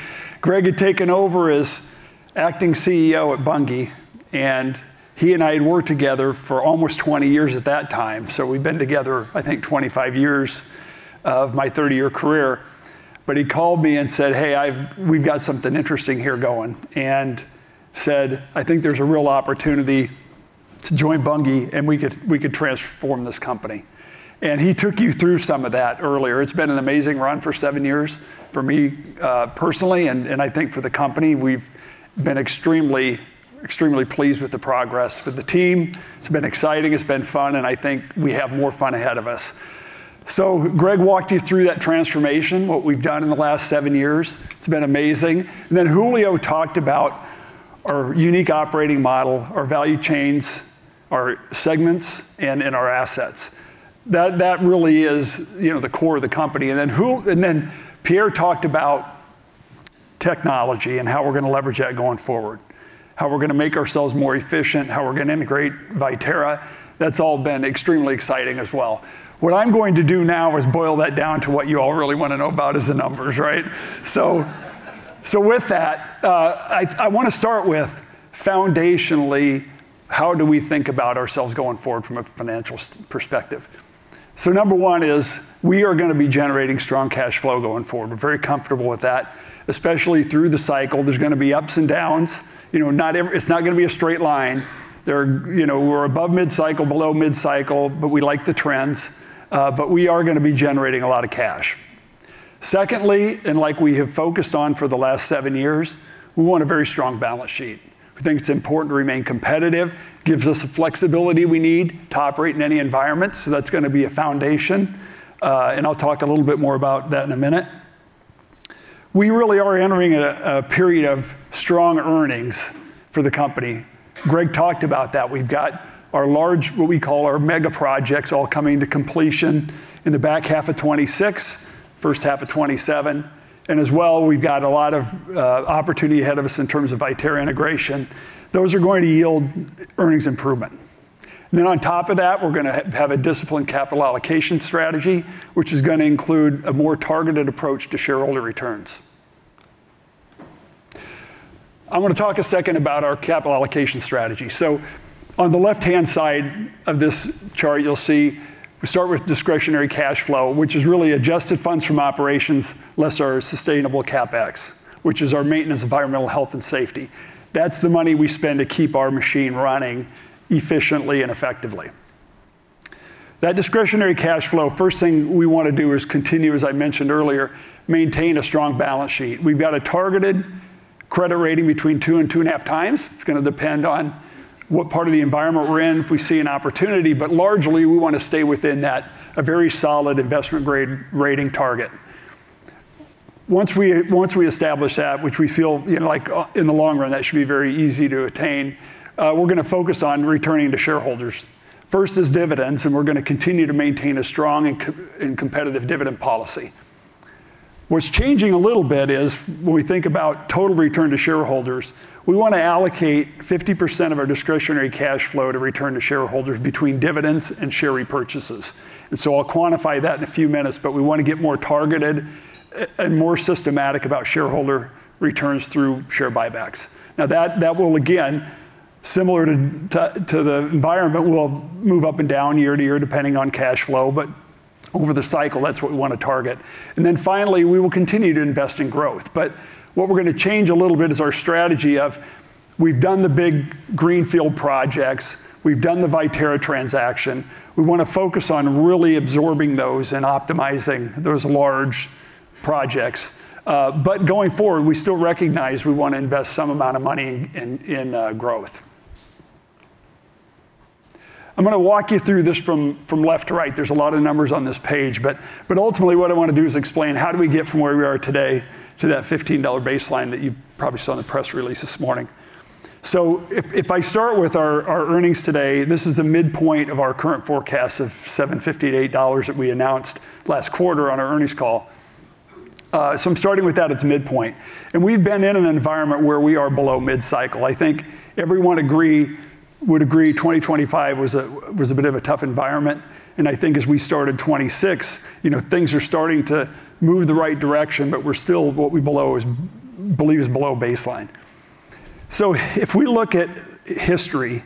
Greg had taken over as acting CEO at Bunge, and he and I had worked together for almost 20 years at that time. So we've been together, I think, 25 years of my 30-year career. But he called me and said, "Hey, we've got something interesting here going," and said, "I think there's a real opportunity to join Bunge, and we could transform this company." He took you through some of that earlier. It's been an amazing run for seven years for me, personally, and I think for the company. We've been extremely pleased with the progress with the team. It's been exciting, it's been fun, and I think we have more fun ahead of us. Greg walked you through that transformation, what we've done in the last seven years. It's been amazing. Julio talked about our unique operating model, our value chains, our segments, and our assets. That really is, you know, the core of the company. Pierre talked about technology and how we're gonna leverage that going forward, how we're gonna make ourselves more efficient, how we're gonna integrate Viterra. That's all been extremely exciting as well. What I'm going to do now is boil that down to what you all really wanna know about is the numbers, right? With that, I wanna start with foundationally, how do we think about ourselves going forward from a financial perspective? Number one is we are gonna be generating strong cash flow going forward. We're very comfortable with that, especially through the cycle. There's gonna be ups and downs, you know, it's not gonna be a straight line. You know, we're above mid-cycle, below mid-cycle, but we like the trends, but we are gonna be generating a lot of cash. Secondly, like we have focused on for the last seven years, we want a very strong balance sheet. We think it's important to remain competitive, gives us the flexibility we need to operate in any environment, so that's gonna be a foundation. I'll talk a little bit more about that in a minute. We really are entering a period of strong earnings for the company. Greg talked about that. We've got our large, what we call our mega projects, all coming to completion in the back half of 2026, first half of 2027. As well, we've got a lot of opportunity ahead of us in terms of Viterra integration. Those are going to yield earnings improvement. On top of that, we're gonna have a disciplined capital allocation strategy, which is gonna include a more targeted approach to shareholder returns. I wanna talk a second about our capital allocation strategy. On the left-hand side of this chart, you'll see we start with discretionary cash flow, which is really adjusted funds from operations, less our sustainable CapEx, which is our maintenance, environmental health, and safety. That's the money we spend to keep our machine running efficiently and effectively. That discretionary cash flow, first thing we wanna do is continue, as I mentioned earlier, maintain a strong balance sheet. We've got a targeted credit rating between 2x and 2.5x. It's gonna depend on what part of the environment we're in, if we see an opportunity, but largely, we wanna stay within that, a very solid investment grade rating target. Once we establish that, which we feel, you know, like, in the long run, that should be very easy to attain, we're gonna focus on returning to shareholders. First is dividends, and we're gonna continue to maintain a strong and competitive dividend policy. What's changing a little bit is when we think about total return to shareholders, we wanna allocate 50% of our discretionary cash flow to return to shareholders between dividends and share repurchases. I'll quantify that in a few minutes, but we wanna get more targeted and more systematic about shareholder returns through share buybacks. Now that will again, similar to the environment, will move up and down year to year depending on cash flow, but over the cycle, that's what we wanna target. Finally, we will continue to invest in growth. What we're gonna change a little bit is our strategy of we've done the big greenfield projects, we've done the Viterra transaction. We wanna focus on really absorbing those and optimizing those large projects. Going forward, we still recognize we wanna invest some amount of money in growth. I'm gonna walk you through this from left to right. There's a lot of numbers on this page, but ultimately, what I wanna do is explain how do we get from where we are today to that $15 baseline that you probably saw in the press release this morning. If I start with our earnings today, this is the midpoint of our current forecast of $7.50-$8 that we announced last quarter on our earnings call. I'm starting with that, its midpoint. We've been in an environment where we are below mid-cycle. I think everyone would agree 2025 was a bit of a tough environment. I think as we started 2026, you know, things are starting to move the right direction, but we're still what we believe is below baseline. If we look at history,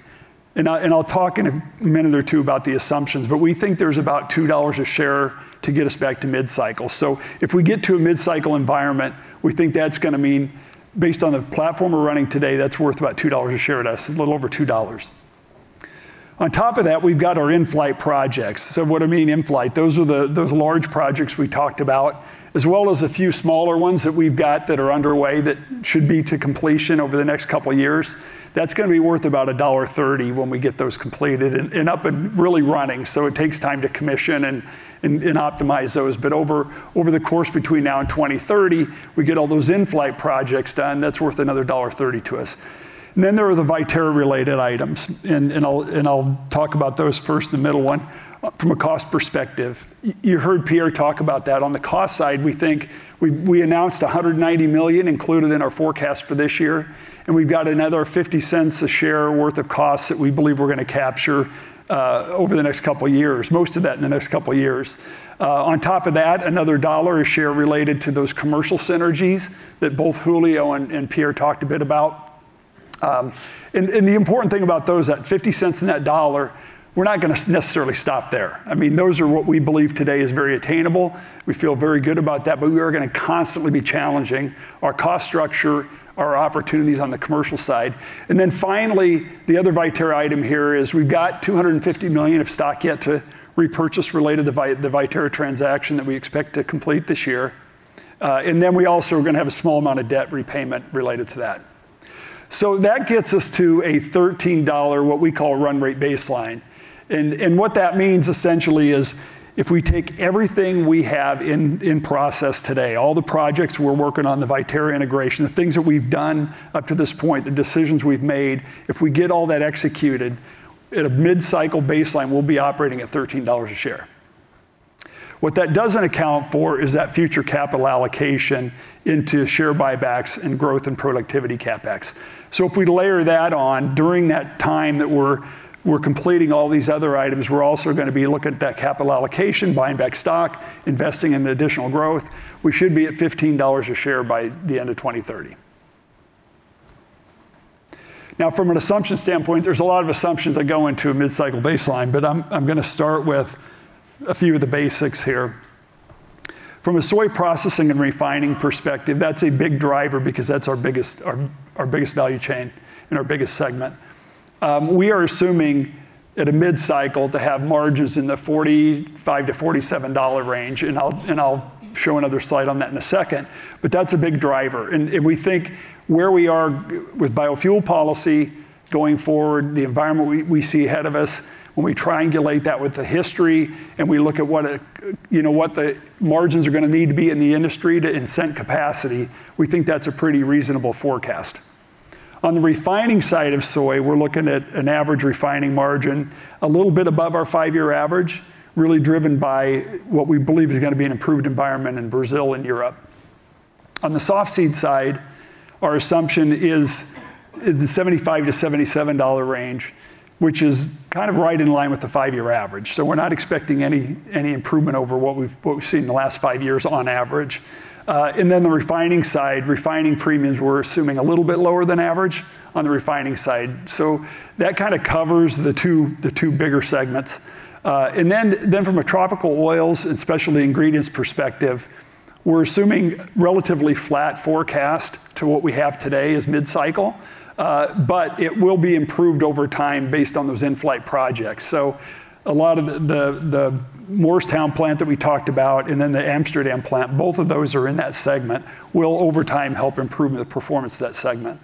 I'll talk in a minute or two about the assumptions, but we think there's about $2 a share to get us back to mid-cycle. If we get to a mid-cycle environment, we think that's gonna mean, based on the platform we're running today, that's worth about $2 a share to us, a little over $2. On top of that, we've got our in-flight projects. What I mean in-flight, those are the large projects we talked about, as well as a few smaller ones that we've got that are underway that should be to completion over the next couple years. That's gonna be worth about $1.30 when we get those completed and up and really running. It takes time to commission and optimize those. Over the course between now and 2030, we get all those in-flight projects done, that's worth another $1.30 to us. Then there are the Viterra-related items, and I'll talk about those first, the middle one, from a cost perspective. You heard Pierre talk about that. On the cost side, we think we announced $190 million included in our forecast for this year, and we've got another $0.50 a share worth of costs that we believe we're gonna capture over the next couple years, most of that in the next couple years. On top of that, another $1 a share related to those commercial synergies that both Julio and Pierre talked a bit about. The important thing about those, that $0.50 and that $1, we're not gonna necessarily stop there. I mean, those are what we believe today is very attainable. We feel very good about that, we are gonna constantly be challenging our cost structure, our opportunities on the commercial side. Finally, the other Viterra item here is we've got $250 million of stock yet to repurchase related to the Viterra transaction that we expect to complete this year. We also are gonna have a small amount of debt repayment related to that. That gets us to a $13, what we call a run rate baseline. What that means essentially is if we take everything we have in process today, all the projects we're working on, the Viterra integration, the things that we've done up to this point, the decisions we've made, if we get all that executed, at a mid-cycle baseline, we'll be operating at $13 a share. What that doesn't account for is that future capital allocation into share buybacks and growth and productivity CapEx. If we layer that on during that time that we're completing all these other items, we're also gonna be looking at that capital allocation, buying back stock, investing in the additional growth. We should be at $15 a share by the end of 2030. Now, from an assumption standpoint, there's a lot of assumptions that go into a mid-cycle baseline, but I'm gonna start with a few of the basics here. From a Soy Processing and Refining perspective, that's a big driver because that's our biggest value chain and our biggest segment. We are assuming at a mid-cycle to have margins in the $45-$47 range, and I'll show another slide on that in a second, but that's a big driver. We think where we are going with biofuel policy going forward, the environment we see ahead of us when we triangulate that with the history and we look at what you know, what the margins are gonna need to be in the industry to incent capacity, we think that's a pretty reasonable forecast. On the refining side of soy, we're looking at an average refining margin a little bit above our five-year average, really driven by what we believe is gonna be an improved environment in Brazil and Europe. On the softseed side, our assumption is the $75-$77 range, which is kind of right in line with the five-year average. We're not expecting any improvement over what we've seen in the last five years on average. The refining side, refining premiums, we're assuming a little bit lower than average on the refining side. That kinda covers the two bigger segments. From a Tropical Oils and Specialty Ingredients perspective, we're assuming relatively flat forecast to what we have today as mid-cycle, but it will be improved over time based on those in-flight projects. A lot of the Morristown plant that we talked about and then the Amsterdam plant, both of those are in that segment, will over time help improve the performance of that segment.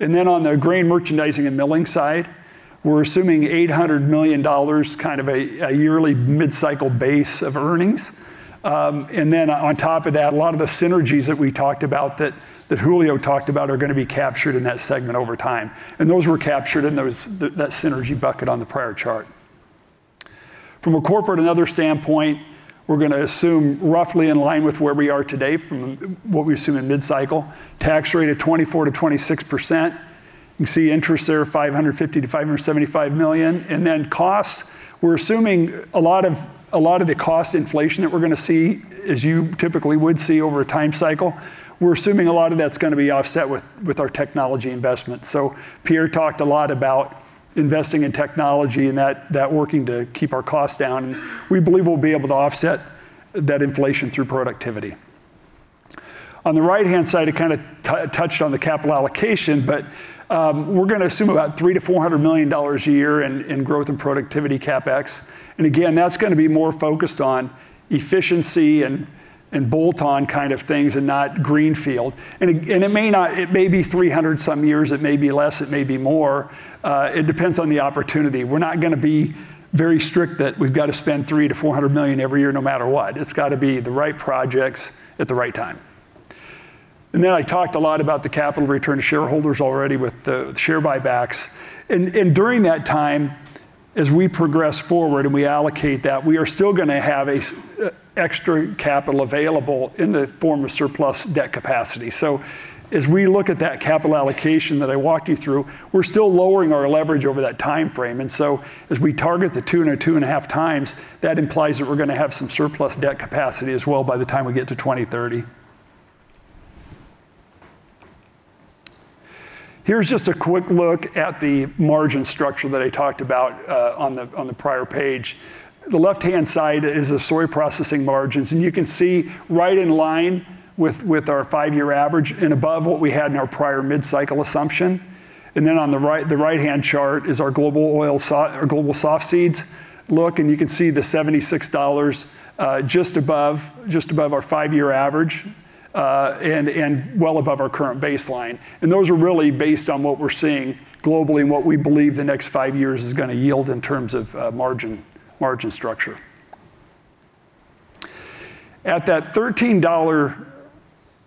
On the Grain Merchandising and Milling side, we're assuming $800 million, kind of a yearly mid-cycle base of earnings. On top of that, a lot of the synergies that we talked about, that Julio talked about are gonna be captured in that segment over time. Those were captured in that synergy bucket on the prior chart. From a corporate and other standpoint, we're gonna assume roughly in line with where we are today from what we assume in mid-cycle. Tax rate of 24%-26%. You see interest there, $550 million-$575 million. Costs, we're assuming a lot of the cost inflation that we're gonna see as you typically would see over a time cycle. We're assuming a lot of that's gonna be offset with our technology investments. Pierre talked a lot about investing in technology and that working to keep our costs down, and we believe we'll be able to offset that inflation through productivity. On the right-hand side, I kinda touched on the capital allocation, but we're gonna assume about $300 million-$400 million a year in growth and productivity CapEx. Again, that's gonna be more focused on efficiency and bolt-on kind of things and not greenfield. It may be 300 some years, it may be less, it may be more, it depends on the opportunity. We're not gonna be very strict that we've gotta spend $300 million-$400 million every year no matter what. It's gotta be the right projects at the right time. Then I talked a lot about the capital return to shareholders already with the share buybacks. During that time, as we progress forward and we allocate that, we are still gonna have extra capital available in the form of surplus debt capacity. As we look at that capital allocation that I walked you through, we're still lowering our leverage over that timeframe. As we target the 2x-2.5x, that implies that we're gonna have some surplus debt capacity as well by the time we get to 2030. Here's just a quick look at the margin structure that I talked about on the prior page. The left-hand side is the soy processing margins, and you can see right in line with our five-year average and above what we had in our prior mid-cycle assumption. Then on the right, the right-hand chart is our global softseeds look. You can see the $76 just above our five-year average and well above our current baseline. Those are really based on what we're seeing globally and what we believe the next five years is gonna yield in terms of margin structure. At that $13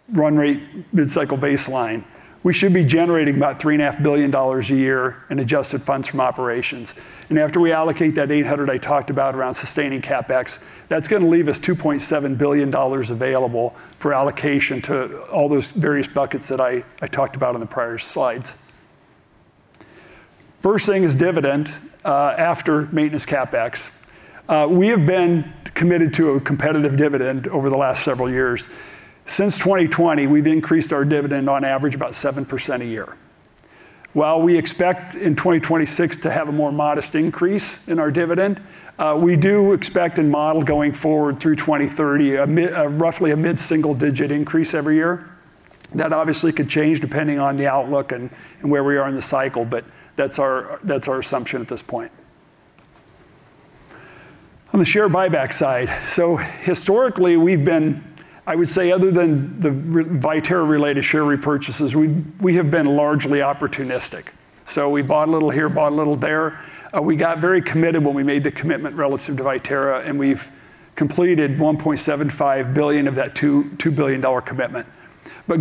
run rate mid-cycle baseline, we should be generating about $3.5 billion a year in adjusted funds from operations. After we allocate that $800 million I talked about around sustaining CapEx, that's gonna leave us $2.7 billion available for allocation to all those various buckets that I talked about on the prior slides. First thing is dividend after maintenance CapEx. We have been committed to a competitive dividend over the last several years. Since 2020, we've increased our dividend on average about 7% a year. While we expect in 2026 to have a more modest increase in our dividend, we do expect and model going forward through 2030 roughly a mid-single-digit increase every year. That obviously could change depending on the outlook and where we are in the cycle, but that's our assumption at this point. On the share buyback side. Historically, we've been, I would say other than the Viterra-related share repurchases, we have been largely opportunistic. We bought a little here, bought a little there. We got very committed when we made the commitment relative to Viterra, and we've completed $1.75 billion of that $2 billion commitment.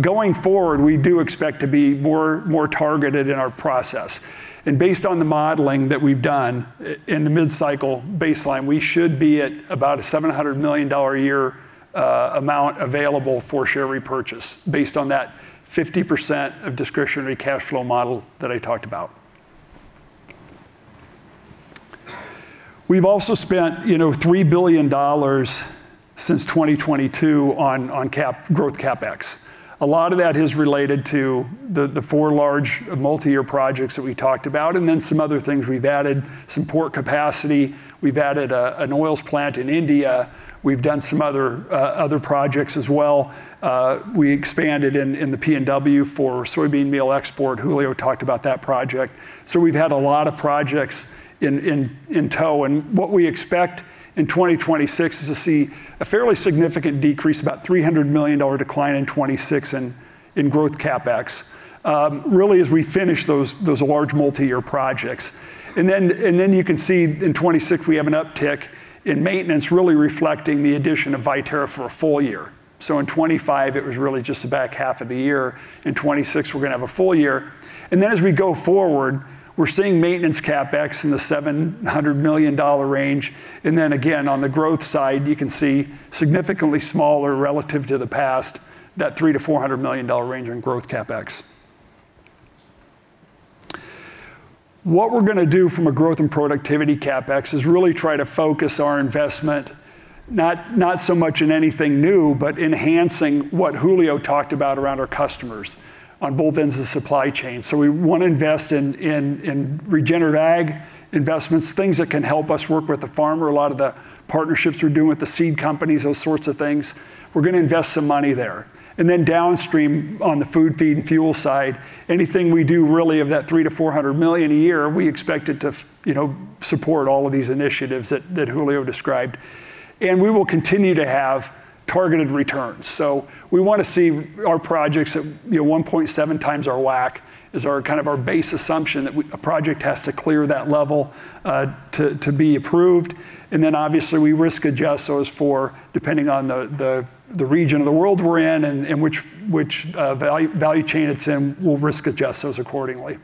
Going forward, we do expect to be more targeted in our process. Based on the modeling that we've done in the mid-cycle baseline, we should be at about a $700 million a year amount available for share repurchase based on that 50% of discretionary cash flow model that I talked about. We've also spent, you know, $3 billion since 2022 on growth CapEx. A lot of that is related to the four large multi-year projects that we talked about, and then some other things. We've added some port capacity. We've added an oils plant in India. We've done some other projects as well. We expanded in the PNW for soybean meal export. Julio talked about that project. We've had a lot of projects in tow. What we expect in 2026 is to see a fairly significant decrease, about $300 million decline in 2026 in growth CapEx, really as we finish those large multi-year projects. Then you can see in 2026, we have an uptick in maintenance, really reflecting the addition of Viterra for a full year. In 2025, it was really just the back half of the year. In 2026, we're gonna have a full year. Then as we go forward, we're seeing maintenance CapEx in the $700 million range. Then again, on the growth side, you can see significantly smaller relative to the past, that $300-$400 million range in growth CapEx. What we're gonna do from a growth and productivity CapEx is really try to focus our investment not so much in anything new, but enhancing what Julio talked about around our customers on both ends of the supply chain. We wanna invest in regenerative ag investments, things that can help us work with the farmer. A lot of the partnerships we're doing with the seed companies, those sorts of things. We're gonna invest some money there. Downstream on the food, feed, and fuel side, anything we do really of that $300 million-$400 million a year, we expect it to, you know, support all of these initiatives that Julio described. We will continue to have targeted returns. We wanna see our projects at, you know, 1.7x our WACC is our, kind of our base assumption that a project has to clear that level to be approved. Obviously we risk adjust those for depending on the region of the world we're in and which value chain it's in, we'll risk adjust those accordingly.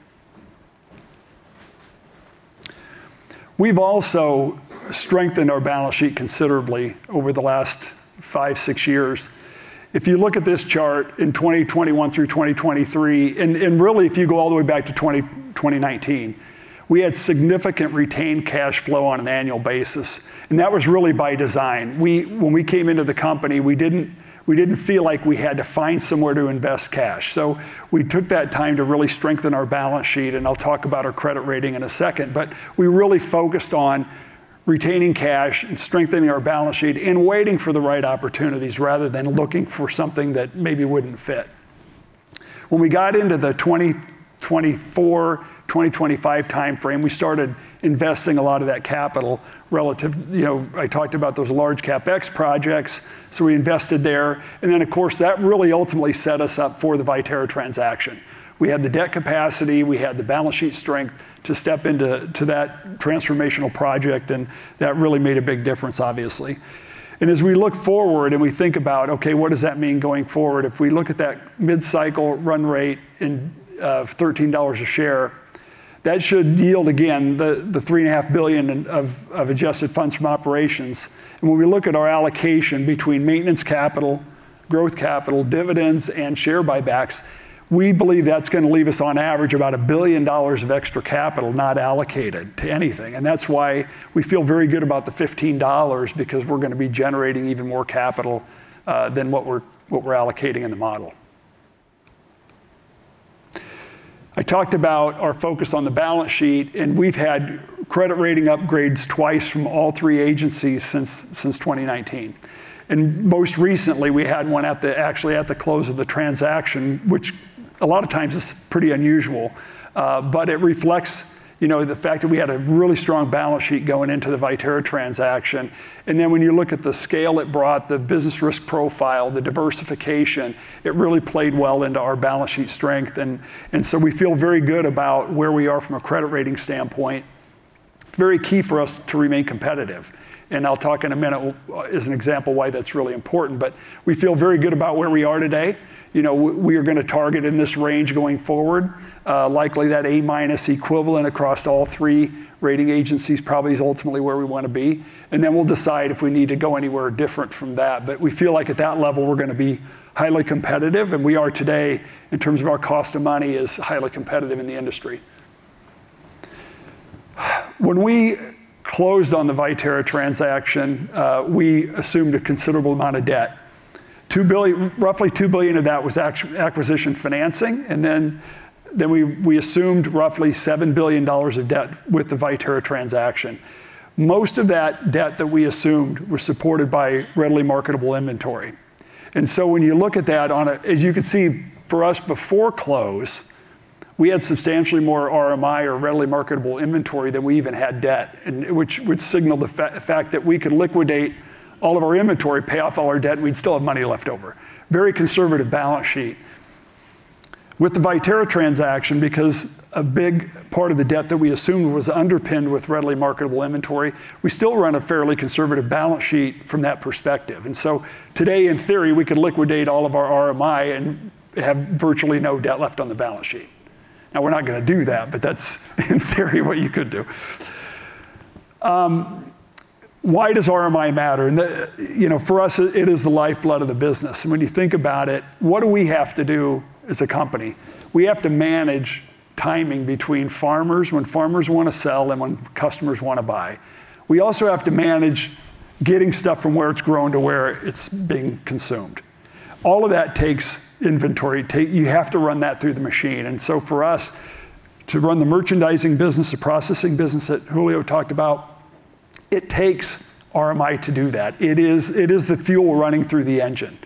We've also strengthened our balance sheet considerably over the last five, six years. If you look at this chart in 2021 through 2023 and really if you go all the way back to 2019, we had significant retained cash flow on an annual basis, and that was really by design. When we came into the company, we didn't feel like we had to find somewhere to invest cash. So we took that time to really strengthen our balance sheet, and I'll talk about our credit rating in a second. But we really focused on retaining cash and strengthening our balance sheet and waiting for the right opportunities rather than looking for something that maybe wouldn't fit. When we got into the 2024, 2025 timeframe, we started investing a lot of that capital relative. You know, I talked about those large CapEx projects, so we invested there. Of course, that really ultimately set us up for the Viterra transaction. We had the debt capacity, we had the balance sheet strength to step into that transformational project, and that really made a big difference, obviously. As we look forward and we think about, okay, what does that mean going forward? If we look at that mid-cycle run rate of $13 a share, that should yield again the $3.5 billion of adjusted funds from operations. When we look at our allocation between maintenance capital, growth capital, dividends, and share buybacks, we believe that's gonna leave us on average about $1 billion of extra capital not allocated to anything. That's why we feel very good about the $15, because we're gonna be generating even more capital than what we're allocating in the model. I talked about our focus on the balance sheet, and we've had credit rating upgrades twice from all three agencies since 2019. Most recently, we had one actually at the close of the transaction, which a lot of times is pretty unusual. It reflects, you know, the fact that we had a really strong balance sheet going into the Viterra transaction. Then when you look at the scale it brought, the business risk profile, the diversification, it really played well into our balance sheet strength. We feel very good about where we are from a credit rating standpoint. Very key for us to remain competitive. I'll talk in a minute as an example why that's really important. We feel very good about where we are today. You know, we are gonna target in this range going forward. Likely that A- equivalent across all three rating agencies probably is ultimately where we wanna be. Then we'll decide if we need to go anywhere different from that. We feel like at that level, we're gonna be highly competitive, and we are today in terms of our cost of money is highly competitive in the industry. When we closed on the Viterra transaction, we assumed a considerable amount of debt. Roughly $2 billion of that was acquisition financing. Then we assumed roughly $7 billion of debt with the Viterra transaction. Most of that debt that we assumed was supported by readily marketable inventory. As you can see, for us, before close, we had substantially more RMI or readily marketable inventory than we even had debt. Which signaled the fact that we could liquidate all of our inventory, pay off all our debt, and we'd still have money left over. Very conservative balance sheet. With the Viterra transaction, because a big part of the debt that we assumed was underpinned with readily marketable inventory, we still run a fairly conservative balance sheet from that perspective. Today, in theory, we could liquidate all of our RMI and have virtually no debt left on the balance sheet. Now, we're not gonna do that, but that's in theory, what you could do. Why does RMI matter? You know, for us, it is the lifeblood of the business. When you think about it, what do we have to do as a company? We have to manage timing between farmers when farmers wanna sell and when customers wanna buy. We also have to manage getting stuff from where it's grown to where it's being consumed. All of that takes inventory. You have to run that through the machine. For us to run the merchandising business, the processing business that Julio talked about, it takes RMI to do that. It is the fuel running through the engine.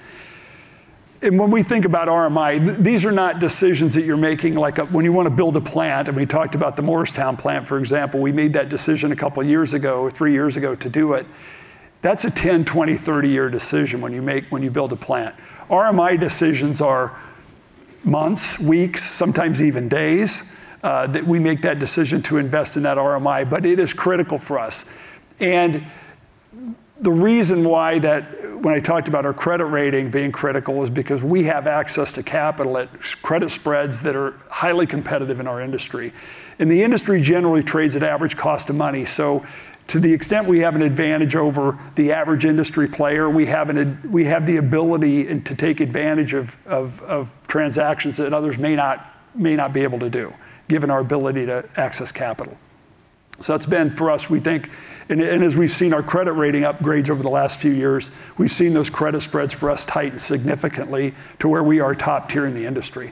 When we think about RMI, these are not decisions that you're making, like, when you wanna build a plant, and we talked about the Morristown plant, for example. We made that decision a couple years ago, or three years ago to do it. That's a 10, 20, 30-year decision when you build a plant. RMI decisions are months, weeks, sometimes even days that we make the decision to invest in that RMI, but it is critical for us. The reason why when I talked about our credit rating being critical is because we have access to capital at credit spreads that are highly competitive in our industry. The industry generally trades at average cost of money. To the extent we have an advantage over the average industry player, we have the ability to take advantage of transactions that others may not be able to do, given our ability to access capital. That's been for us, we think. As we've seen our credit rating upgrades over the last few years, we've seen those credit spreads for us tighten significantly to where we are top tier in the industry.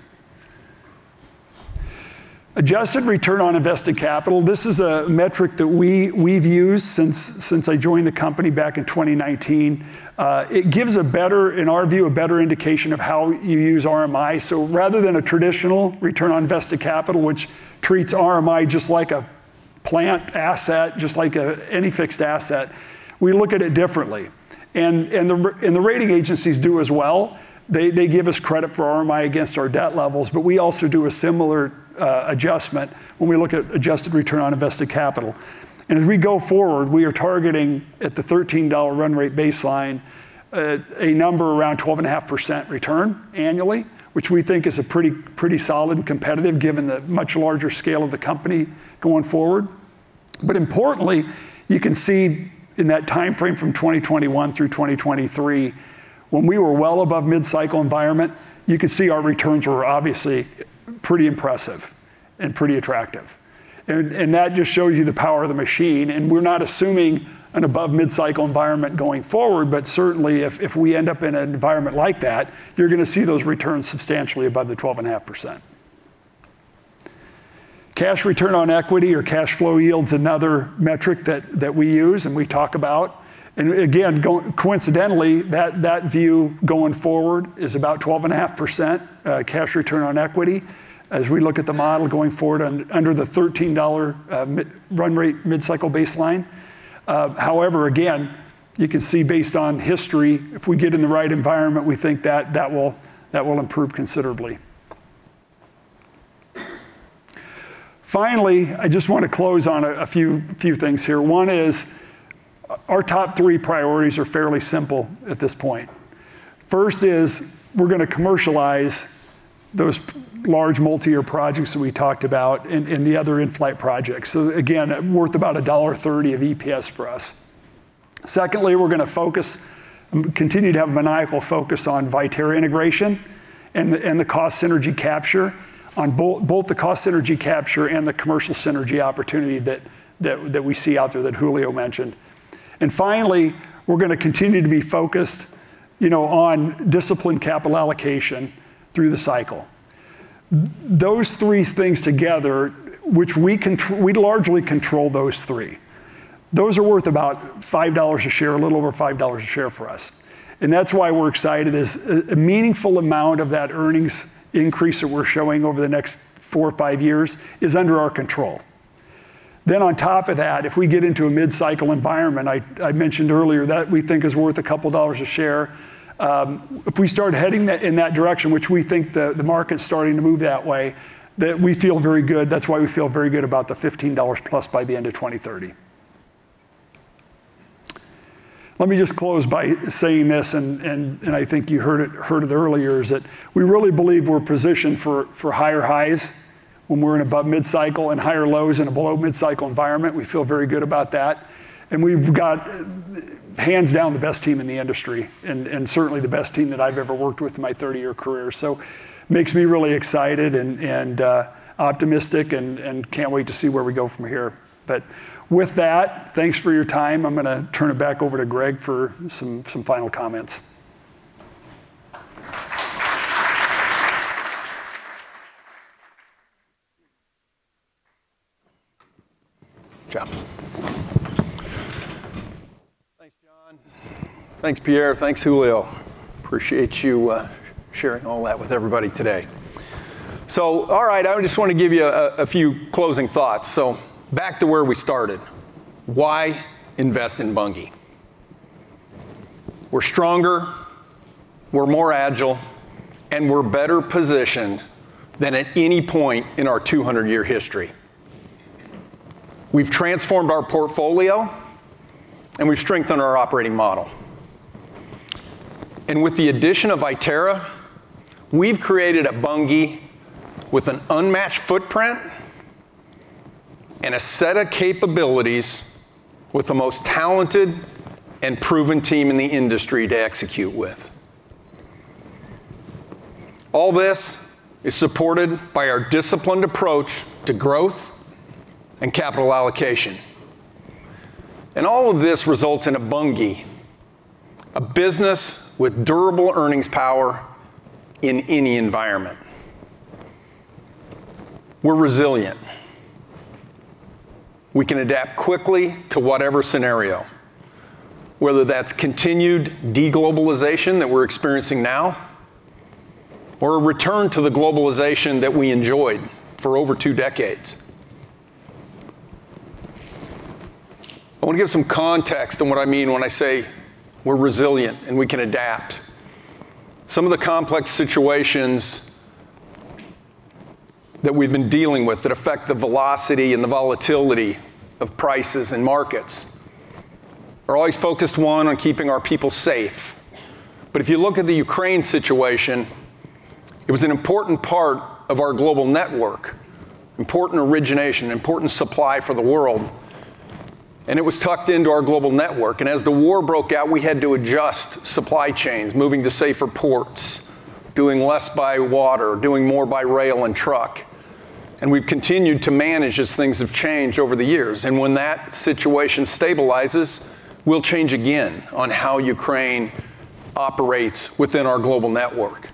Adjusted return on invested capital. This is a metric that we've used since I joined the company back in 2019. It gives a better, in our view, indication of how you use RMI. So rather than a traditional return on invested capital, which treats RMI just like a plant asset, any fixed asset, we look at it differently. The rating agencies do as well. They give us credit for RMI against our debt levels, but we also do a similar adjustment when we look at adjusted return on invested capital. As we go forward, we are targeting at the $13 run rate baseline, a number around 12.5% return annually, which we think is a pretty solid competitive given the much larger scale of the company going forward. Importantly, you can see in that timeframe from 2021 through 2023, when we were well above mid-cycle environment, you could see our returns were obviously pretty impressive and pretty attractive. That just shows you the power of the machine, and we're not assuming an above mid-cycle environment going forward. Certainly if we end up in an environment like that, you're gonna see those returns substantially above the 12.5%. Cash return on equity or cash flow yield's another metric that we use and we talk about. Coincidentally, that view going forward is about 12.5% cash return on equity as we look at the model going forward under the $13 run rate mid-cycle baseline. However, again, you can see based on history, if we get in the right environment, we think that will improve considerably. Finally, I just wanna close on a few things here. One is our top three priorities are fairly simple at this point. First is we're gonna commercialize those large multi-year projects that we talked about in the other in-flight projects. Again, worth about $1.30 of EPS for us. Secondly, we're gonna focus, continue to have a maniacal focus on Viterra integration and the cost synergy capture on both the cost synergy capture and the commercial synergy opportunity that we see out there that Julio mentioned. Finally, we're gonna continue to be focused, you know, on disciplined capital allocation through the cycle. Those three things together, which we largely control those three. Those are worth about $5 a share, a little over $5 a share for us. That's why we're excited is a meaningful amount of that earnings increase that we're showing over the next four or 5 five years is under our control. On top of that, if we get into a mid-cycle environment, I mentioned earlier, that we think is worth a couple of dollars a share. If we start heading in that direction, which we think the market's starting to move that way, then we feel very good. That's why we feel very good about the $15+ by the end of 2030. Let me just close by saying this, and I think you heard it earlier, is that we really believe we're positioned for higher highs when we're in above mid-cycle and higher lows in a below mid-cycle environment. We feel very good about that. We've got hands down the best team in the industry, and certainly the best team that I've ever worked with in my 30-year career. Makes me really excited and optimistic and can't wait to see where we go from here. With that, thanks for your time. I'm gonna turn it back over to Greg for some final comments. Good job. Thanks, John. Thanks, Pierre. Thanks, Julio. Appreciate you sharing all that with everybody today. All right, I just wanna give you a few closing thoughts. Back to where we started. Why invest in Bunge? We're stronger, we're more agile, and we're better positioned than at any point in our 200-year history. We've transformed our portfolio, and we've strengthened our operating model. With the addition of Viterra, we've created a Bunge with an unmatched footprint and a set of capabilities with the most talented and proven team in the industry to execute with. All this is supported by our disciplined approach to growth and capital allocation. All of this results in a Bunge, a business with durable earnings power in any environment. We're resilient. We can adapt quickly to whatever scenario, whether that's continued de-globalization that we're experiencing now or a return to the globalization that we enjoyed for over two decades. I wanna give some context on what I mean when I say we're resilient and we can adapt. Some of the complex situations that we've been dealing with that affect the velocity and the volatility of prices and markets are always focused, one, on keeping our people safe. If you look at the Ukraine situation, it was an important part of our global network, important origination, important supply for the world, and it was tucked into our global network. As the war broke out, we had to adjust supply chains, moving to safer ports, doing less by water, doing more by rail and truck, and we've continued to manage as things have changed over the years. When that situation stabilizes, we'll change again on how Ukraine operates within our global network.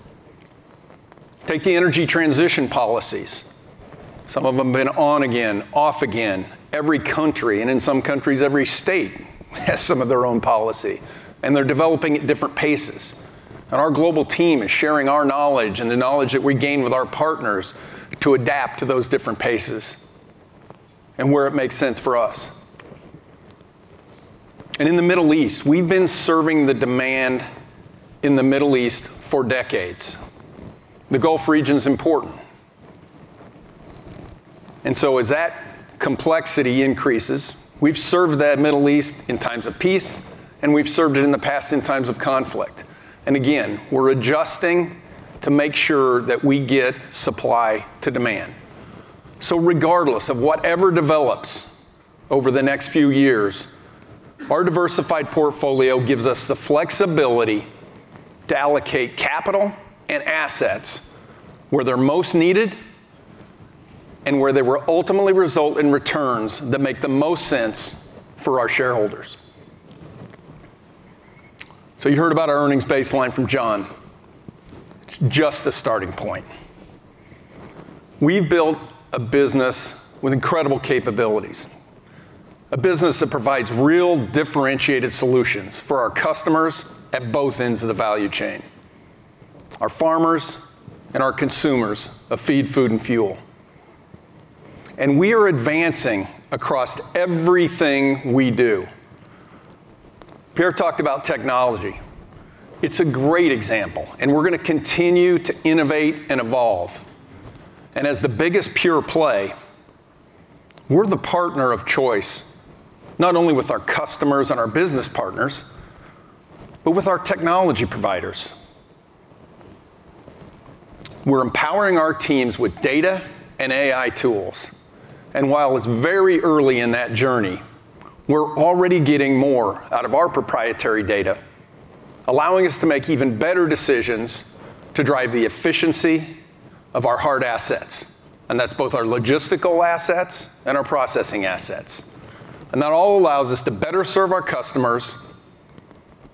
Take the energy transition policies. Some of them have been on again, off again, every country, and in some countries every state has some of their own policy, and they're developing at different paces. Our global team is sharing our knowledge and the knowledge that we gain with our partners to adapt to those different paces and where it makes sense for us. In the Middle East, we've been serving the demand in the Middle East for decades. The Gulf region's important. As that complexity increases, we've served that Middle East in times of peace, and we've served it in the past in times of conflict. Again, we're adjusting to make sure that we get supply to demand. Regardless of whatever develops over the next few years, our diversified portfolio gives us the flexibility to allocate capital and assets where they're most needed and where they will ultimately result in returns that make the most sense for our shareholders. You heard about our earnings baseline from John. It's just the starting point. We've built a business with incredible capabilities, a business that provides real differentiated solutions for our customers at both ends of the value chain, our farmers and our consumers of feed, food, and fuel. We are advancing across everything we do. Pierre talked about technology. It's a great example, and we're gonna continue to innovate and evolve. As the biggest pure play, we're the partner of choice, not only with our customers and our business partners, but with our technology providers. We're empowering our teams with data and AI tools, and while it's very early in that journey, we're already getting more out of our proprietary data, allowing us to make even better decisions to drive the efficiency of our hard assets, and that's both our logistical assets and our processing assets. That all allows us to better serve our customers,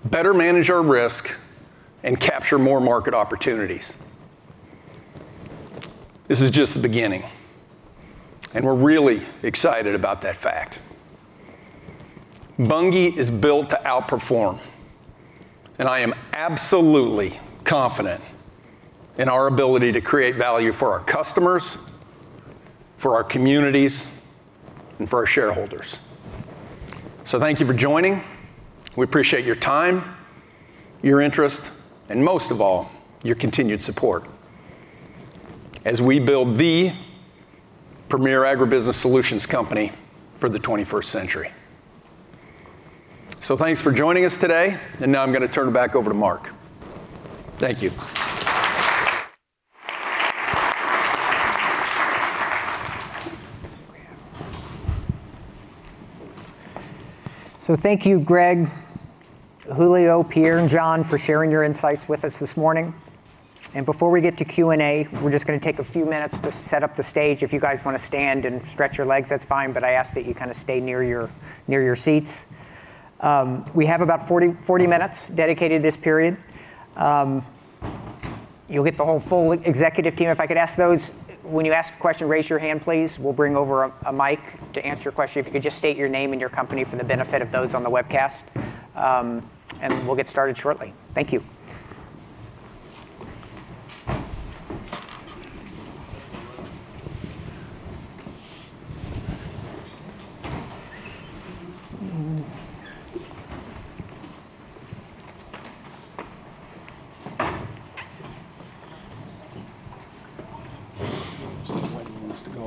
better manage our risk, and capture more market opportunities. This is just the beginning, and we're really excited about that fact. Bunge is built to outperform, and I am absolutely confident in our ability to create value for our customers, for our communities, and for our shareholders. Thank you for joining. We appreciate your time, your interest, and most of all, your continued support as we build the premier agribusiness solutions company for the twenty-first century. Thanks for joining us today, and now I'm gonna turn it back over to Mark. Thank you. Thank you, Greg, Julio, Pierre, and John for sharing your insights with us this morning. Before we get to Q&A, we're just gonna take a few minutes to set the stage. If you guys wanna stand and stretch your legs, that's fine, but I ask that you kinda stay near your seats. We have about 40 minutes dedicated to this period. You'll get the full executive team. If I could ask those, when you ask a question, raise your hand, please. We'll bring over a mic to answer your question. If you could just state your name and your company for the benefit of those on the webcast. We'll get started shortly. Thank you.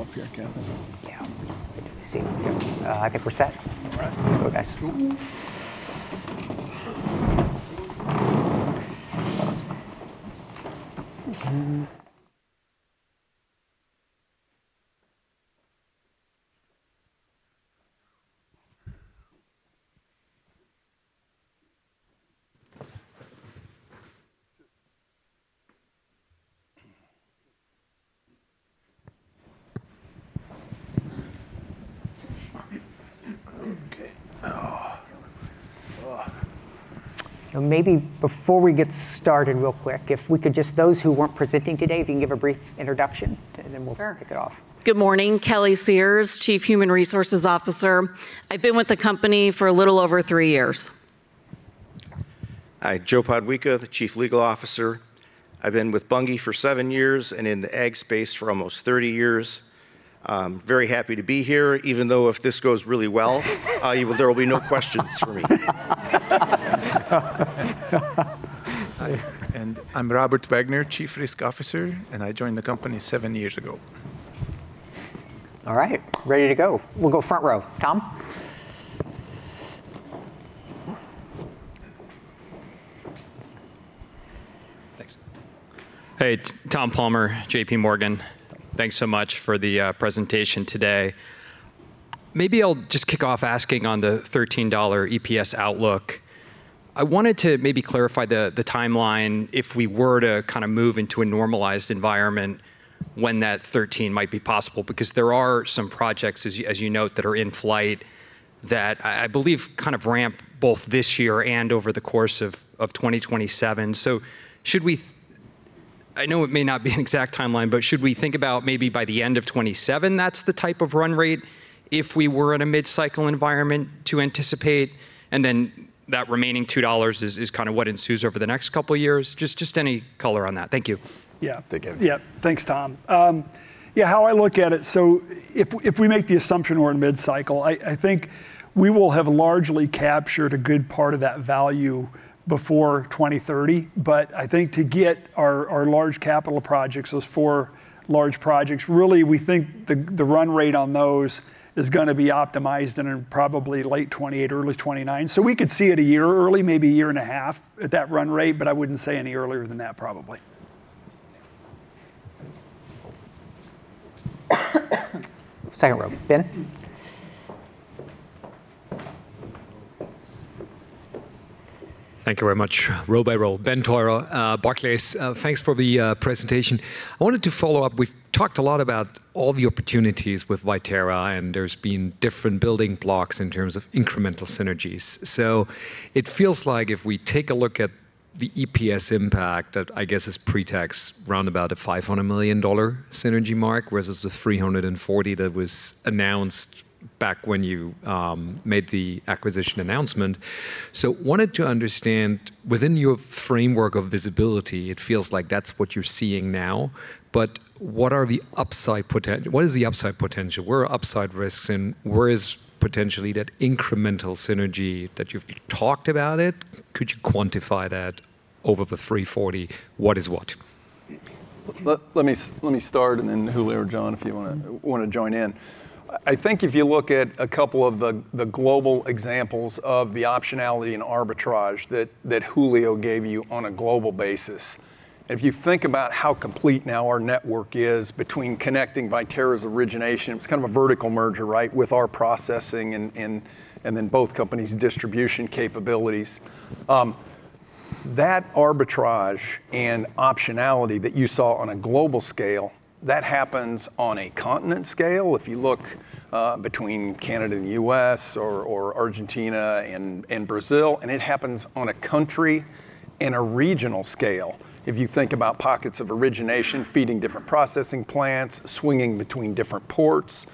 Still waiting on us to go up here, Kevin. Yeah. Good to be seated. I think we're set. That's right. Let's go, guys. Okay. Oh. Ugh. You know, maybe before we get started real quick, if we could just those who weren't presenting today, if you can give a brief introduction and then we'll Sure Kick it off. Good morning. Kellie Sears, Chief Human Resources Officer. I've been with the company for a little over three years. Hi. Joe Podwika, the Chief Legal Officer. I've been with Bunge for seven years and in the ag space for almost 30 years. I'm very happy to be here, even though if this goes really well, there will be no questions for me. I'm Robert Wagner, Chief Risk Officer, and I joined the company seven years ago. All right. Ready to go. We'll go front row. Tom? Thanks. Hey. Tom Palmer, JPMorgan. Thanks so much for the presentation today. Maybe I'll just kick off asking on the $13 EPS outlook. I wanted to maybe clarify the timeline if we were to kinda move into a normalized environment when that $13 might be possible, because there are some projects, as you note, that are in flight that I believe kind of ramp both this year and over the course of 2027. I know it may not be an exact timeline, but should we think about maybe by the end of 2027, that's the type of run rate if we were in a mid-cycle environment to anticipate, and then that remaining $2 is kinda what ensues over the next couple years? Just any color on that. Thank you. Yeah. Take it. Yeah. Thanks, Tom. Yeah, how I look at it, if we make the assumption we're in mid-cycle, I think we will have largely captured a good part of that value before 2030. I think to get our large capital projects, those four large projects, really we think the run rate on those is gonna be optimized in probably late 2028, early 2029. We could see it a year early, maybe a year and a half at that run rate, but I wouldn't say any earlier than that probably. Second row. Ben? Thank you very much. Row by row. Benjamin Theurer, Barclays. Thanks for the presentation. I wanted to follow up. We've talked a lot about all the opportunities with Viterra, and there's been different building blocks in terms of incremental synergies. It feels like if we take a look at the EPS impact at, I guess it's pre-tax, roundabout a $500 million synergy mark, whereas the $340 million that was announced back when you made the acquisition announcement. Wanted to understand within your framework of visibility, it feels like that's what you're seeing now, but what is the upside potential? Where are upside risks, and where is potentially that incremental synergy that you've talked about it? Could you quantify that over the $340 million? What is what? Let me start, and then Julio or John, if you wanna join in. I think if you look at a couple of the global examples of the optionality and arbitrage that Julio gave you on a global basis, and if you think about how complete now our network is between connecting Viterra's origination, it was kind of a vertical merger, right, with our processing and then both companies' distribution capabilities. That arbitrage and optionality that you saw on a global scale, that happens on a continent scale, if you look between Canada and U.S. or Argentina and Brazil, and it happens on a country and a regional scale if you think about pockets of origination feeding different processing plants, swinging between different ports.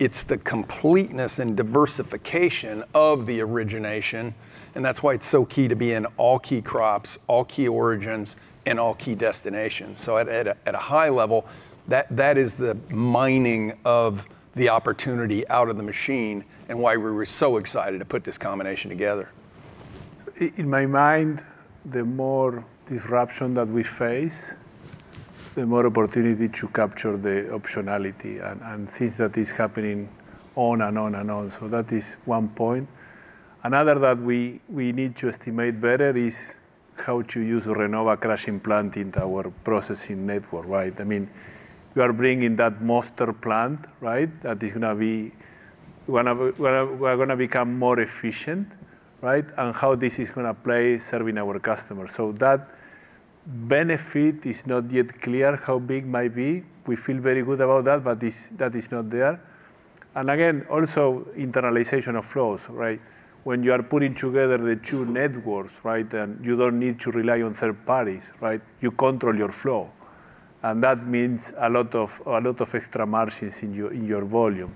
It's the completeness and diversification of the origination, and that's why it's so key to be in all key crops, all key origins, and all key destinations. At a high level, that is the mining of the opportunity out of the machine and why we're so excited to put this combination together. In my mind, the more disruption that we face, the more opportunity to capture the optionality and things that is happening on and on and on. That is one point. Another that we need to estimate better is how to use Renova crushing plant into our processing network, right? I mean, we are bringing that monster plant, right? That is gonna be. We're gonna become more efficient, right? How this is gonna play serving our customers. That benefit is not yet clear how big might be. We feel very good about that, but this, that is not there. Again, also internalization of flows, right? When you are putting together the two networks, right? Then you don't need to rely on third parties, right? You control your flow. That means a lot of extra margins in your volume.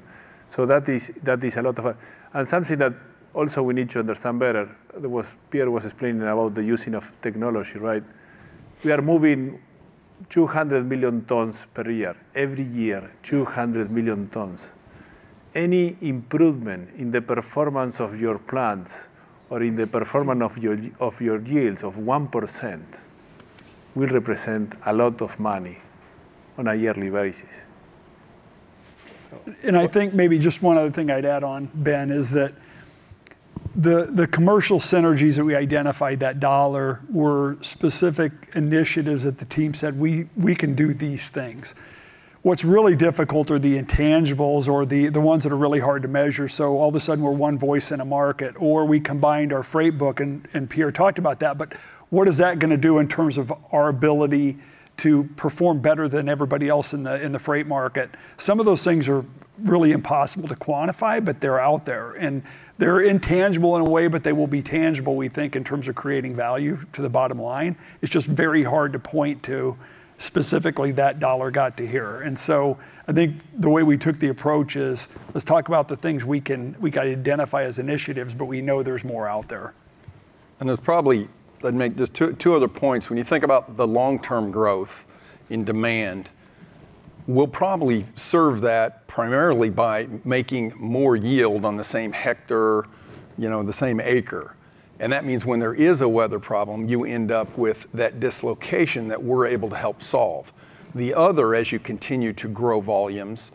That is a lot of—somethng that also we need to understand better, Pierre was explaining about the using of technology, right? We are moving 200 million tons per year. Every year, 200 million tons. Any improvement in the performance of your plants or in the performance of your yields of 1% will represent a lot of money on a yearly basis. I think maybe just one other thing I'd add on, Ben, is that the commercial synergies that we identified, that dollar, were specific initiatives that the team said, "We can do these things." What's really difficult are the intangibles or the ones that are really hard to measure. All of a sudden we're one voice in a market, or we combined our freight book and Pierre talked about that, but what is that gonna do in terms of our ability to perform better than everybody else in the freight market? Some of those things are really impossible to quantify, but they're out there. They're intangible in a way, but they will be tangible, we think, in terms of creating value to the bottom line. It's just very hard to point to specifically that dollar got to here. I think the way we took the approach is, let's talk about the things we gotta identify as initiatives, but we know there's more out there. There's probably. Let me make just two other points. When you think about the long-term growth in demand, we'll probably serve that primarily by making more yield on the same hectare, you know, the same acre. That means when there is a weather problem, you end up with that dislocation that we're able to help solve. The other, as you continue to grow volumes,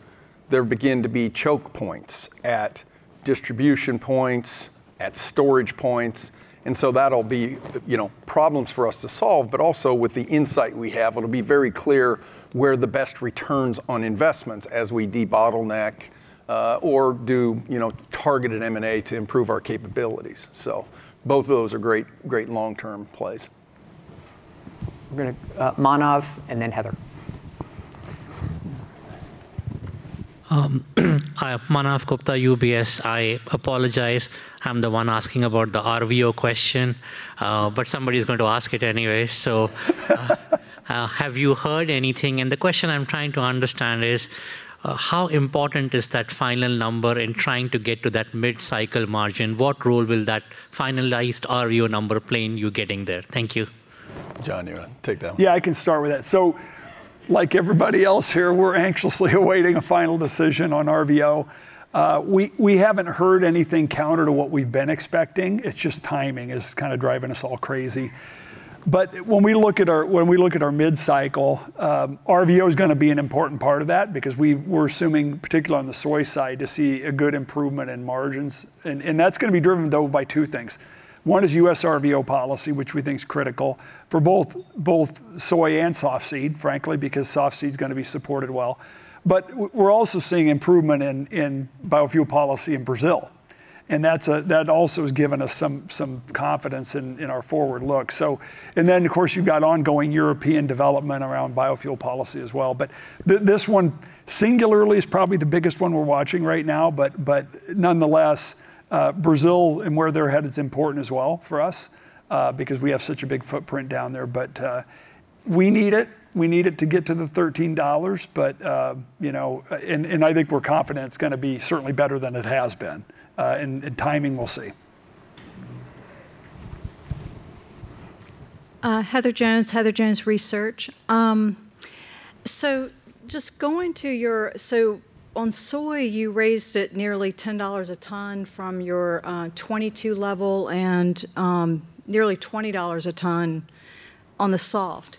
there begin to be choke points at distribution points, at storage points, and so that'll be, you know, problems for us to solve, but also with the insight we have, it'll be very clear where the best returns on investments as we debottleneck, or do, you know, targeted M&A to improve our capabilities. Both of those are great long-term plays. Manav and then Heather. Hi. Manav Gupta, UBS. I apologize, I'm the one asking about the RVO question, but somebody's going to ask it anyway. Have you heard anything? The question I'm trying to understand is, how important is that final number in trying to get to that mid-cycle margin? What role will that finalized RVO number play in you getting there? Thank you. John, you wanna take that one? Yeah, I can start with that. Like everybody else here, we're anxiously awaiting a final decision on RVO. We haven't heard anything counter to what we've been expecting. It's just timing is kinda driving us all crazy. When we look at our mid-cycle, RVO is gonna be an important part of that because we were assuming, particularly on the soy side, to see a good improvement in margins. That's gonna be driven, though, by two things. One is U.S. RVO policy, which we think is critical for both soy and softseed, frankly, because softseed's gonna be supported well. We're also seeing improvement in biofuel policy in Brazil, and that also has given us some confidence in our forward look. Then, of course, you've got ongoing European development around biofuel policy as well. This one singularly is probably the biggest one we're watching right now, but nonetheless, Brazil and where they're headed is important as well for us, because we have such a big footprint down there. We need it. We need it to get to the $13, but you know. I think we're confident it's gonna be certainly better than it has been. Timing, we'll see. Heather Jones, Heather Jones Research. On soy, you raised it nearly $10 a ton from your 2022 level and nearly $20 a ton on the soft.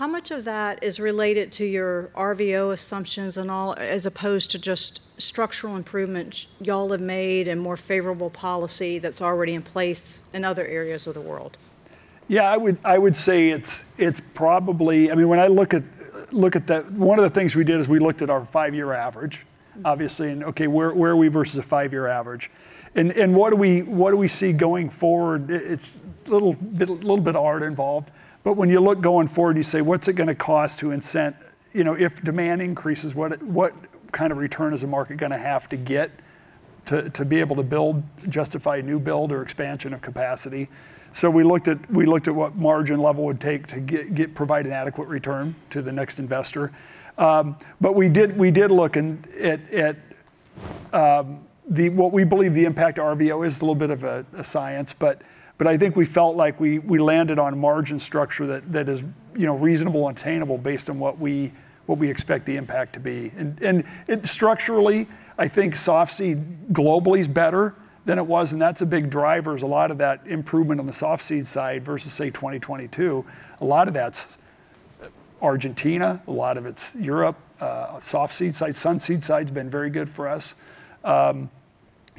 How much of that is related to your RVO assumptions and all, as opposed to just structural improvements y'all have made and more favorable policy that's already in place in other areas of the world? Yeah, I would say it's probably. I mean, when I look at one of the things we did is we looked at our five-year average, obviously, and okay, where are we versus a five-year average? What do we see going forward? It's a little bit of art involved, but when you look going forward and you say, "What's it gonna cost to incent?" You know, if demand increases, what kind of return is the market gonna have to get to be able to build or justify a new build or expansion of capacity? We looked at what margin level it would take to provide an adequate return to the next investor. We did look at what we believe the impact to RVO is. A little bit of a science, but I think we felt like we landed on a margin structure that is, you know, reasonable and attainable based on what we expect the impact to be. Structurally, I think softseed globally is better than it was, and that's a big driver is a lot of that improvement on the softseed side versus, say, 2022. A lot of that's Argentina, a lot of it's Europe, softseed side, sunseed side's been very good for us.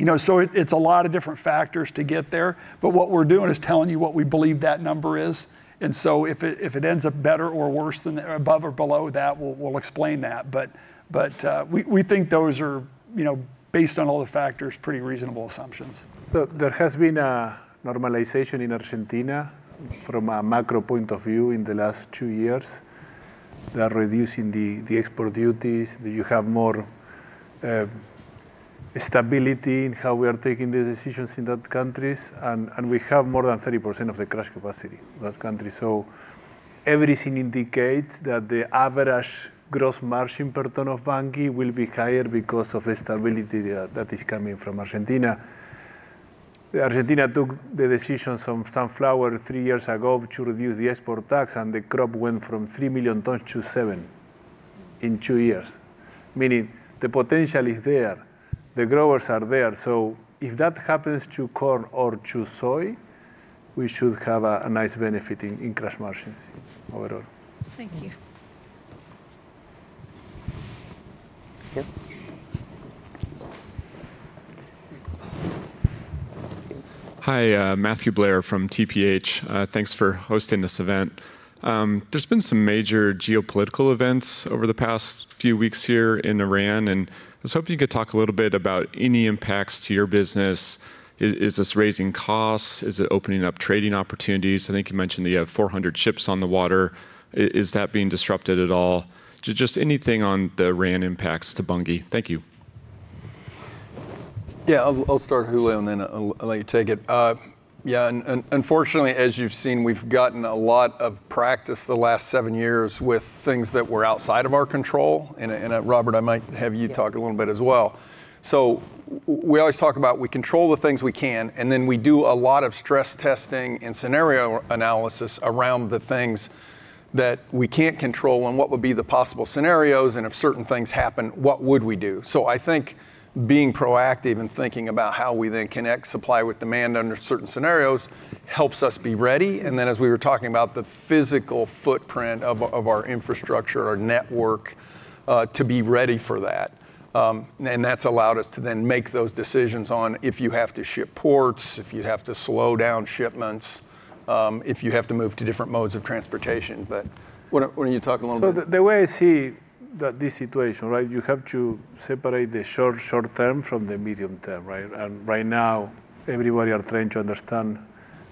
You know, it's a lot of different factors to get there, but what we're doing is telling you what we believe that number is. If it ends up better or worse than or above or below that, we'll explain that. But we think those are, you know, based on all the factors, pretty reasonable assumptions. There has been a normalization in Argentina from a macro point of view in the last two years. They are reducing the export duties. You have more stability in how we are taking the decisions in that countries. We have more than 30% of the crush capacity in that country. Everything indicates that the average gross margin per ton of Bunge will be higher because of the stability that is coming from Argentina. Argentina took the decisions on sunflower three years ago to reduce the export tax, and the crop went from three million tons to seven million tons in two years, meaning the potential is there. The growers are there. If that happens to corn or to soy, we should have a nice benefit in crush margins overall. Thank you. Yeah. Hi, Matthew Blair from TPH. Thanks for hosting this event. There's been some major geopolitical events over the past few weeks here in Iran, and I was hoping you could talk a little bit about any impacts to your business. Is this raising costs? Is it opening up trading opportunities? I think you mentioned that you have 400 ships on the water. Is that being disrupted at all? Just anything on the Iran impacts to Bunge. Thank you. Yeah. I'll start, Julio, and then I'll let you take it. Yeah, unfortunately, as you've seen, we've gotten a lot of practice the last seven years with things that were outside of our control. Robert, I might have you talk a little bit as well. We always talk about we control the things we can, and then we do a lot of stress testing and scenario analysis around the things that we can't control and what would be the possible scenarios, and if certain things happen, what would we do? I think being proactive and thinking about how we then connect supply with demand under certain scenarios helps us be ready. Then as we were talking about the physical footprint of our infrastructure, our network, to be ready for that. That's allowed us to then make those decisions on which ports, if you have to slow down shipments, if you have to move to different modes of transportation. Why don't you talk a little bit. The way I see this situation, right, you have to separate the short term from the medium term, right? Right now, everybody are trying to understand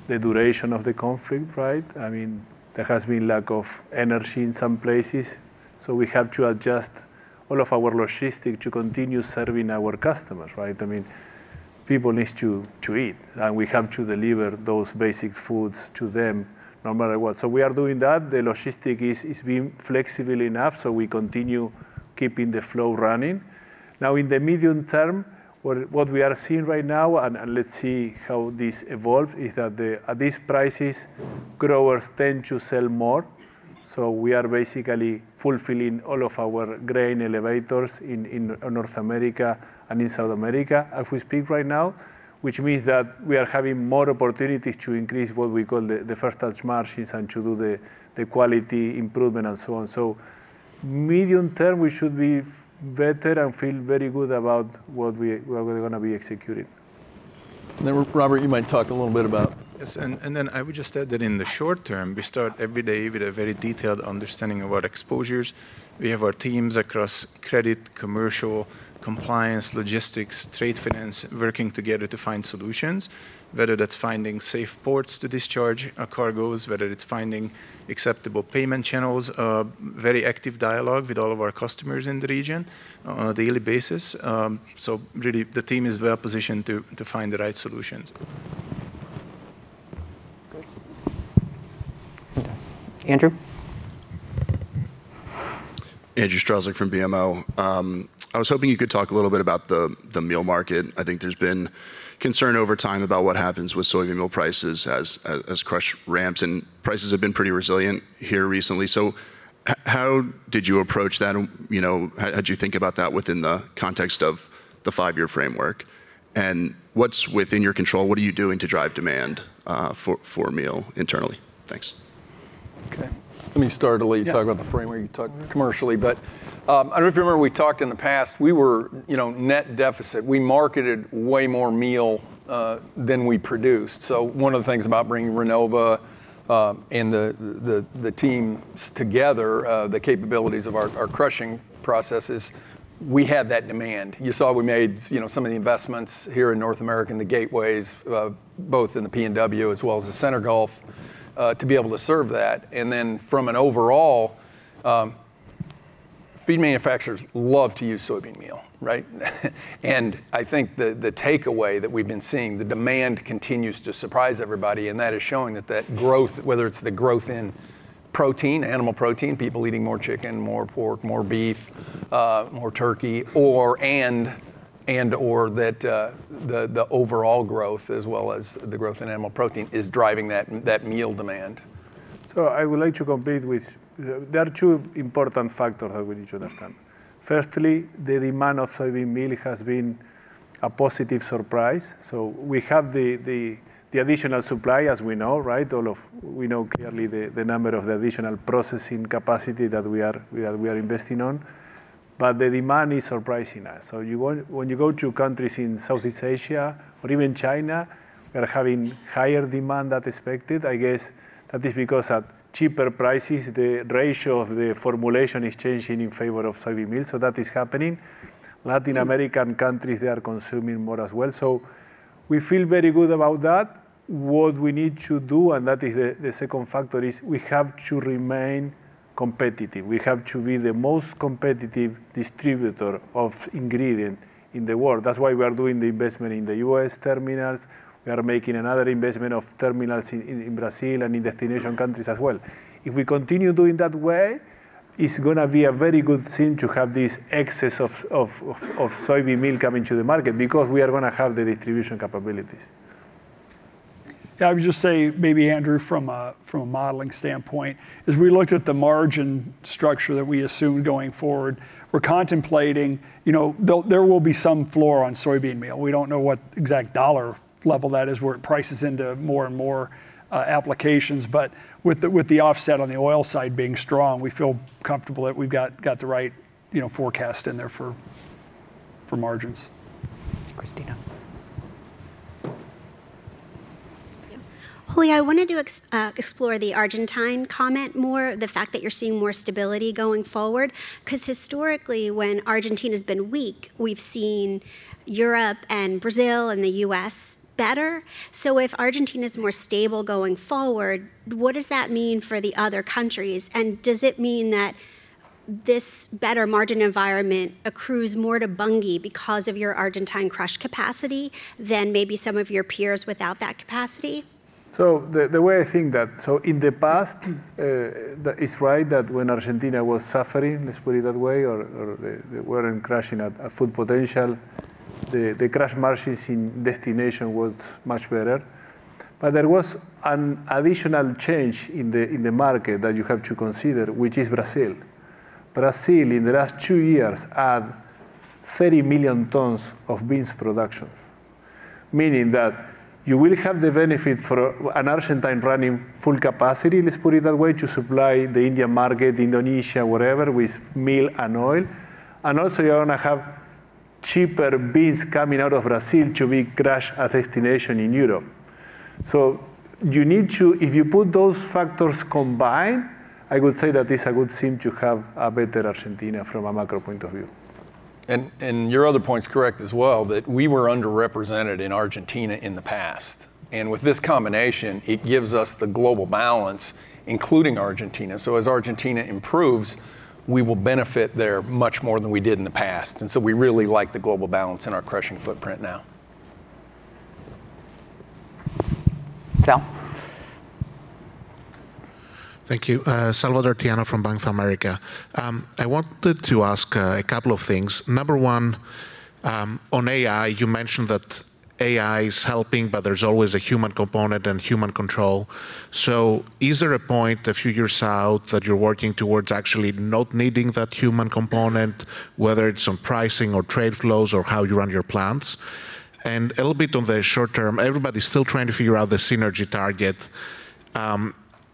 the duration of the conflict, right? I mean, there has been lack of energy in some places, so we have to adjust all of our logistics to continue serving our customers, right? I mean, people needs to eat, and we have to deliver those basic foods to them no matter what. We are doing that. The logistics is being flexible enough, so we continue keeping the flow running. Now, in the medium term, what we are seeing right now, and let's see how this evolves, is that at these prices, growers tend to sell more. We are basically fulfilling all of our grain elevators in North America and in South America as we speak right now, which means that we are having more opportunities to increase what we call the first touch margins and to do the quality improvement and so on. Medium term, we should be better and feel very good about what we're gonna be executing. Robert, you might talk a little bit about. Yes. I would just add that in the short term, we start every day with a very detailed understanding of our exposures. We have our teams across credit, commercial, compliance, logistics, trade finance working together to find solutions, whether that's finding safe ports to discharge our cargoes, whether it's finding acceptable payment channels, a very active dialogue with all of our customers in the region on a daily basis. Really the team is well positioned to find the right solutions. Good. Okay. Andrew? Andrew Strelzik from BMO. I was hoping you could talk a little bit about the meal market. I think there's been concern over time about what happens with soybean meal prices as crush ramps, and prices have been pretty resilient here recently. How did you approach that? You know, how'd you think about that within the context of the five-year framework? What's within your control? What are you doing to drive demand for meal internally? Thanks. Okay. Let me start. I'll let you talk about the framework, you can talk commercially. I don't know if you remember we talked in the past, we were, you know, net deficit. We marketed way more meal than we produced. One of the things about bringing Renova and the teams together, the capabilities of our crushing processes, we had that demand. You saw we made, you know, some of the investments here in North America and the gateways, both in the PNW as well as the Central Gulf, to be able to serve that. From an overall, feed manufacturers love to use soybean meal, right? I think the takeaway that we've been seeing, the demand continues to surprise everybody, and that is showing that growth, whether it's the growth in protein, animal protein, people eating more chicken, more pork, more beef, more turkey, or the overall growth as well as the growth in animal protein is driving that meal demand. I would like to complete with. There are two important factor that we need to understand. Firstly, the demand of soybean meal has been a positive surprise. We have the additional supply as we know, right? We know clearly the number of the additional processing capacity that we are investing on. The demand is surprising us. When you go to countries in Southeast Asia or even China, we are having higher demand than expected. I guess that is because at cheaper prices, the ratio of the formulation is changing in favor of soybean meal, so that is happening. Latin American countries, they are consuming more as well. We feel very good about that. What we need to do, and that is the second factor, is we have to remain competitive. We have to be the most competitive distributor of ingredient in the world. That's why we are doing the investment in the U.S. terminals. We are making another investment of terminals in Brazil and in destination countries as well. If we continue doing that way, it's gonna be a very good thing to have this excess of soybean meal coming to the market because we are gonna have the distribution capabilities. Yeah, I would just say maybe, Andrew, from a modeling standpoint, as we looked at the margin structure that we assumed going forward, we're contemplating, you know, there will be some floor on soybean meal. We don't know what exact dollar level that is where it prices into more and more applications, but with the offset on the oil side being strong, we feel comfortable that we've got the right, you know, forecast in there for margins. Christina. Thank you. Julio, I wanted to explore the Argentine comment more, the fact that you're seeing more stability going forward, because historically when Argentina's been weak, we've seen Europe and Brazil and the U.S. better. If Argentina's more stable going forward, what does that mean for the other countries? Does it mean that this better margin environment accrues more to Bunge because of your Argentine crush capacity than maybe some of your peers without that capacity? The way I think that in the past, that is right, that when Argentina was suffering, let's put it that way, or they weren't crushing at full potential, the crush margins in destination was much better. There was an additional change in the market that you have to consider, which is Brazil. Brazil, in the last two years, add 30 million tons of beans production, meaning that you will have the benefit for an Argentine running full capacity, let's put it that way, to supply the Indian market, Indonesia, whatever, with meal and oil. You're gonna have cheaper beans coming out of Brazil to be crushed at destination in Europe. If you put those factors combined, I would say that this would seem to have a better Argentina from a macro point of view. Your other point's correct as well, that we were underrepresented in Argentina in the past. With this combination, it gives us the global balance, including Argentina. As Argentina improves, we will benefit there much more than we did in the past. We really like the global balance in our crushing footprint now. Sal. Thank you. Salvator Tiano from Bank of America. I wanted to ask a couple of things. Number one, on AI, you mentioned that AI is helping, but there's always a human component and human control. Is there a point a few years out that you're working towards actually not needing that human component, whether it's on pricing or trade flows or how you run your plants? A little bit on the short term, everybody's still trying to figure out the synergy target.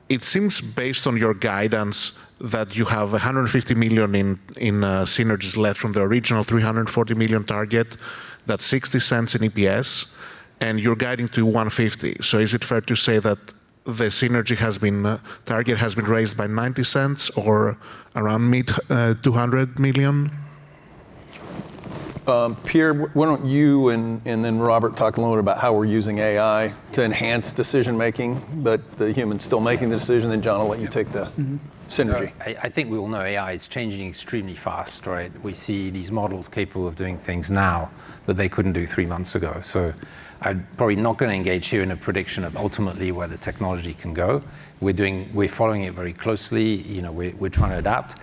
It seems based on your guidance that you have $150 million in synergies left from the original $340 million target. That's $0.60 in EPS, and you're guiding to $1.50. Is it fair to say that the synergy target has been raised by $0.90 or around mid $200 million? Pierre, why don't you and then Robert talk a little bit about how we're using AI to enhance decision-making, but the human's still making the decision. John, I'll let you take the synergy. I think we all know AI is changing extremely fast, right? We see these models capable of doing things now that they couldn't do three months ago. I'm probably not gonna engage here in a prediction of ultimately where the technology can go. We're following it very closely. You know, we're trying to adapt.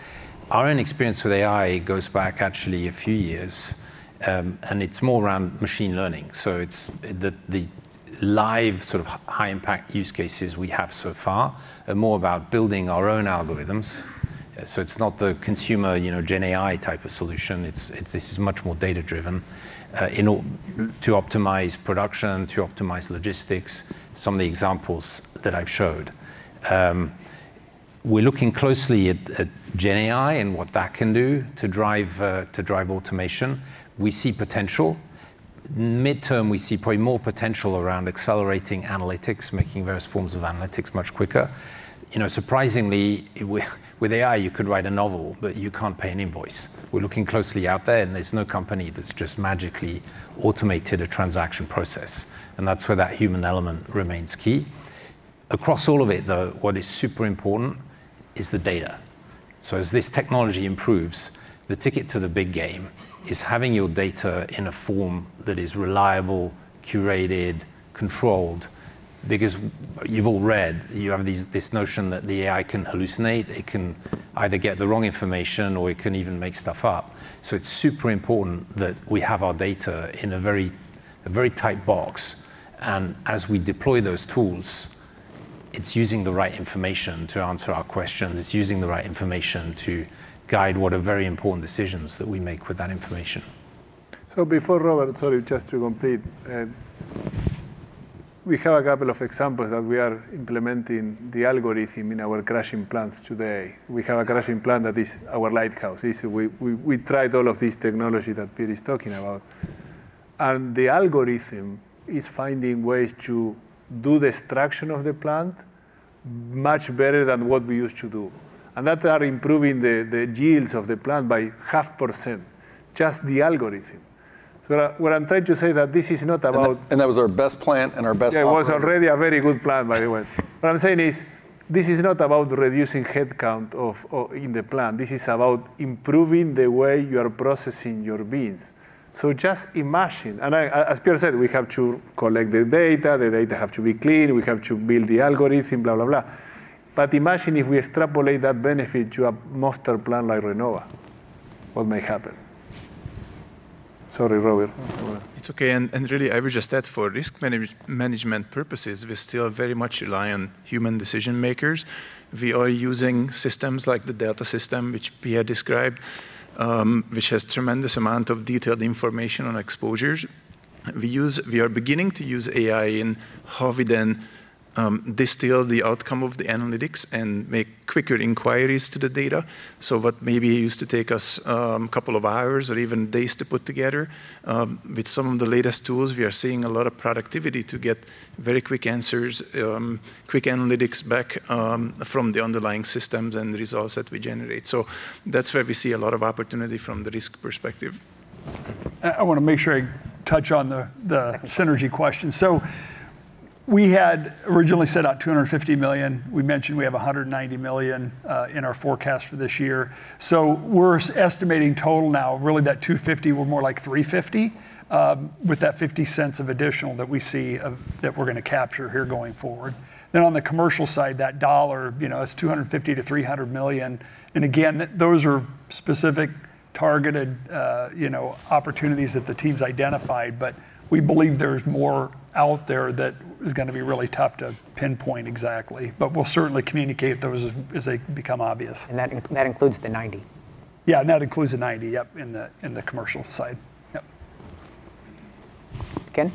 Our own experience with AI goes back actually a few years, and it's more around machine learning. It's the live sort of high impact use cases we have so far are more about building our own algorithms. It's not the consumer, you know, GenAI type of solution. This is much more data-driven, to optimize production, to optimize logistics, some of the examples that I've showed. We're looking closely at GenAI and what that can do to drive automation. We see potential. Midterm, we see probably more potential around accelerating analytics, making various forms of analytics much quicker. You know, surprisingly, with AI, you could write a novel, but you can't pay an invoice. We're looking closely out there, and there's no company that's just magically automated a transaction process, and that's where that human element remains key. Across all of it, though, what is super important is the data. So as this technology improves, the ticket to the big game is having your data in a form that is reliable, curated, controlled. Because you've all read, you have this notion that the AI can hallucinate, it can either get the wrong information, or it can even make stuff up. It's super important that we have our data in a very tight box, and as we deploy those tools, it's using the right information to answer our questions. It's using the right information to guide what are very important decisions that we make with that information. Before Robert, sorry, just to complete, we have a couple of examples that we are implementing the algorithm in our crushing plants today. We have a crushing plant that is our lighthouse. This we tried all of this technology that Pierre is talking about, and the algorithm is finding ways to do the extraction of the plant much better than what we used to do, and that are improving the yields of the plant by 0.5%, just the algorithm. What I'm trying to say that this is not about. That was our best plant and our best operator. It was already a very good plant, by the way. What I'm saying is, this is not about reducing headcount in the plant. This is about improving the way you are processing your beans. Just imagine, as Pierre said, we have to collect the data. The data have to be clean. We have to build the algorithm, blah, blah. Imagine if we extrapolate that benefit to a monster plant like Renova, what may happen? Sorry, Robert. It's okay. Really I would just add for risk management purposes, we still very much rely on human decision-makers. We are using systems like the Delta system, which Pierre described, which has tremendous amount of detailed information on exposures. We are beginning to use AI and how we then distill the outcome of the analytics and make quicker inquiries to the data. What maybe used to take us couple of hours or even days to put together with some of the latest tools, we are seeing a lot of productivity to get very quick answers, quick analytics back from the underlying systems and the results that we generate. That's where we see a lot of opportunity from the risk perspective. I wanna make sure I touch on the synergy question. We had originally set out $250 million. We mentioned we have $190 million in our forecast for this year. We're estimating total now, really that $250 million, we're more like $350 million, with that $0.50 of additional that we see that we're gonna capture here going forward. Then on the commercial side, that $1, you know, it's $250 million-$300 million, and again, those are specific, targeted, you know, opportunities that the teams identified, but we believe there's more out there that is gonna be really tough to pinpoint exactly. We'll certainly communicate those as they become obvious. That includes the $0.90? Yeah, that includes the $0.90, yep, in the commercial side. Yep. Ken?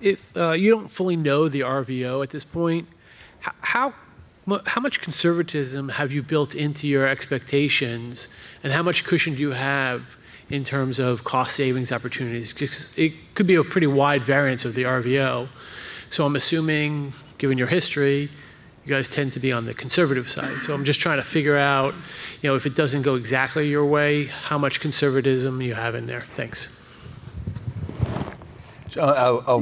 If you don't fully know the RVO at this point, how much conservatism have you built into your expectations, and how much cushion do you have in terms of cost savings opportunities? 'Cause it could be a pretty wide variance of the RVO. I'm assuming, given your history, you guys tend to be on the conservative side. I'm just trying to figure out, you know, if it doesn't go exactly your way, how much conservatism you have in there. Thanks. John,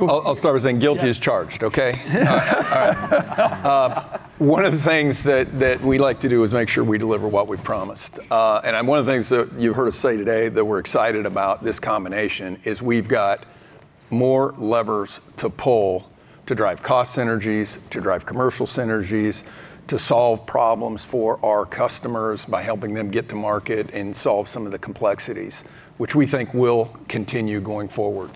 I'll start by saying guilty as charged, okay? All right. One of the things that we like to do is make sure we deliver what we promised. One of the things that you heard us say today that we're excited about this combination is we've got more levers to pull to drive cost synergies, to drive commercial synergies, to solve problems for our customers by helping them get to market and solve some of the complexities, which we think will continue going forward.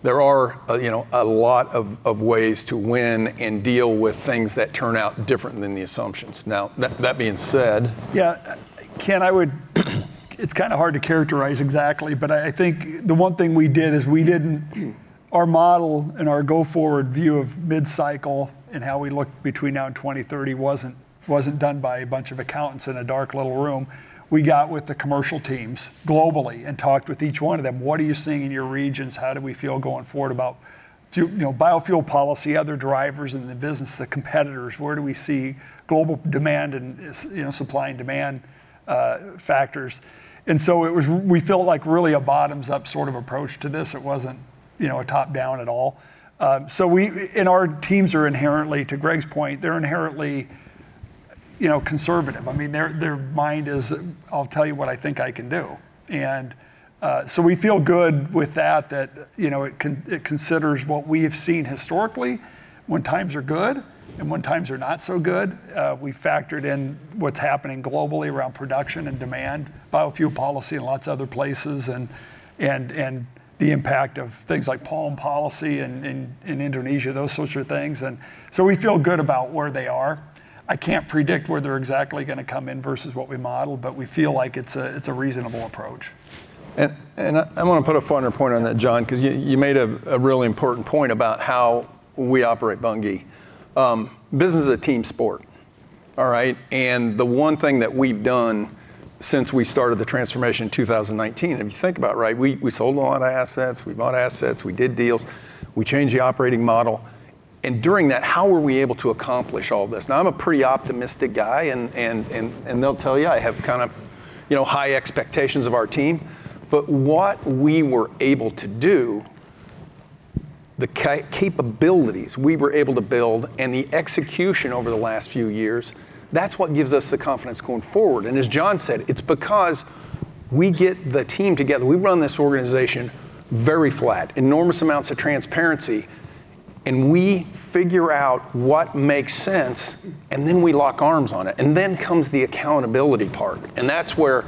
There are, you know, a lot of ways to win and deal with things that turn out different than the assumptions. Now, that being said- Yeah, Ken, I would. It's kinda hard to characterize exactly, but I think the one thing we did is we didn't. Our model and our go-forward view of mid-cycle and how we look between now and 2030 wasn't done by a bunch of accountants in a dark little room. We got with the commercial teams globally and talked with each one of them. "What are you seeing in your regions? How do we feel going forward about you know, biofuel policy, other drivers in the business, the competitors? Where do we see global demand and you know, supply and demand, factors?" It was. We felt like really a bottoms-up sort of approach to this. It wasn't, you know, a top-down at all. Our teams are inherently, to Greg's point, they're inherently, you know, conservative. I mean, their mind is, "I'll tell you what I think I can do." We feel good with that, you know, it considers what we have seen historically when times are good and when times are not so good. We factored in what's happening globally around production and demand, biofuel policy in lots of other places, and the impact of things like palm oil policy in Indonesia, those sorts of things. We feel good about where they are. I can't predict where they're exactly gonna come in versus what we modeled, but we feel like it's a reasonable approach. I wanna put a finer point on that, John, 'cause you made a really important point about how we operate Bunge. Business is a team sport, all right? The one thing that we've done since we started the transformation in 2019, if you think about, right, we sold a lot of assets, we bought assets, we did deals, we changed the operating model, and during that, how were we able to accomplish all this? Now, I'm a pretty optimistic guy and they'll tell you, I have kind of, you know, high expectations of our team, but what we were able to do, the capabilities we were able to build and the execution over the last few years, that's what gives us the confidence going forward. As John said, it's because we get the team together. We run this organization very flat, enormous amounts of transparency. We figure out what makes sense, and then we lock arms on it. Then comes the accountability part, and that's where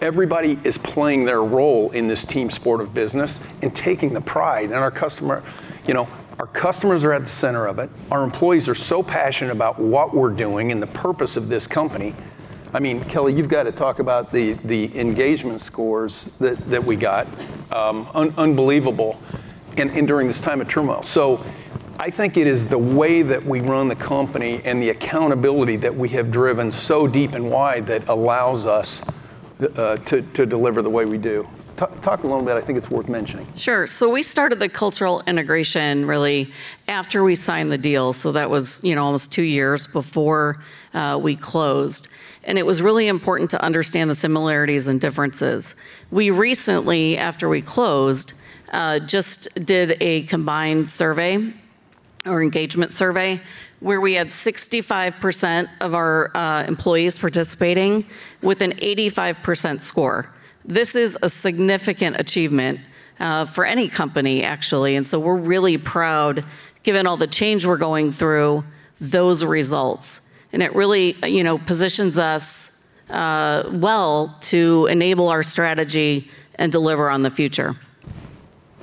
everybody is playing their role in this team sport of business and taking the pride in our customer. You know, our customers are at the center of it. Our employees are so passionate about what we're doing and the purpose of this company. I mean, Kellie, you've got to talk about the engagement scores that we got, unbelievable and during this time of turmoil. I think it is the way that we run the company and the accountability that we have driven so deep and wide that allows us to deliver the way we do. Talk a little about it. I think it's worth mentioning. Sure. We started the cultural integration really after we signed the deal, so that was, you know, almost two years before we closed, and it was really important to understand the similarities and differences. We recently, after we closed, just did a combined survey or engagement survey where we had 65% of our employees participating with an 85% score. This is a significant achievement for any company, actually, and we're really proud, given all the change we're going through those results. It really, you know, positions us well to enable our strategy and deliver on the future.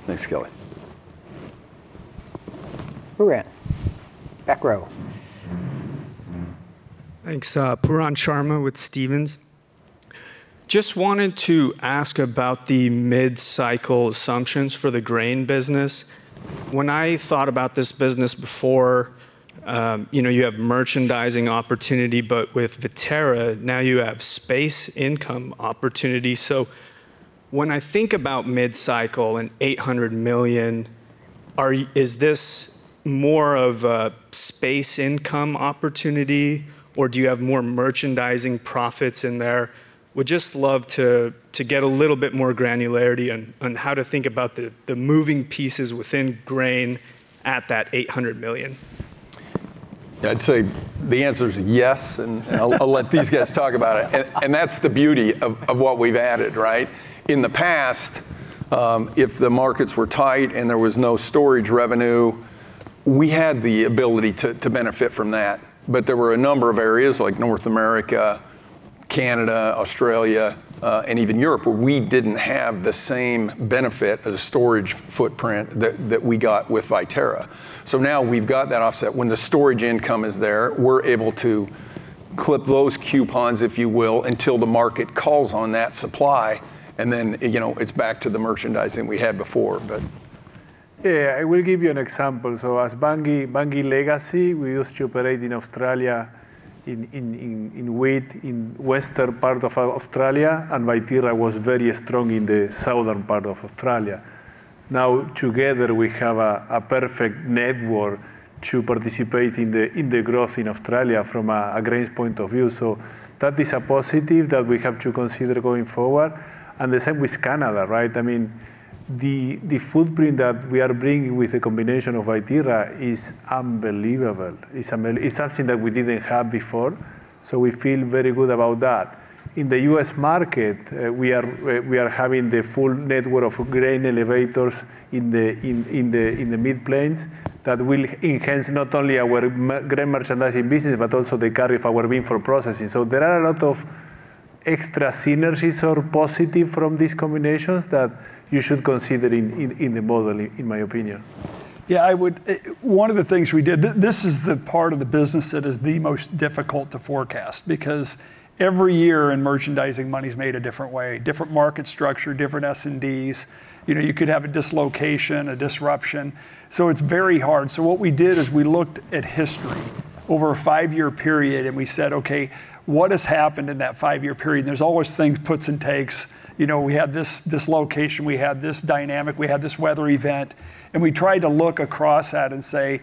Thanks, Kellie. We're at back row. Thanks. Pooran Sharma with Stephens. Just wanted to ask about the mid-cycle assumptions for the grain business. When I thought about this business before, you know, you have merchandising opportunity, but with Viterra, now you have space income opportunity. When I think about mid-cycle and $800 million, is this more of a space income opportunity, or do you have more merchandising profits in there? Would just love to get a little bit more granularity on how to think about the moving pieces within grain at that $800 million. I'd say the answer is yes, and I'll let these guys talk about it. That's the beauty of what we've added, right? In the past, if the markets were tight and there was no storage revenue, we had the ability to benefit from that. But there were a number of areas like North America, Canada, Australia, and even Europe, where we didn't have the same benefit as a storage footprint that we got with Viterra. So now we've got that offset. When the storage income is there, we're able to clip those coupons, if you will, until the market calls on that supply and then, you know, it's back to the merchandising we had before. Yeah. I will give you an example. As Bunge legacy, we used to operate in Australia in wheat, in western part of Australia, and Viterra was very strong in the southern part of Australia. Now, together, we have a perfect network to participate in the growth in Australia from a grain point of view. That is a positive that we have to consider going forward, and the same with Canada, right? I mean, the footprint that we are bringing with a combination of Viterra is unbelievable. It's something that we didn't have before, so we feel very good about that. In the U.S. market, we are having the full network of grain elevators in the Mid-Plains that will enhance not only our grain merchandising business, but also the carry of our bean for processing. There are a lot of extra synergies or positive from these combinations that you should consider in the modeling, in my opinion. One of the things we did. This is the part of the business that is the most difficult to forecast because every year in merchandising, money's made a different way, different market structure, different S&Ds. You know, you could have a dislocation, a disruption, so it's very hard. What we did is we looked at history over a five-year period, and we said, "Okay, what has happened in that five-year period?" There's always things, puts and takes. You know, we had this location, we had this dynamic, we had this weather event, and we tried to look across that and say,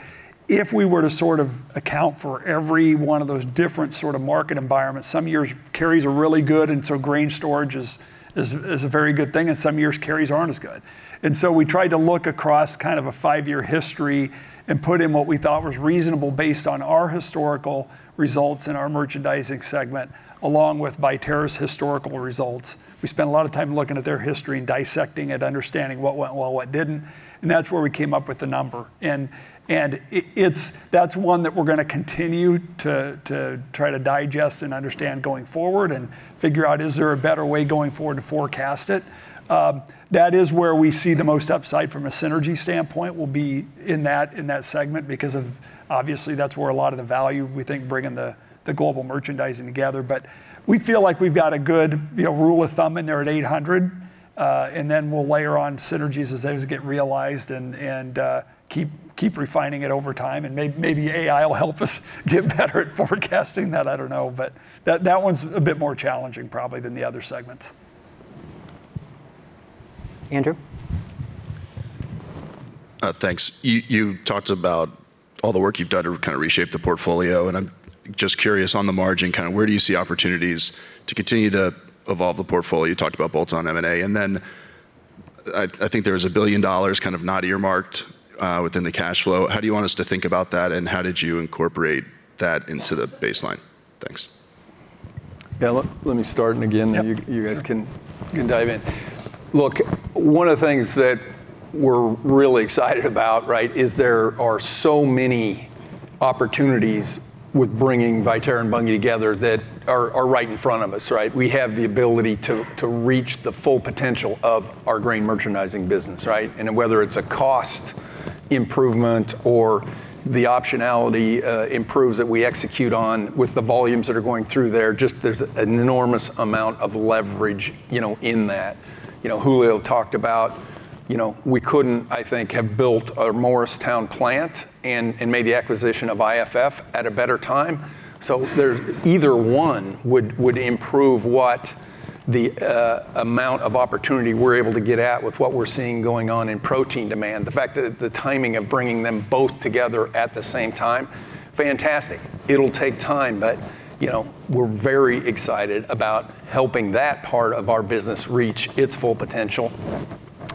"If we were to sort of account for every one of those different sort of market environments," some years carries are really good, and so grain storage is a very good thing, and some years carries aren't as good. We tried to look across kind of a five-year history and put in what we thought was reasonable based on our historical results in our merchandising segment, along with Viterra's historical results. We spent a lot of time looking at their history and dissecting it, understanding what went well, what didn't, and that's where we came up with the number. That's one that we're gonna continue to try to digest and understand going forward and figure out, is there a better way going forward to forecast it? That is where we see the most upside from a synergy standpoint will be in that segment because obviously that's where a lot of the value we think bringing the global merchandising together. We feel like we've got a good, you know, rule of thumb in there at $800, and then we'll layer on synergies as those get realized and keep refining it over time, and maybe AI will help us get better at forecasting that. I don't know. That one's a bit more challenging probably than the other segments. Andrew. Thanks. You talked about all the work you've done to kind of reshape the portfolio, and I'm just curious on the margin, kind of where do you see opportunities to continue to evolve the portfolio? You talked about bolt-on M&A. I think there's $1 billion kind of not earmarked within the cash flow. How do you want us to think about that, and how did you incorporate that into the baseline? Thanks. Let me start again. Yeah You guys can dive in. Look, one of the things that we're really excited about, right? Is there are so many opportunities with bringing Viterra and Bunge together that are right in front of us, right? We have the ability to reach the full potential of our grain merchandising business, right? And whether it's a cost improvement or the optionality improves that we execute on with the volumes that are going through there, just there's an enormous amount of leverage, you know, in that. You know, Julio talked about, you know, we couldn't, I think, have built a Morristown plant and made the acquisition of IFF at a better time. There either one would improve what the amount of opportunity we're able to get at with what we're seeing going on in protein demand. The fact that the timing of bringing them both together at the same time, fantastic. It'll take time, but, you know, we're very excited about helping that part of our business reach its full potential.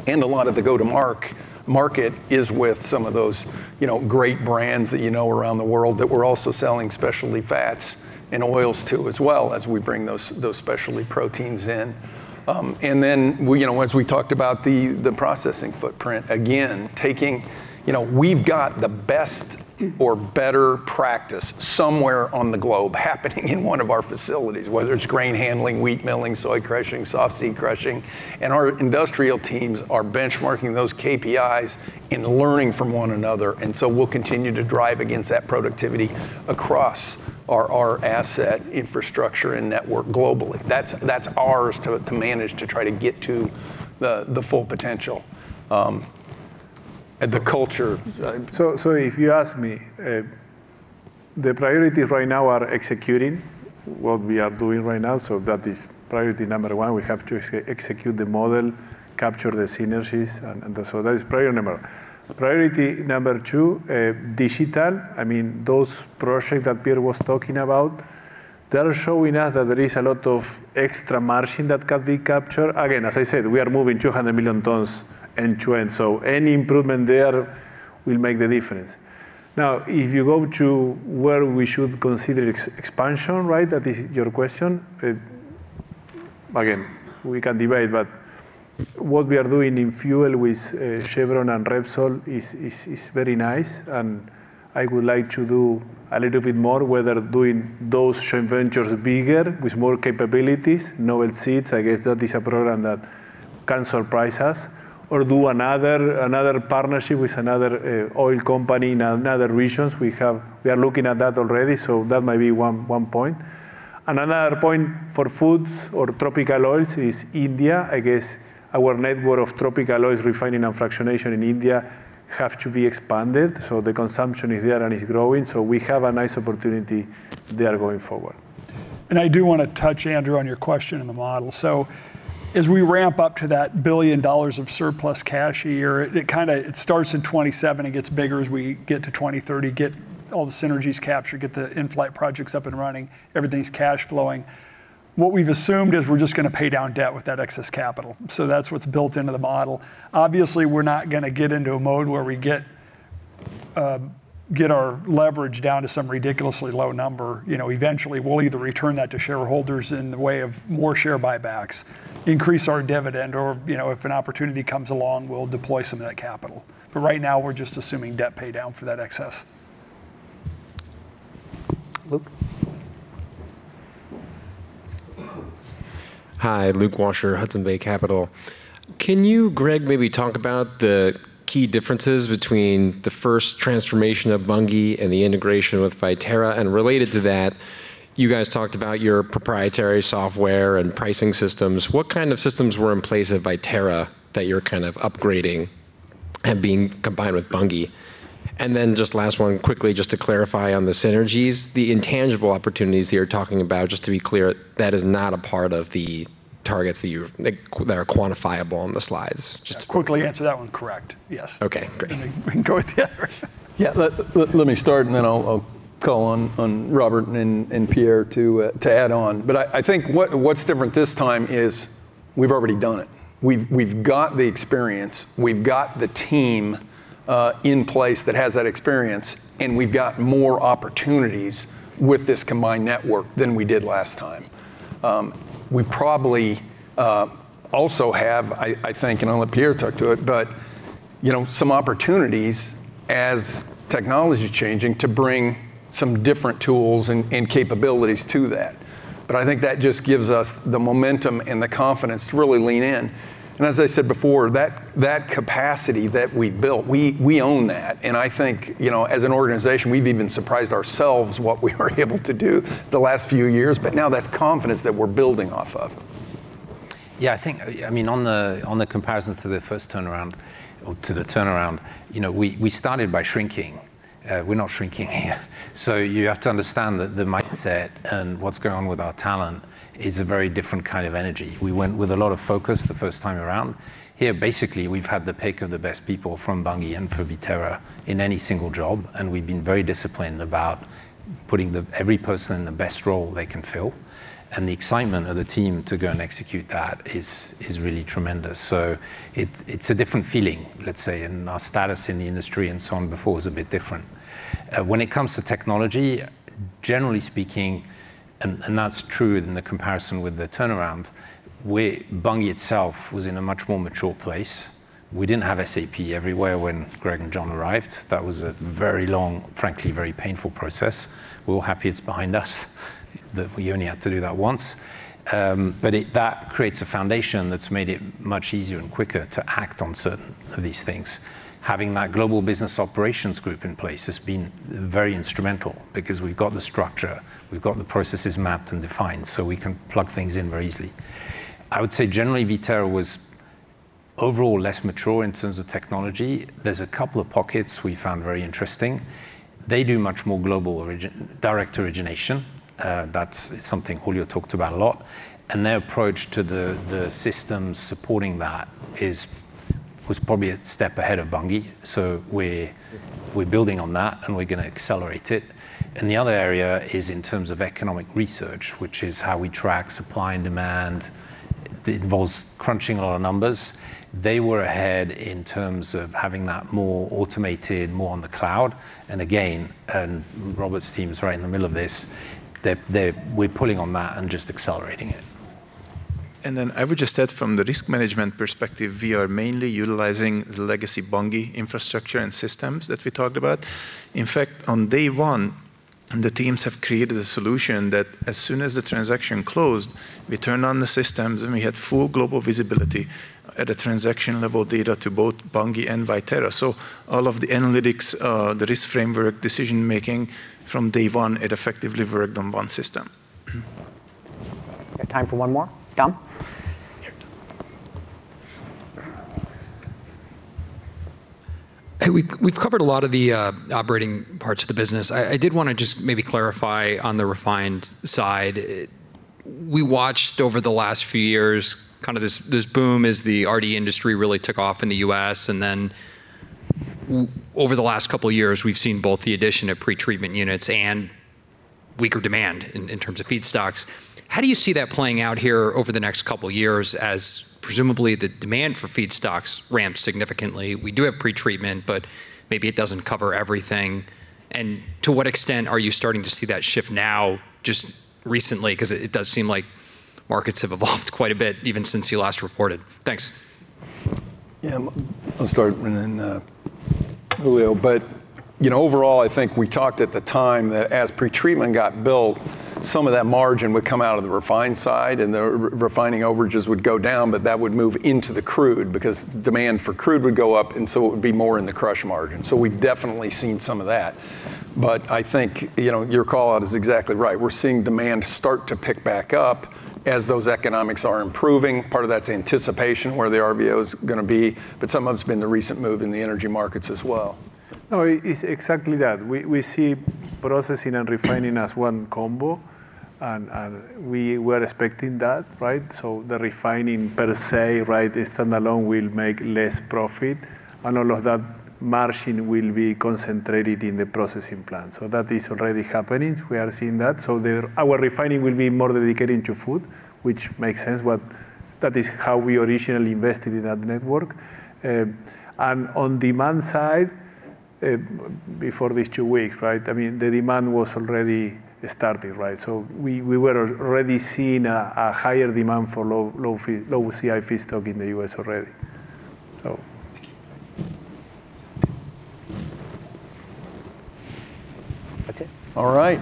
A lot of the go-to-market is with some of those, you know, great brands that you know around the world that we're also selling specialty fats and oils to as well, as we bring those specialty proteins in. Then we, you know, as we talked about the processing footprint, again. You know, we've got the best or better practice somewhere on the globe happening in one of our facilities, whether it's grain handling, wheat milling, soy crushing, softseed crushing, and our industrial teams are benchmarking those KPIs and learning from one another. We'll continue to drive against that productivity across our asset infrastructure and network globally. That's ours to manage to try to get to the full potential, and the culture. If you ask me, the priorities right now are executing what we are doing right now, that is priority number one. We have to execute the model, capture the synergies, and so that is priority number. Priority number two, digital. I mean, those projects that Pierre was talking about, they are showing us that there is a lot of extra margin that can be captured. Again, as I said, we are moving 200 million tons end-to-end, so any improvement there will make the difference. Now, if you go to where we should consider expansion, right? That is your question. Again, we can debate, but what we are doing in fuel with Chevron and Repsol is very nice and I would like to do a little bit more, whether doing those joint ventures bigger with more capabilities. Novel seeds, I guess that is a program that can surprise us or do another partnership with another oil company in another regions. We are looking at that already, so that might be one point. Another point for foods or Tropical Oils is India. I guess our network of Tropical Oils refining and fractionation in India have to be expanded, so the consumption is there and is growing, so we have a nice opportunity there going forward. I do wanna touch, Andrew, on your question on the model. As we ramp up to that $1 billion of surplus cash a year, it kinda starts in 2027 and gets bigger as we get to 2030, get all the synergies captured, get the in-flight projects up and running, everything's cash flowing. What we've assumed is we're just gonna pay down debt with that excess capital, that's what's built into the model. Obviously, we're not gonna get into a mode where we get our leverage down to some ridiculously low number. You know, eventually we'll either return that to shareholders in the way of more share buybacks, increase our dividend, or, you know, if an opportunity comes along, we'll deploy some of that capital. Right now we're just assuming debt pay down for that excess. Luke. Hi, Luke Washer, Hudson Bay Capital Management. Can you, Greg, maybe talk about the key differences between the first transformation of Bunge and the integration with Viterra? Related to that, you guys talked about your proprietary software and pricing systems. What kind of systems were in place at Viterra that you're kind of upgrading and being combined with Bunge? Just last one quickly just to clarify on the synergies. The intangible opportunities that you're talking about, just to be clear, that is not a part of the targets that you're that are quantifiable on the slides. Quickly answer that one. Correct. Yes. Okay, great. And then we can go to the other- Yeah. Let me start and then I'll call on Robert and Pierre to add on. I think what's different this time is we've already done it. We've got the experience, we've got the team in place that has that experience, and we've got more opportunities with this combined network than we did last time. We probably also have, I think, and I'll let Pierre talk to it, but you know, some opportunities as technology's changing to bring some different tools and capabilities to that. I think that just gives us the momentum and the confidence to really lean in. As I said before, that capacity that we built, we own that and I think, you know, as an organization, we've even surprised ourselves what we were able to do the last few years, but now that's confidence that we're building off of. Yeah, I think, I mean, on the comparisons to the first turnaround or to the turnaround, you know, we started by shrinking. We're not shrinking here. You have to understand that the mindset and what's going on with our talent is a very different kind of energy. We went with a lot of focus the first time around. Here, basically, we've had the pick of the best people from Bunge and from Viterra in any single job, and we've been very disciplined about putting every person in the best role they can fill, and the excitement of the team to go and execute that is really tremendous. It's a different feeling, let's say, and our status in the industry and so on before was a bit different. When it comes to the technology, generally speaking, and that's true in the comparison with the turnaround, Bunge itself was in a much more mature place. We didn't have SAP everywhere when Greg and John arrived. That was a very long, frankly, very painful process. We're all happy it's behind us, that we only had to do that once. That creates a foundation that's made it much easier and quicker to act on certain of these things. Having that global business operations group in place has been very instrumental because we've got the structure, we've got the processes mapped and defined, so we can plug things in very easily. I would say generally Viterra was overall less mature in terms of technology. There's a couple of pockets we found very interesting. They do much more global origination, direct origination, that's something Julio talked about a lot, and their approach to the systems supporting that was probably a step ahead of Bunge. We're building on that, and we're gonna accelerate it. The other area is in terms of economic research, which is how we track supply and demand. It involves crunching a lot of numbers. They were ahead in terms of having that more automated, more on the cloud, and Robert's team is right in the middle of this, we're building on that and just accelerating it. I would just add from the risk management perspective, we are mainly utilizing the legacy Bunge infrastructure and systems that we talked about. In fact, on day one, the teams have created a solution that as soon as the transaction closed, we turned on the systems, and we had full global visibility at a transaction level data to both Bunge and Viterra. All of the analytics, the risk framework, decision-making from day one, it effectively worked on one system. Got time for one more. Tom? Hey, we've covered a lot of the operating parts of the business. I did wanna just maybe clarify on the refined side. We watched over the last few years kinda this boom as the RD industry really took off in the U.S., and then over the last couple of years, we've seen both the addition of pretreatment units and weaker demand in terms of feedstocks. How do you see that playing out here over the next couple of years as presumably the demand for feedstocks ramps significantly? We do have pretreatment, but maybe it doesn't cover everything. To what extent are you starting to see that shift now just recently? 'Cause it does seem like markets have evolved quite a bit even since you last reported. Thanks. Yeah. I'll start and then, Julio. You know, overall, I think we talked at the time that as pretreatment got built, some of that margin would come out of the refined side, and the re-refining overages would go down, but that would move into the crude because demand for crude would go up, and so it would be more in the crush margin. We've definitely seen some of that. I think, you know, your call-out is exactly right. We're seeing demand start to pick back up as those economics are improving. Part of that's anticipation, where the RVO's gonna be, but some of it's been the recent move in the energy markets as well. No, it's exactly that. We see processing and refining as one combo, and we were expecting that, right? The refining per se, right, standalone will make less profit, and a lot of that margin will be concentrated in the processing plant. That is already happening. We are seeing that. Our refining will be more dedicated to food, which makes sense. That is how we originally invested in that network. On demand side, before these two weeks, right? I mean, the demand was already starting, right? We were already seeing a higher demand for low CI feedstock in the U.S. already. Thank you. That's it. All right.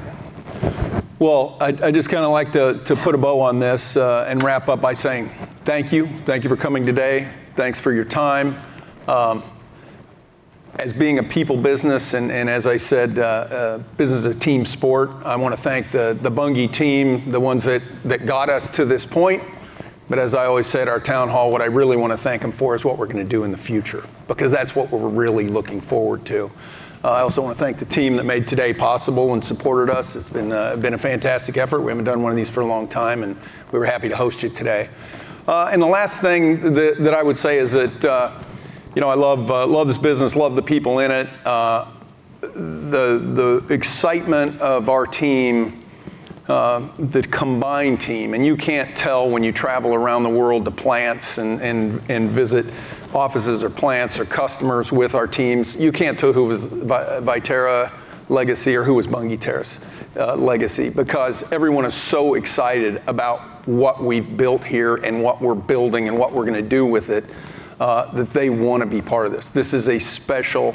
Well, I'd just kinda like to put a bow on this and wrap up by saying thank you. Thank you for coming today. Thanks for your time. As being a people business and as I said, business is a team sport, I wanna thank the Bunge team, the ones that got us to this point. As I always said, our town hall, what I really wanna thank them for is what we're gonna do in the future, because that's what we're really looking forward to. I also wanna thank the team that made today possible and supported us. It's been a fantastic effort. We haven't done one of these for a long time, and we were happy to host you today. The last thing that I would say is that, you know, I love this business, love the people in it. The excitement of our team, the combined team, and you can't tell when you travel around the world to plants and visit offices or plants or customers with our teams. You can't tell who is Viterra legacy or who is Bunge legacy because everyone is so excited about what we've built here and what we're building and what we're gonna do with it, that they wanna be part of this. This is a special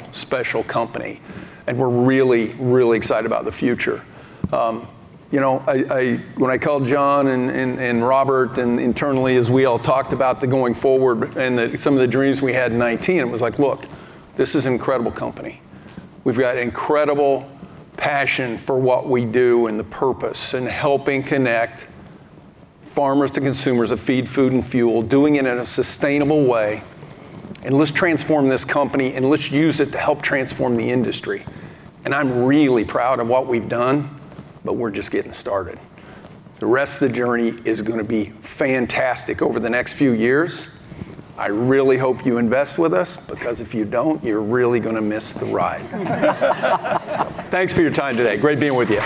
company, and we're really excited about the future. You know, I—when I called John and Robert and internally as we all talked about the going forward and some of the dreams we had in 2019, it was like, "Look, this is an incredible company. We've got incredible passion for what we do and the purpose and helping connect farmers to consumers of feed, food, and fuel, doing it in a sustainable way, and let's transform this company, and let's use it to help transform the industry." I'm really proud of what we've done, but we're just getting started. The rest of the journey is gonna be fantastic over the next few years. I really hope you invest with us, because if you don't, you're really gonna miss the ride. Thanks for your time today. Great being with you.